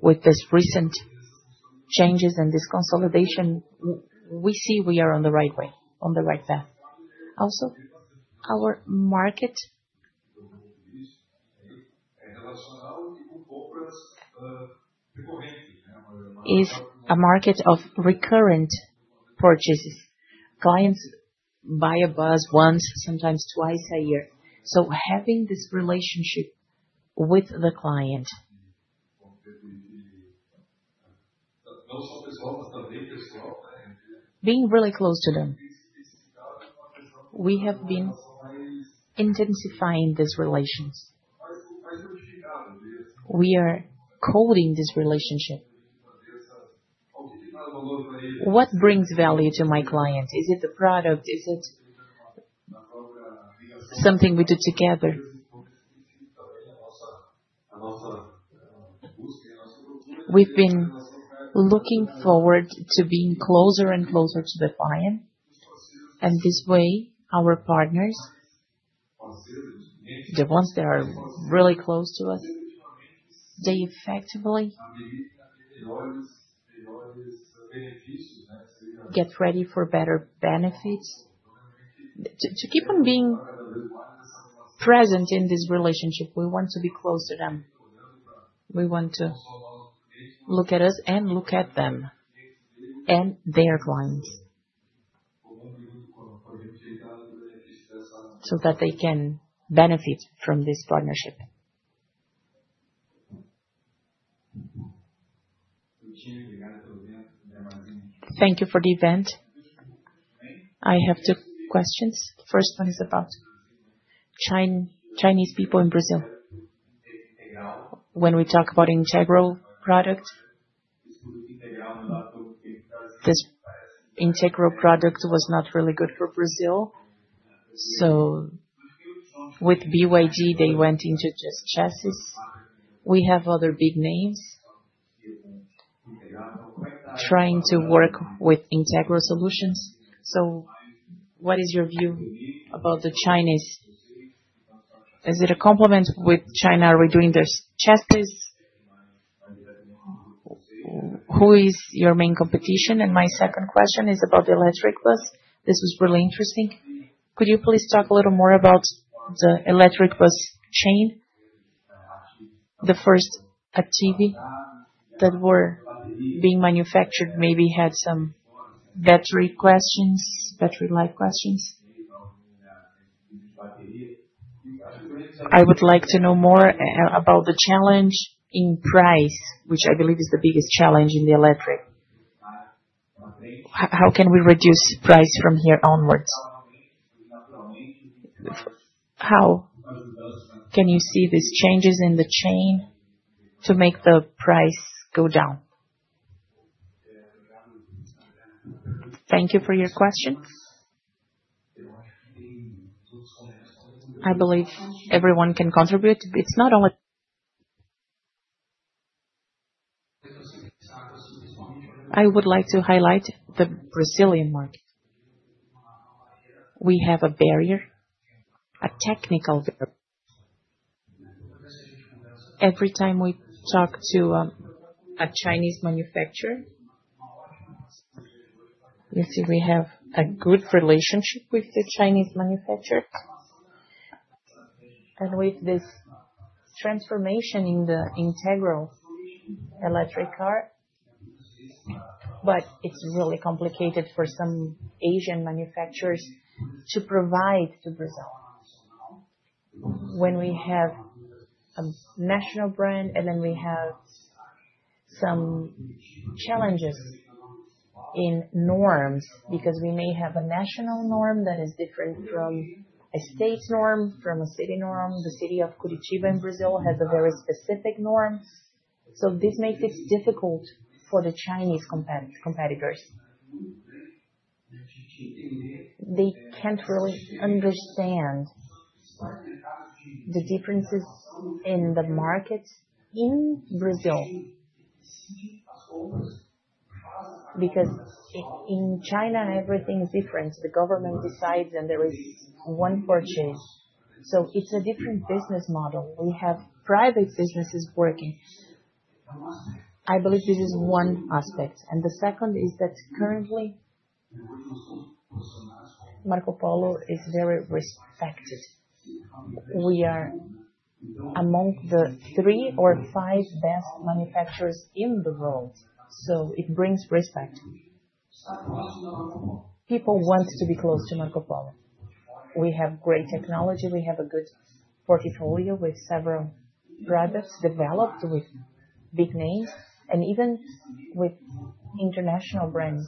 [SPEAKER 1] with these recent changes and this consolidation, we see we are on the right way, on the right path. Also, our market is a market of recurrent purchases. Clients buy a bus once, sometimes twice a year. Having this relationship with the client, being really close to them, we have been intensifying these relations. We are coding this relationship. What brings value to my client? Is it the product? Is it something we do together? We've been looking forward to being closer and closer to the client, and this way, our partners, the ones that are really close to us, they effectively get ready for better benefits. To keep on being present in this relationship, we want to be close to them. We want to look at us and look at them and their clients so that they can benefit from this partnership. Thank you for the event. I have two questions. The first one is about Chinese people in Brazil. When we talk about integral product, this integral product was not really good for Brazil. With BYD, they went into just chassis. We have other big names trying to work with integral solutions. So what is your view about the Chinese? Is it a complement with China? Are we doing this chassis? Who is your main competition? My second question is about the electric bus. This was really interesting. Could you please talk a little more about the electric bus chain, the first Attivi that were being manufactured, maybe had some battery questions, battery life questions? I would like to know more about the challenge in price, which I believe is the biggest challenge in the electric. How can we reduce price from here onwards? How can you see these changes in the chain to make the price go down? Thank you for your question. I believe everyone can contribute. It's not only I would like to highlight the Brazilian market. We have a barrier, a technical barrier. Every time we talk to a Chinese manufacturer, you see we have a good relationship with the Chinese manufacturer and with this transformation in the integral electric car, but it's really complicated for some Asian manufacturers to provide to Brazil. When we have a national brand and then we have some challenges in norms because we may have a national norm that is different from a state norm, from a city norm. The city of Curitiba in Brazil has a very specific norm. This makes it difficult for the Chinese competitors. They can't really understand the differences in the market in Brazil because in China, everything is different. The government decides, and there is one purchase. It's a different business model. We have private businesses working. I believe this is one aspect. The second is that currently, Marcopolo is very respected. We are among the three or five best manufacturers in the world, so it brings respect. People want to be close to Marcopolo. We have great technology. We have a good portfolio with several products developed with big names and even with international brands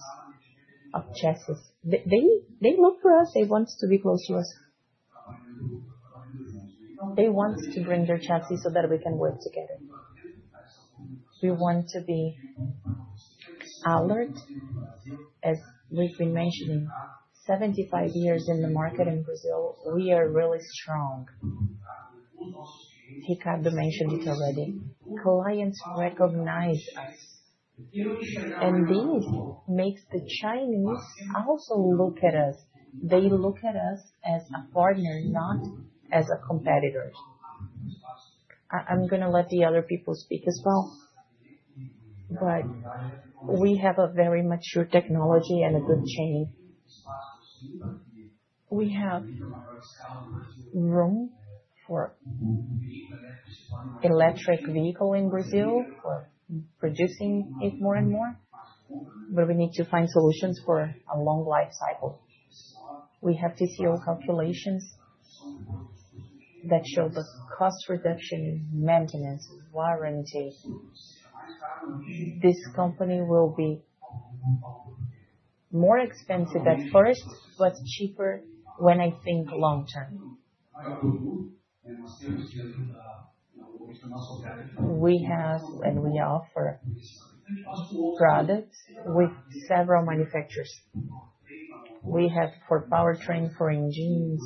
[SPEAKER 1] of chassis. They look for us. They want to be close to us. They want to bring their chassis so that we can work together. We want to be alert. As we've been mentioning, 75 years in the market in Brazil, we are really strong. Ricardo mentioned it already. Clients recognize us. This makes the Chinese also look at us. They look at us as a partner, not as a competitor. I'm going to let the other people speak as well, but we have a very mature technology and a good chain. We have room for electric vehicles in Brazil for producing them more and more, but we need to find solutions for a long life cycle. We have TCO calculations that show the cost reduction, maintenance, warranty. This company will be more expensive at first, but cheaper when I think long term. We have and we offer products with several manufacturers. We have for powertrain, for engines.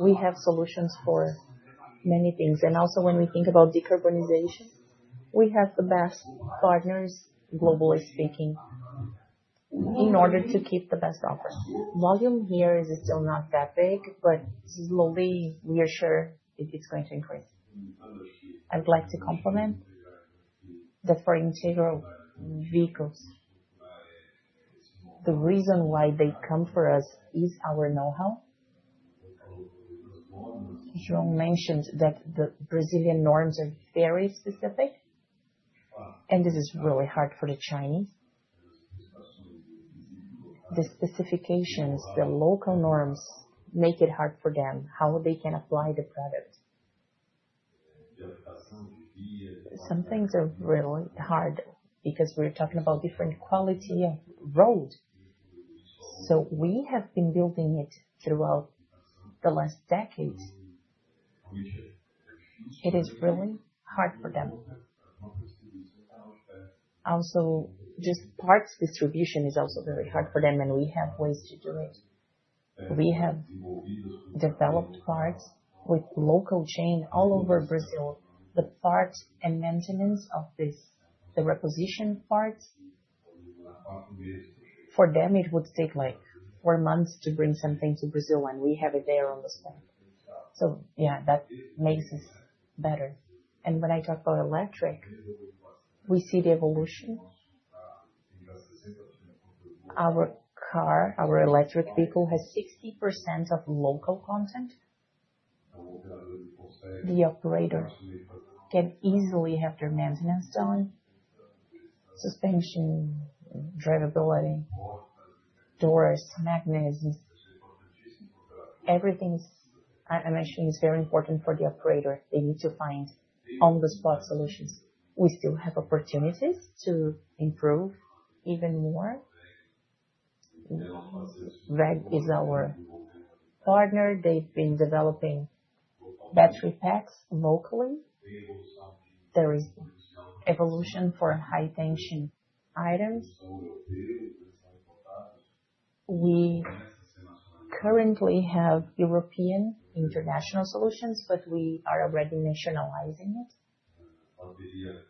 [SPEAKER 1] We have solutions for many things. Also, when we think about decarbonization, we have the best partners, globally speaking, in order to keep the best offer. Volume here is still not that big, but slowly we are sure it's going to increase.
[SPEAKER 3] I would like to complement that for integral vehicles, the reason why they come for us is our know-how. João mentioned that the Brazilian norms are very specific, and this is really hard for the Chinese. The specifications, the local norms make it hard for them how they can apply the product. Some things are really hard because we're talking about different quality of road. We have been building it throughout the last decade. It is really hard for them. Also, just parts distribution is also very hard for them, and we have ways to do it. We have developed parts with local chain all over Brazil. The parts and maintenance of this, the reposition parts, for them, it would take like four months to bring something to Brazil, and we have it there on the stand. That makes us better. When I talk about electric, we see the evolution. Our car, our electric vehicle has 60% of local content. The operator can easily have their maintenance done, suspension, drivability, doors, magnets. Everything I mentioned is very important for the operator. They need to find on-the-spot solutions. We still have opportunities to improve even more. WEG is our partner. They've been developing battery packs locally. There is evolution for high-tension items. We currently have European international solutions, but we are already nationalizing it.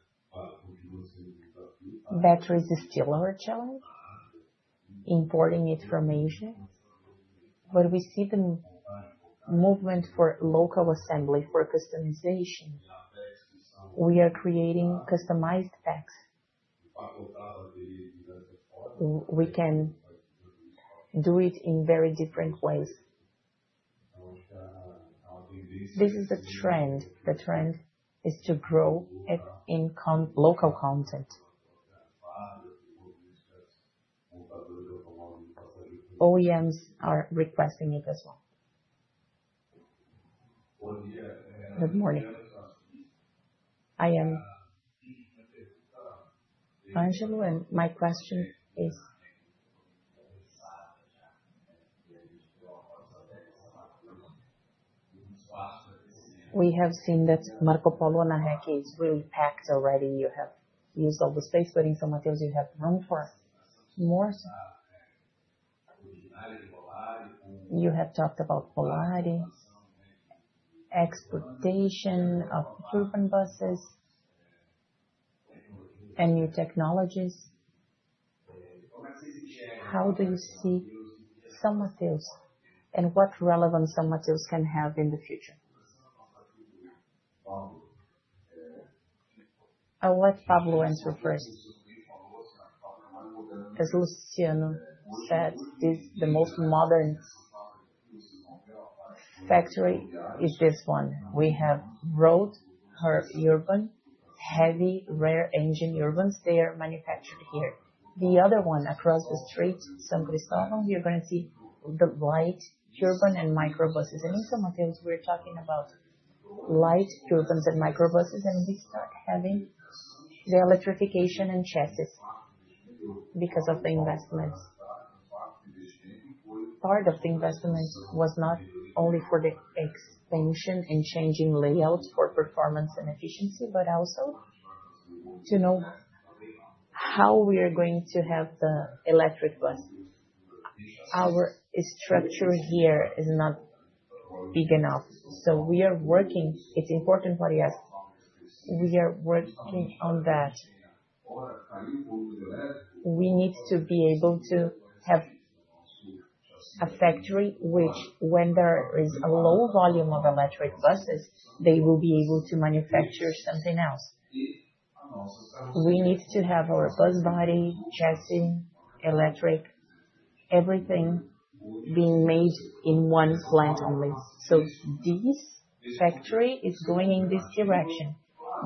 [SPEAKER 3] Batteries is still our challenge, importing it from Asia. When we see the movement for local assembly for customization, we are creating customized packs. We can do it in very different ways. This is a trend. The trend is to grow it in local content. OEMs are requesting it as well. Good morning. I am Angelo, and my question is, we have seen that Marcopolo and Ana Rech is really packed already. You have used all the space, but in São Mateus, you have room for more. You have talked about polarity, Exportation of urban buses, and new technologies. How do you see São Mateus and what relevance São Mateus can have in the future?
[SPEAKER 1] I'll let Pablo answer first.
[SPEAKER 2] As Luciano said, the most modern factory is this one. We have road, heavy urban, heavy, rear engine urbans. They are manufactured here. The other one across the street, São Cristóvão, you're going to see the light urban and microbuses. In São Mateus, we're talking about light urbans and microbuses, and we start having the electrification and chassis because of the investments. Part of the investment was not only for the expansion and changing layouts for performance and efficiency, but also to know how we are going to have the electric bus. Our structure here is not big enough, so we are working. It's important for us. We are working on that. We need to be able to have a factory which, when there is a low volume of electric buses, they will be able to manufacture something else. We need to have our bus body, chassis, electric, everything being made in one plant only. This factory is going in this direction,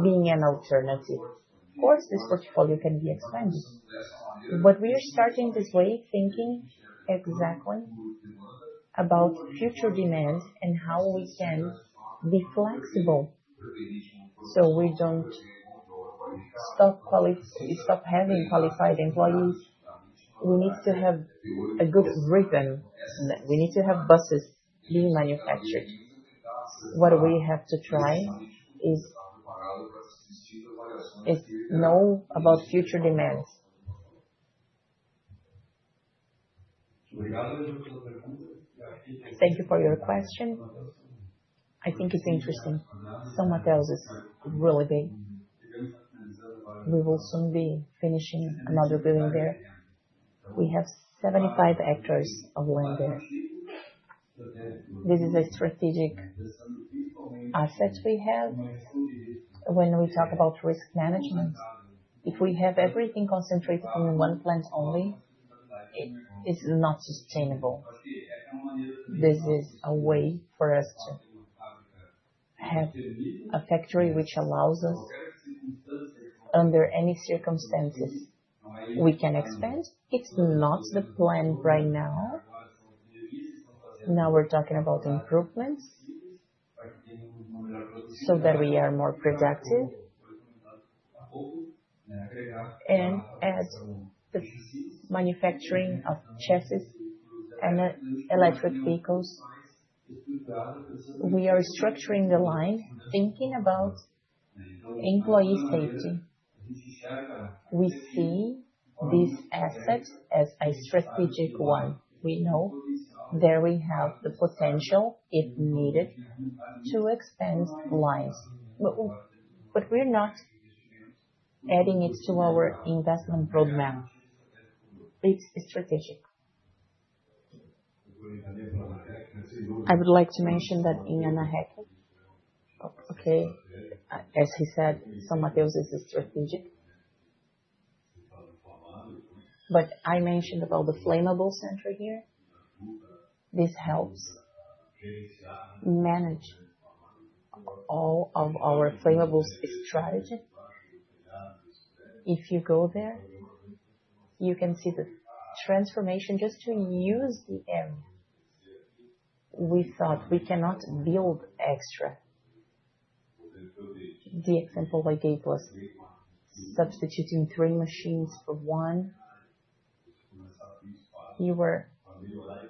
[SPEAKER 2] being an alternative. Of course, this portfolio can be expanded, but we are starting this way, thinking exactly about future demands and how we can be flexible so we don't stop having qualified employees. We need to have a good rhythm. We need to have buses being manufactured. What we have to try is know about future demands. Thank you for your question.
[SPEAKER 1] I think it's interesting. São Mateus is really big. We will soon be finishing another building there. We have 75 hectares of land there. This is a strategic asset we have. When we talk about risk management, if we have everything concentrated in one plant only, it is not sustainable. This is a way for us to have a factory which allows us, under any circumstances, we can expand. It's not the plan right now. Now we're talking about improvements so that we are more productive. As the manufacturing of chassis and electric vehicles, we are structuring the line, thinking about employee safety. We see this asset as a strategic one. We know there we have the potential, if needed, to expand lines. But we're not adding it to our investment roadmap. It's strategic. I would like to mention that in Ana Rech, as he said, São Mateus is strategic. But I mentioned about the Flammables Center here. This helps manage all of our flammables strategy. If you go there, you can see the transformation just to use the area. We thought we cannot build extra. The example I gave was substituting three machines for one. You were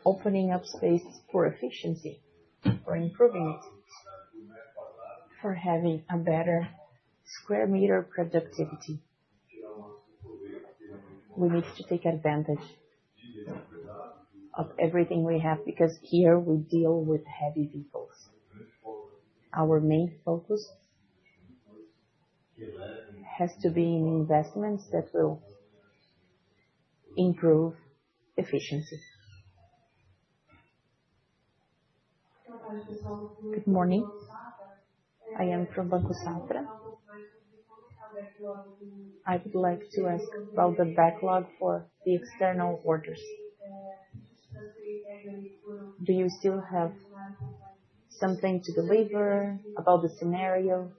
[SPEAKER 1] opening up space for efficiency, for improving it, for having better square meter productivity. We need to take advantage of everything we have because here we deal with heavy vehicles. Our main focus has to be in investments that will improve efficiency. Good morning. I am from Banco Safra. I would like to ask about the backlog for the external orders. Do you still have something to deliver about the scenario?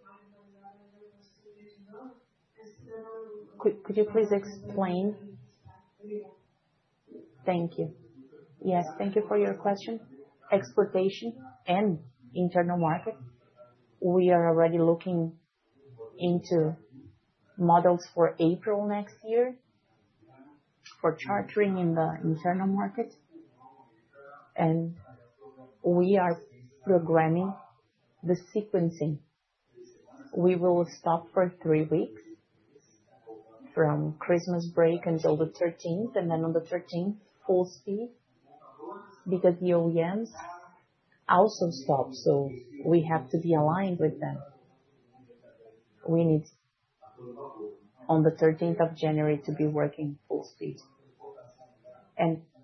[SPEAKER 1] Could you please explain? Thank you.
[SPEAKER 3] Yes, thank you for your question. Exportation and internal market. We are already looking into models for April next year for chartering in the internal market, and we are programming the sequencing. We will stop for three weeks from Christmas break until the 13th, and then on the 13th, full speed because the OEMs also stop, so we have to be aligned with them. We need on the 13th of January to be working full speed.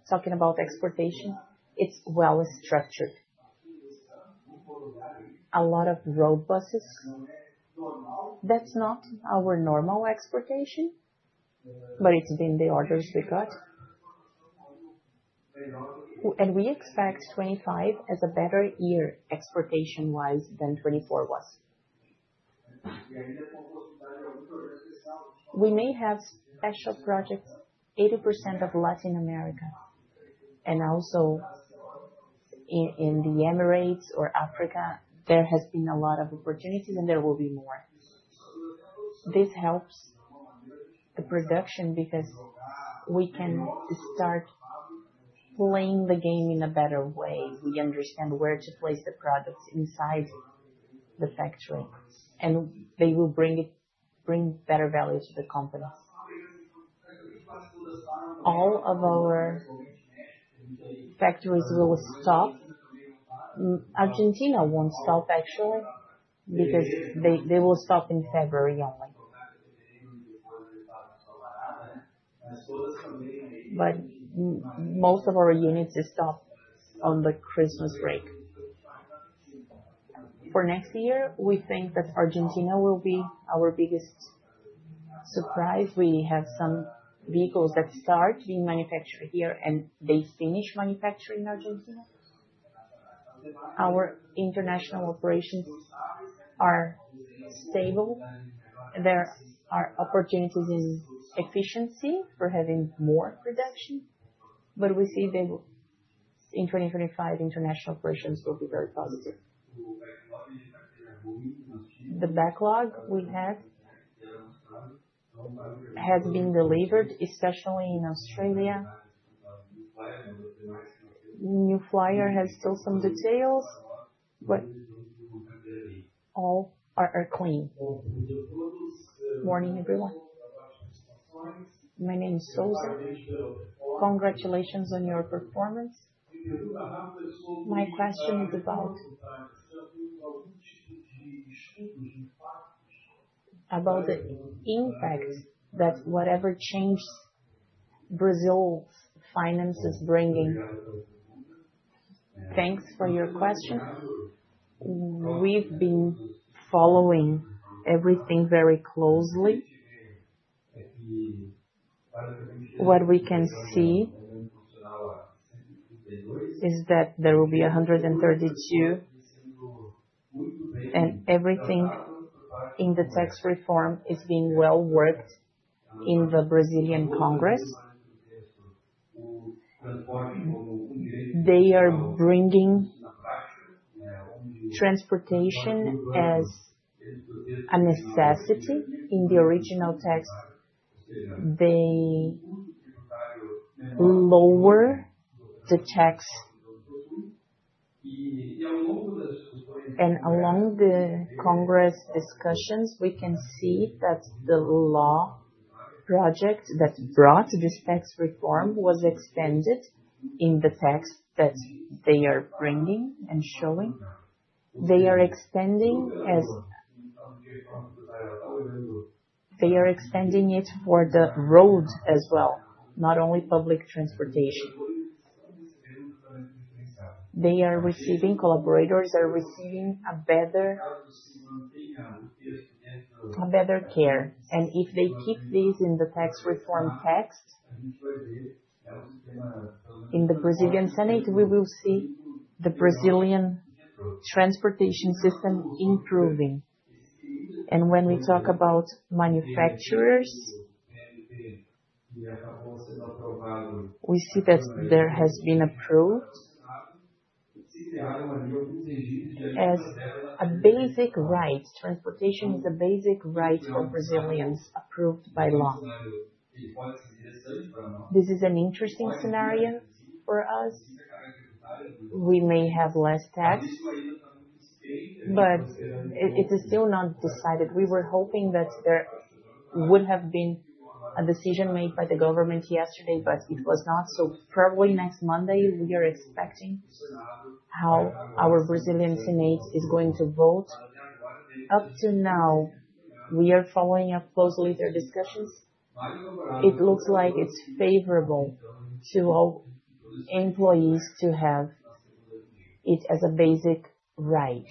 [SPEAKER 3] Talking about exportation, it's well-structured. A lot of road buses. That's not our normal exportation, but it's been the orders we got. We expect 2025 as a better year exportation-wise than 2024 was. We may have special projects, 80% of Latin America, and also in the Emirates or Africa, there has been a lot of opportunities, and there will be more. This helps the production because we can start playing the game in a better way. We understand where to place the products inside the factory, and they will bring better value to the companies. All of our factories will stop. Argentina won't stop, actually, because they will stop in February only. But most of our units stop on the Christmas break. For next year, we think that Argentina will be our biggest surprise. We have some vehicles that start being manufactured here, and they finish manufacturing in Argentina. Our international operations are stable. There are opportunities in efficiency for having more production, but we see in 2025, international operations will be very positive. The backlog we have has been delivered, especially in Australia. New Flyer has still some details, but all are clean. Good morning, everyone. My name is Volare. Congratulations on your performance. My question is about the impact that whatever change Brazil's finances are bringing.
[SPEAKER 1] Thanks for your question. We've been following everything very closely. What we can see is that there will be 132, and everything in the tax reform is being well worked in the Brazilian Congress. They are bringing transportation as a necessity. In the original text, they lower the tax. Along the Congress discussions, we can see that the law project that brought this tax reform was expanded in the text that they are bringing and showing. They are extending it for the road as well, not only public transportation. They are receiving collaborators are receiving better care. If they keep this in the tax reform text in the Brazilian Senate, we will see the Brazilian transportation system improving. When we talk about manufacturers, we see that there has been approved as a basic right. Transportation is a basic right for Brazilians approved by law. This is an interesting scenario for us. We may have less tax, but it is still not decided. We were hoping that there would have been a decision made by the government yesterday, but it was not. So probably next Monday, we are expecting how our Brazilian Senate is going to vote. Up to now, we are following up closely their discussions. It looks like it's favorable to all employees to have it as a basic right.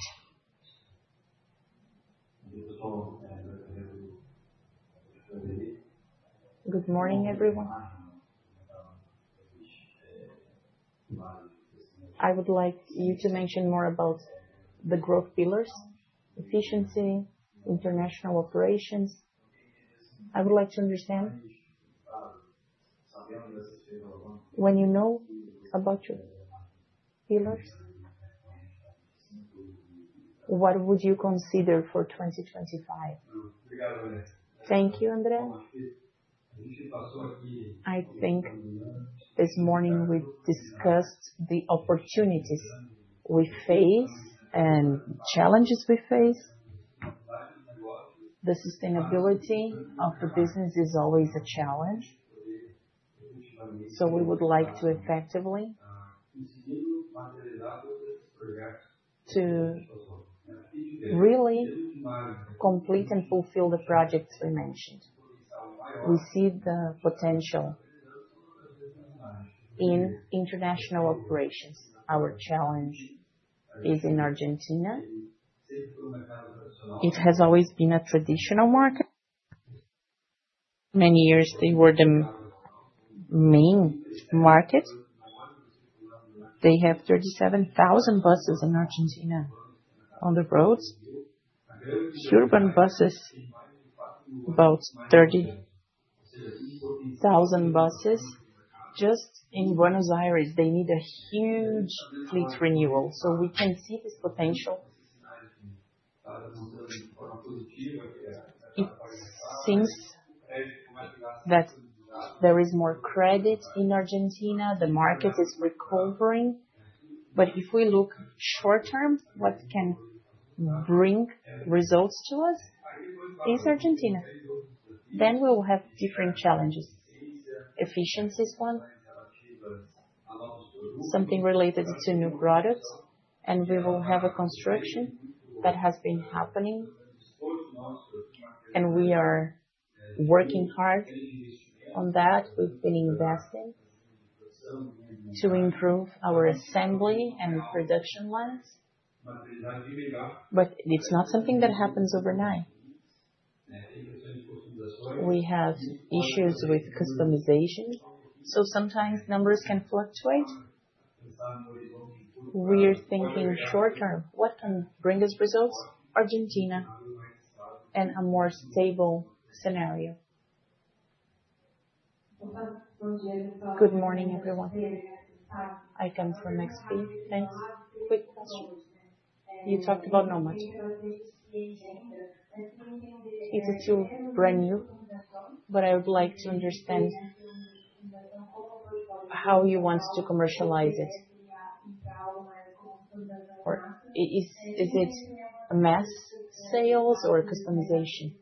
[SPEAKER 1] Good morning, everyone. I would like you to mention more about the growth pillars, efficiency, international operations. I would like to understand when you know about your pillars, what would you consider for 2025? Thank you, André. I think this morning we discussed the opportunities we face and challenges we face. The sustainability of the business is always a challenge, so we would like to effectively really complete and fulfill the projects we mentioned. We see the potential in international operations. Our challenge is in Argentina. It has always been a traditional market. Many years, they were the main market. They have 37,000 buses in Argentina on the roads, urban buses, about 30,000 buses just in Buenos Aires. They need a huge fleet renewal. We can see this potential since there is more credit in Argentina. The market is recovering. If we look short-term, what can bring results to us is Argentina. We will have different challenges. Efficiency is one, something related to new products, and we will have a construction that has been happening, and we are working hard on that. We've been investing to improve our assembly and production lines, but it's not something that happens overnight. We have issues with customization, so sometimes numbers can fluctuate. We are thinking short-term, what can bring us results? Argentina and a more stable scenario. Good morning, everyone. I come from XP. Thanks. Quick question. You talked about Nomade. It's too brand new, but I would like to understand how you want to commercialize it. Is it mass sales or customization?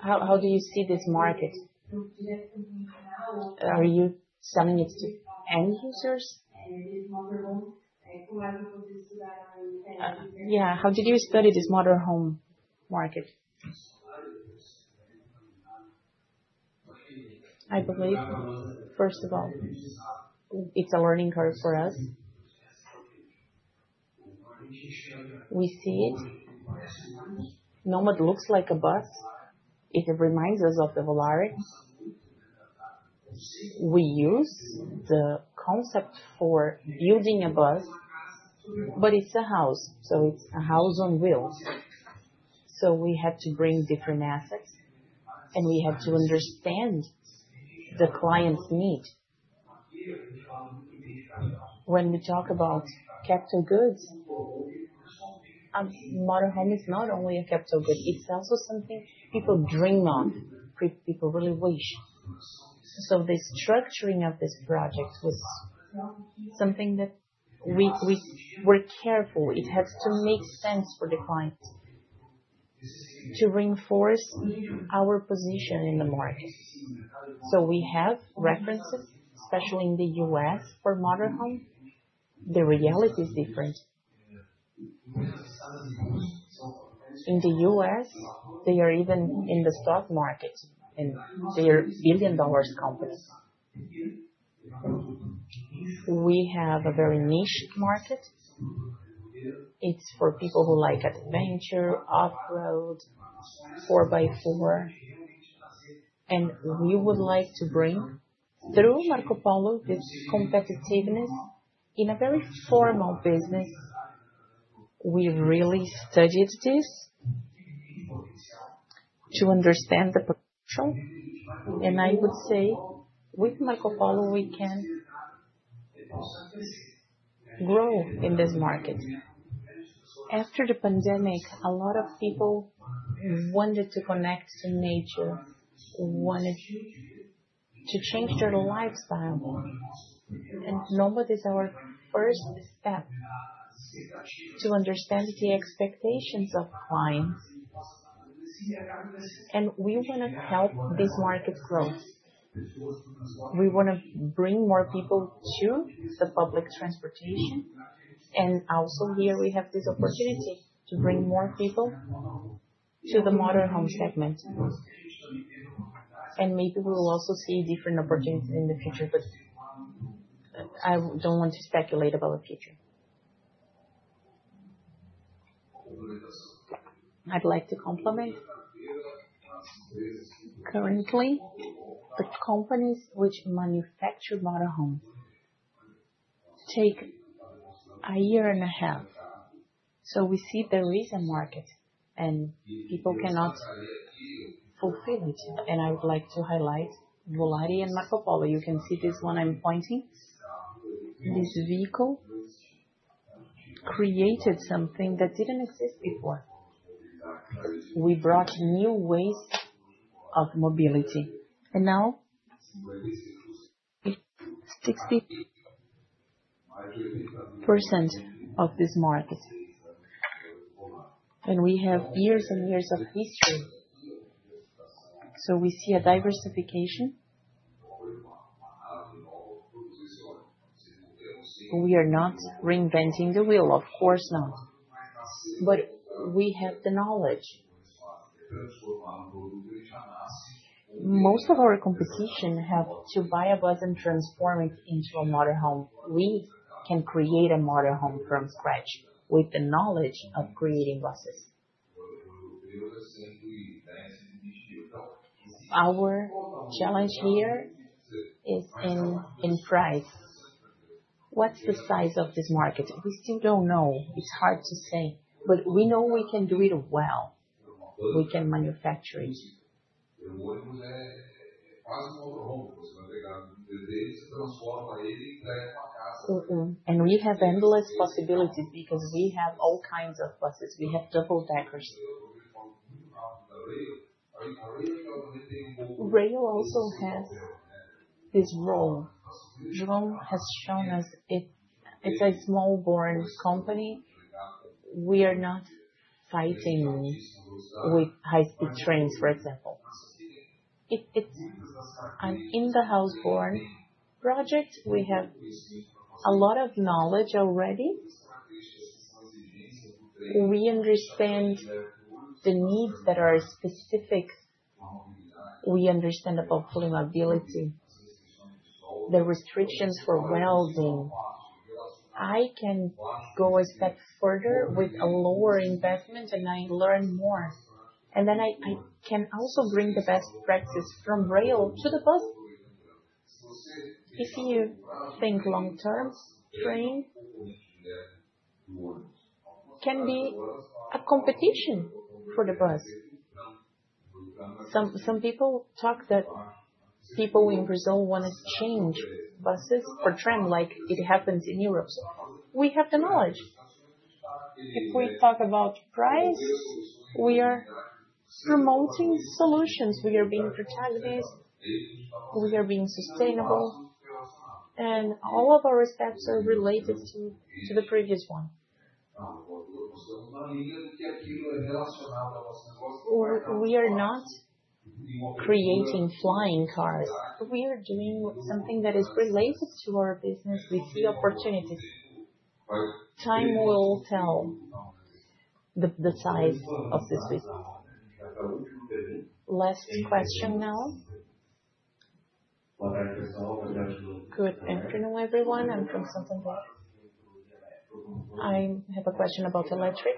[SPEAKER 1] How do you see this market? Are you selling it to end users? How did you study this motorhome market?
[SPEAKER 3] I believe, first of all, it's a learning curve for us. We see it. Nomade looks like a bus. It reminds us of the Volare. We use the concept for building a bus, but it's a house, so it's a house on wheels. We had to bring different assets, and we had to understand the client's need. When we talk about capital goods, a motorhome is not only a capital good. It's also something people dream of. People really wish. The structuring of this project was something that we were careful. It has to make sense for the client to reinforce our position in the market. We have references, especially in the US for motorhome. The reality is different. In the US, they are even in the stock market, and they are billion-dollar companies. We have a very niche market. It's for people who like adventure, off-road, 4x4, and we would like to bring through Marcopolo this competitiveness in a very formal business. We really studied this to understand the potential, and I would say with Marcopolo, we can grow in this market. After the pandemic, a lot of people wanted to connect to nature, wanted to change their lifestyle, and Nomade is our first step to understand the expectations of clients. We want to help this market grow. We want to bring more people to public transportation, and also here we have this opportunity to bring more people to the motorhome segment. Maybe we will also see different opportunities in the future, but I don't want to speculate about the future.
[SPEAKER 1] I'd like to complement. Currently, the companies which manufacture motorhomes take a year and a half. We see there is a market, and people cannot fulfill it. I would like to highlight Volare and Marcopolo. You can see this one I'm pointing. This vehicle created something that didn't exist before. We brought new ways of mobility, and now it's 60% of this market. We have years and years of history. We see a diversification. We are not reinventing the wheel, of course not, but we have the knowledge. Most of our competition have to buy a bus and transform it into a motorhome. We can create a motorhome from scratch with the knowledge of creating buses. Our challenge here is in price. What's the size of this market? We still don't know. It's hard to say, but we know we can do it well. We can manufacture it. We have endless possibilities because we have all kinds of buses. We have double-deckers. Rail also has this role. Drone has shown us it's a small-born company. We are not fighting with high-speed trains, for example. In the houseboard project, we have a lot of knowledge already. We understand the needs that are specific. We understand about full mobility, the restrictions for welding. I can go a step further with a lower investment, and I learn more. I can also bring the best practice from rail to the bus. If you think long-term, train can be a competition for the bus. Some people talk that people in Brazil want to change buses for tram like it happens in Europe. We have the knowledge. If we talk about price, we are promoting solutions. We are being protagonists. We are being sustainable. All of our steps are related to the previous one. We are not creating flying cars. We are doing something that is related to our business. We see opportunities. Time will tell the size of this business. Last question now. Good afternoon, everyone. I'm from Santander. I have a question about electric.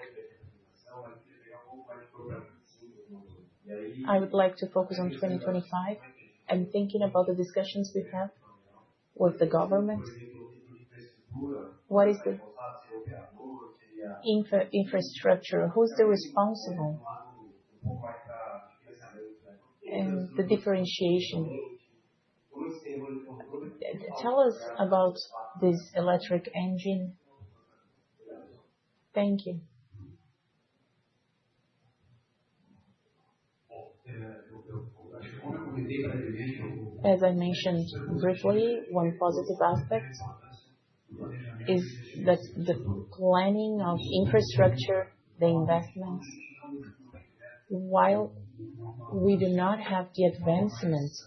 [SPEAKER 1] I would like to focus on 2025. I'm thinking about the discussions we have with the government. What is the infrastructure? Who's responsible? What is the differentiation? Tell us about this electric engine. Thank you.
[SPEAKER 5] As I mentioned briefly, one positive aspect is that the planning of infrastructure, the investments. While we do not have the advancements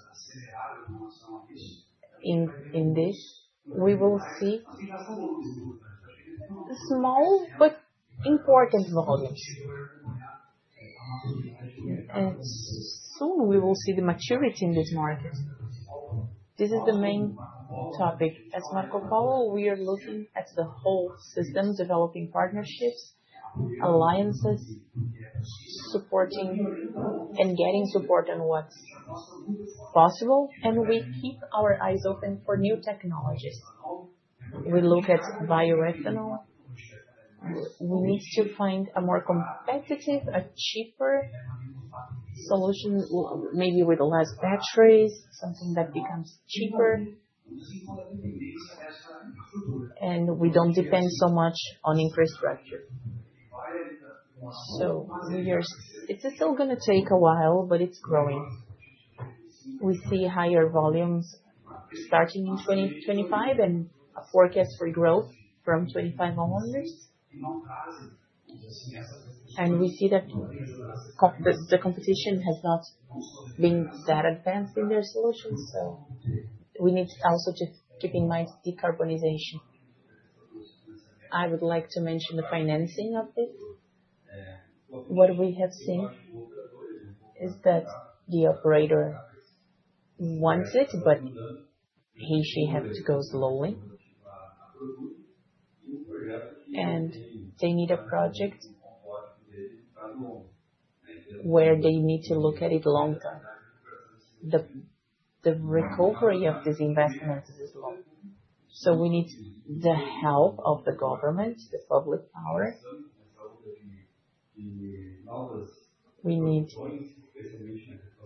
[SPEAKER 5] in this, we will see small but important volumes. Soon we will see the maturity in this market. This is the main topic. As Marcopolo, we are looking at the whole system, developing partnerships, alliances, supporting and getting support on what's possible. We keep our eyes open for new technologies. We look at bioethanol. We need to find a more competitive, a cheaper solution, maybe with less batteries, something that becomes cheaper. We don't depend so much on infrastructure. So it's still going to take a while, but it's growing. We see higher volumes starting in 2025 and a forecast for growth from 2025 volumes. We see that the competition has not been that advanced in their solutions. So we need also to keep in mind decarbonization. I would like to mention the financing of this. What we have seen is that the operator wants it, but he should have to go slowly. They need a project where they need to look at it long-term. The recovery of these investments is slow. So we need the help of the government, the public power. We need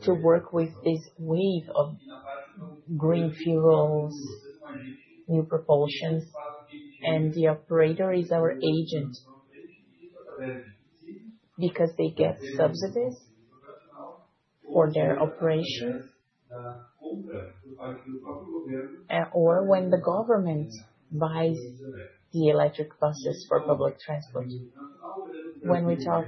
[SPEAKER 5] to work with this wave of green fuels, new propulsions. The operator is our agent because they get subsidies for their operations or when the government buys the electric buses for public transport. When we talk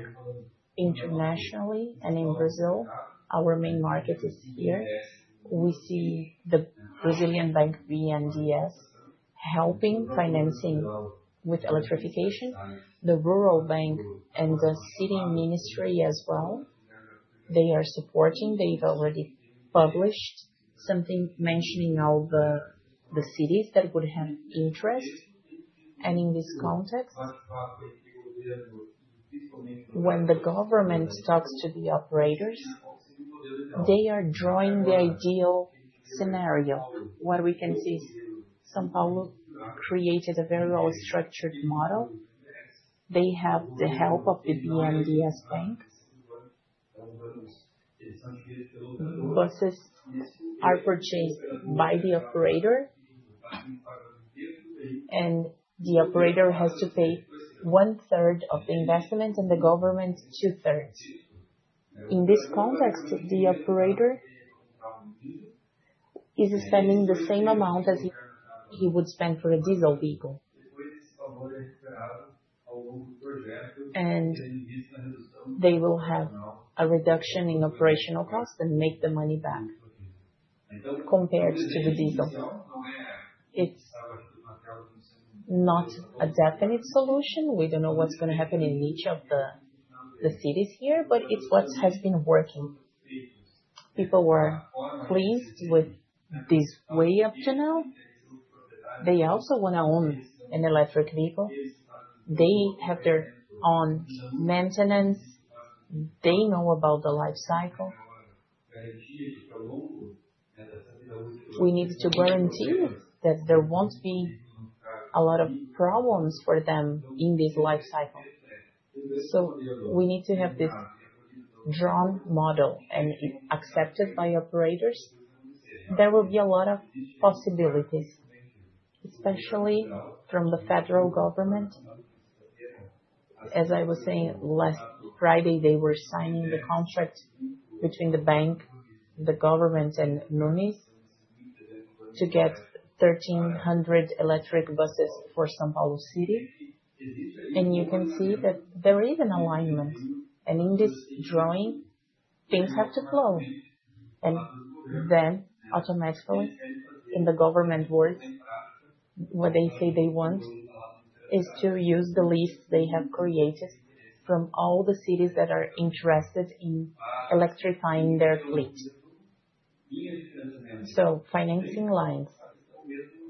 [SPEAKER 5] internationally and in Brazil, our main market is here. We see the Brazilian bank BNDES helping financing with electrification, the rural bank, and the City Ministry as well. They are supporting. They've already published something mentioning all the cities that would have interest. In this context, when the government talks to the operators, they are drawing the ideal scenario. What we can see is São Paulo created a very well-structured model. They have the help of the BNDES bank. Buses are purchased by the operator, and the operator has to pay one-third of the investment and the government two-thirds. In this context, the operator is spending the same amount as he would spend for a diesel vehicle. They will have a reduction in operational costs and make the money back compared to the diesel. It's not a definite solution. We don't know what's going to happen in each of the cities here, but it's what has been working. People were pleased with this way up to now. They also want to own an electric vehicle. They have their own maintenance. They know about the life cycle. We need to guarantee that there won't be a lot of problems for them in this life cycle. We need to have this drawn model and accepted by operators. There will be a lot of possibilities, especially from the federal government. As I was saying last Friday, they were signing the contract between the bank, the government, and Nunes to get 1,300 electric buses for São Paulo City. You can see that there is an alignment. In this drawing, things have to flow. Then automatically, in the government words, what they say they want is to use the list they have created from all the cities that are interested in electrifying their fleet. So financing lines,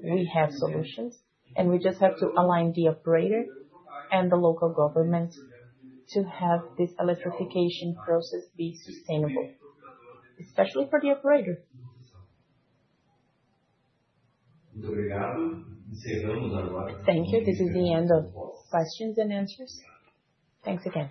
[SPEAKER 5] we have solutions, and we just have to align the operator and the local government to have this electrification process be sustainable, especially for the operator.
[SPEAKER 1] Thank you. This is the end of questions and answers. Thanks again.